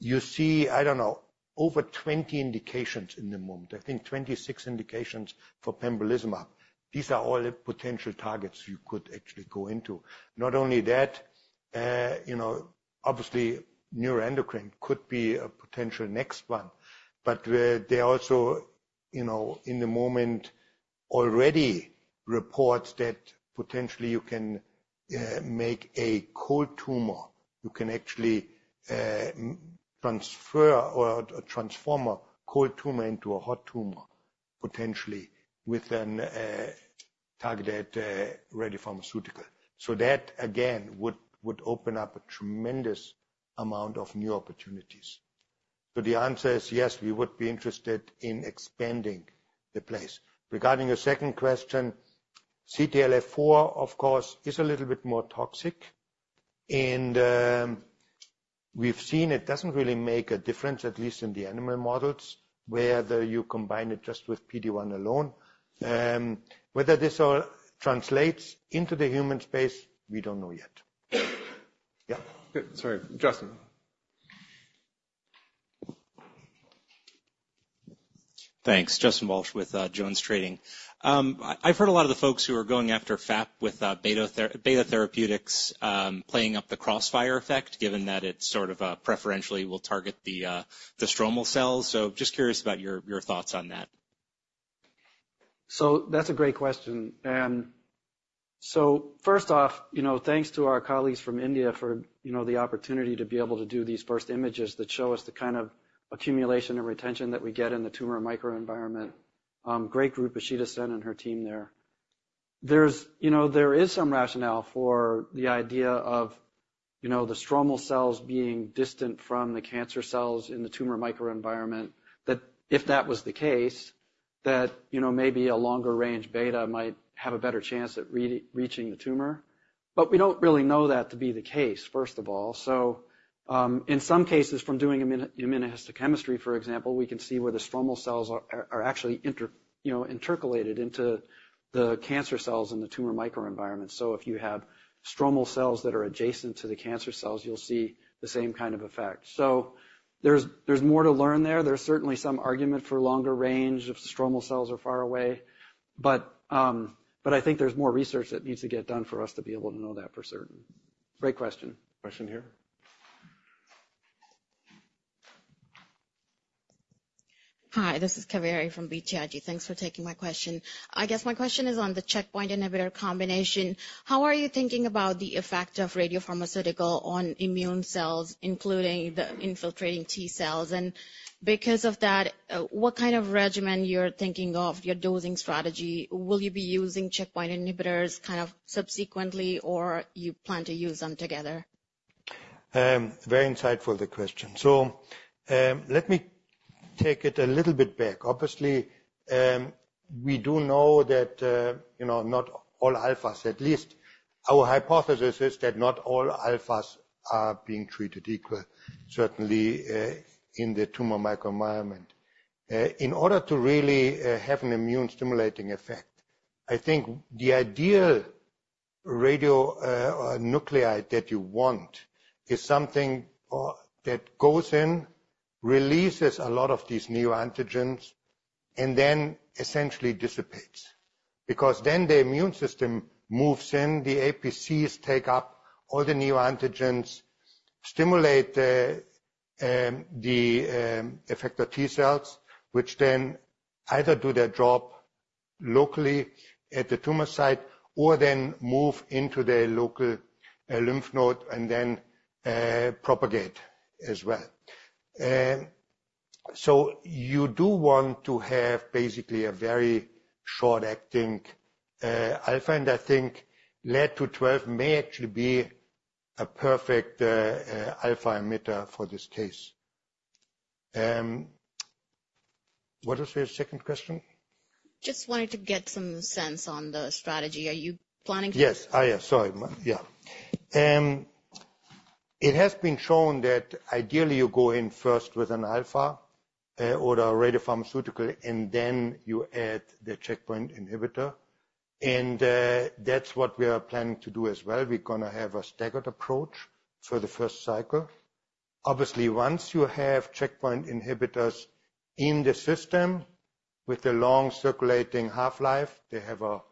you see, I don't know, over 20 indications in the moment. I think 26 indications for pembrolizumab. These are all potential targets you could actually go into. Not only that, you know, obviously neuroendocrine could be a potential next one, but they also, you know, in the moment already report that potentially you can make a cold tumor. You can actually transfer or transform a cold tumor into a hot tumor potentially with a targeted ready pharmaceutical. So that, again, would open up a tremendous amount of new opportunities. So the answer is yes, we would be interested in expanding the place. Regarding your second question, CTLA-4, of course, is a little bit more toxic. And we've seen it doesn't really make a difference, at least in the animal models, whether you combine it just with PD-1 alone. Whether this all translates into the human space, we don't know yet. Yeah. Good. Sorry, Justin. Thanks. Justin Walsh with Jones Trading. I've heard a lot of the folks who are going after FAP with beta therapeutics playing up the crossfire effect, given that it sort of preferentially will target the stromal cells. So just curious about your thoughts on that? So that's a great question. And so first off, you know, thanks to our colleagues from India for, you know, the opportunity to be able to do these first images that show us the kind of accumulation and retention that we get in the tumor microenvironment. Great group, Ishita Sen and her team there. There's, you know, there is some rationale for the idea of, you know, the stromal cells being distant from the cancer cells in the tumor microenvironment, that if that was the case, that, you know, maybe a longer-range beta might have a better chance at reaching the tumor. But we don't really know that to be the case, first of all. So in some cases, from doing immunohistochemistry, for example, we can see where the stromal cells are actually, you know, intercalated into the cancer cells in the tumor microenvironment. So if you have stromal cells that are adjacent to the cancer cells, you'll see the same kind of effect. So there's more to learn there. There's certainly some argument for longer range if the stromal cells are far away. But I think there's more research that needs to get done for us to be able to know that for certain. Great question. Question here. Hi, this is Kaveri from BTIG. Thanks for taking my question. I guess my question is on the checkpoint inhibitor combination. How are you thinking about the effect of radiopharmaceutical on immune cells, including the infiltrating T cells? And because of that, what kind of regimen you're thinking of, your dosing strategy, will you be using checkpoint inhibitors kind of subsequently or you plan to use them together? Very insightful, the question. So let me take it a little bit back. Obviously, we do know that, you know, not all alphas, at least our hypothesis is that not all alphas are being treated equal, certainly in the tumor microenvironment. In order to really have an immune-stimulating effect, I think the ideal radionuclides that you want is something that goes in, releases a lot of these neoantigens, and then essentially dissipates. Because then the immune system moves in, the APCs take up all the neoantigens, stimulate the effector T cells, which then either do their job locally at the tumor site or then move into the local lymph node and then propagate as well. So you do want to have basically a very short-acting alpha. And I think Lead-212 may actually be a perfect alpha emitter for this case. What was your second question? Just wanted to get some sense on the strategy. Are you planning to? Yes. Yeah. Sorry. Yeah. It has been shown that ideally you go in first with an alpha or a radiopharmaceutical and then you add the checkpoint inhibitor. And that's what we are planning to do as well. We're going to have a staggered approach for the first cycle. Obviously, once you have checkpoint inhibitors in the system with a long circulating half-life, they have a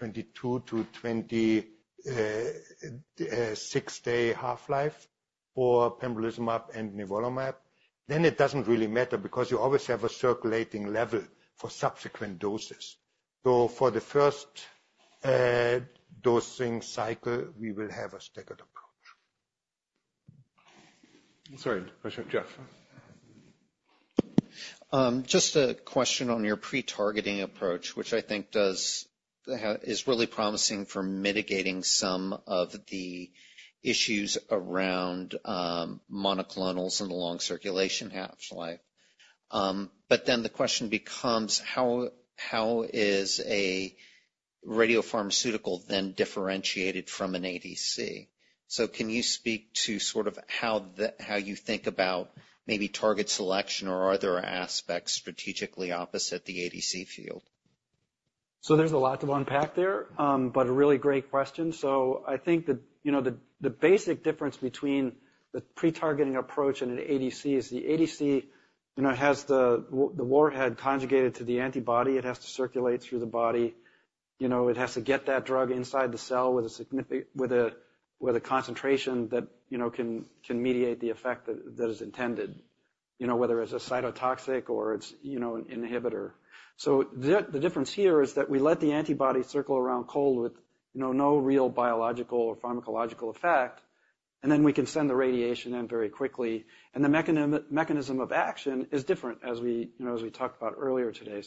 22-26-day half-life for pembrolizumab and nivolumab, then it doesn't really matter because you always have a circulating level for subsequent doses. So for the first dosing cycle, we will have a staggered approach. Sorry. Question, Jeff. Just a question on your pretargeting approach, which I think is really promising for mitigating some of the issues around monoclonals in the long circulation half-life. But then the question becomes, how is a radiopharmaceutical then differentiated from an ADC? So can you speak to sort of how you think about maybe target selection or are there aspects strategically opposite the ADC field? There's a lot to unpack there, but a really great question. I think that, you know, the basic difference between the pretargeting approach and an ADC is the ADC, you know, has the warhead conjugated to the antibody. It has to circulate through the body. You know, it has to get that drug inside the cell with a concentration that, you know, can mediate the effect that is intended, you know, whether it's a cytotoxic or it's, you know, an inhibitor. The difference here is that we let the antibody circle around cold with, you know, no real biological or pharmacological effect. And then we can send the radiation in very quickly. And the mechanism of action is different as we, you know, as we talked about earlier today.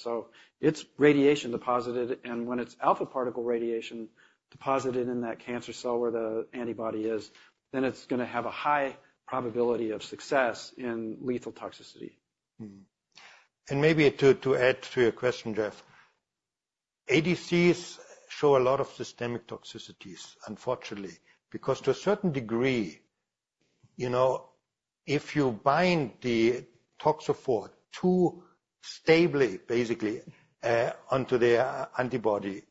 It's radiation deposited. When it's alpha particle radiation deposited in that cancer cell where the antibody is, then it's going to have a high probability of success in lethal toxicity. And maybe to add to your question, Jeff, ADCs show a lot of systemic toxicities, unfortunately, because to a certain degree, you know, if you bind the toxophore too stably, basically, onto the antibody,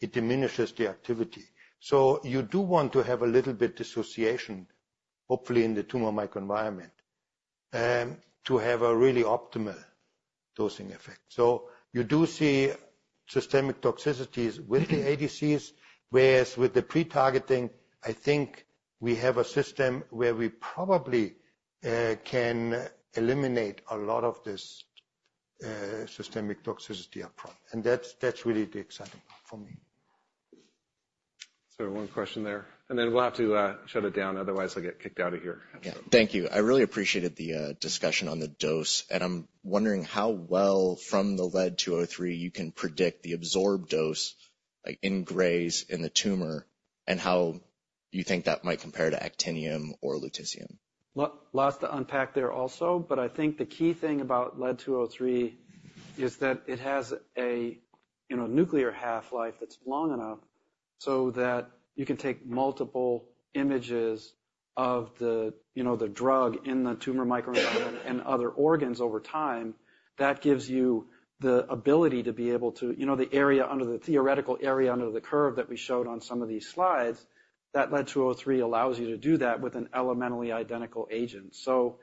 it diminishes the activity. So you do want to have a little bit dissociation, hopefully in the tumor microenvironment, to have a really optimal dosing effect. So you do see systemic toxicities with the ADCs, whereas with the pretargeting, I think we have a system where we probably can eliminate a lot of this systemic toxicity upfront. And that's really the exciting part for me. Sorry, one question there. Then we'll have to shut it down. Otherwise, I'll get kicked out of here. Yeah. Thank you. I really appreciated the discussion on the dose. And I'm wondering how well, from the Lead-203, you can predict the absorbed dose, like in grays in the tumor, and how you think that might compare to Actinium or Lutetium? Lots to unpack there also. But I think the key thing about Lead-203 is that it has a, you know, nuclear half-life that's long enough so that you can take multiple images of the, you know, the drug in the tumor microenvironment and other organs over time. That gives you the ability to be able to, you know, the area under the theoretical area under the curve that we showed on some of these slides, that Lead-203 allows you to do that with an elementally identical agent. So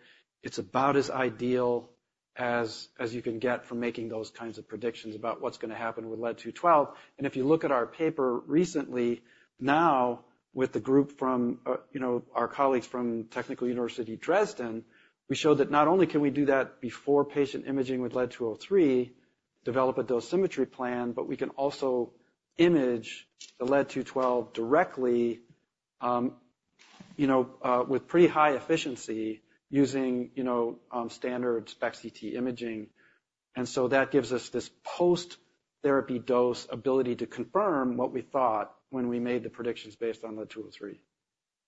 it's about as ideal as you can get from making those kinds of predictions about what's going to happen with Lead-212. And if you look at our paper recently, now with the group from, you know, our colleagues from Technical University Dresden, we showed that not only can we do that before patient imaging with lead-203, develop a dosimetry plan, but we can also image the lead-212 directly, you know, with pretty high efficiency using, you know, standard SPECT/CT imaging. And so that gives us this post-therapy dose ability to confirm what we thought when we made the predictions based on lead-203.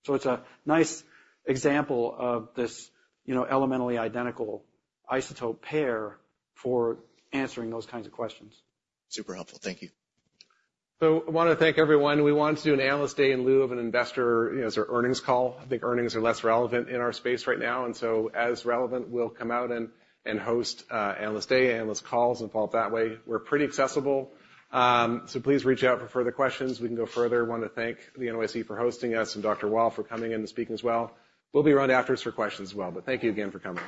So it's a nice example of this, you know, elementally identical isotope pair for answering those kinds of questions. Super helpful. Thank you. I want to thank everyone. We wanted to do an Analyst Day in lieu of an investor, you know, sort of earnings call. I think earnings are less relevant in our space right now. So as relevant, we'll come out and host Analyst Day and Analyst calls and follow up that way. We're pretty accessible. So please reach out for further questions. We can go further. I want to thank the NYC for hosting us and Dr. Wahl for coming in and speaking as well. We'll be around after us for questions as well. But thank you again for coming.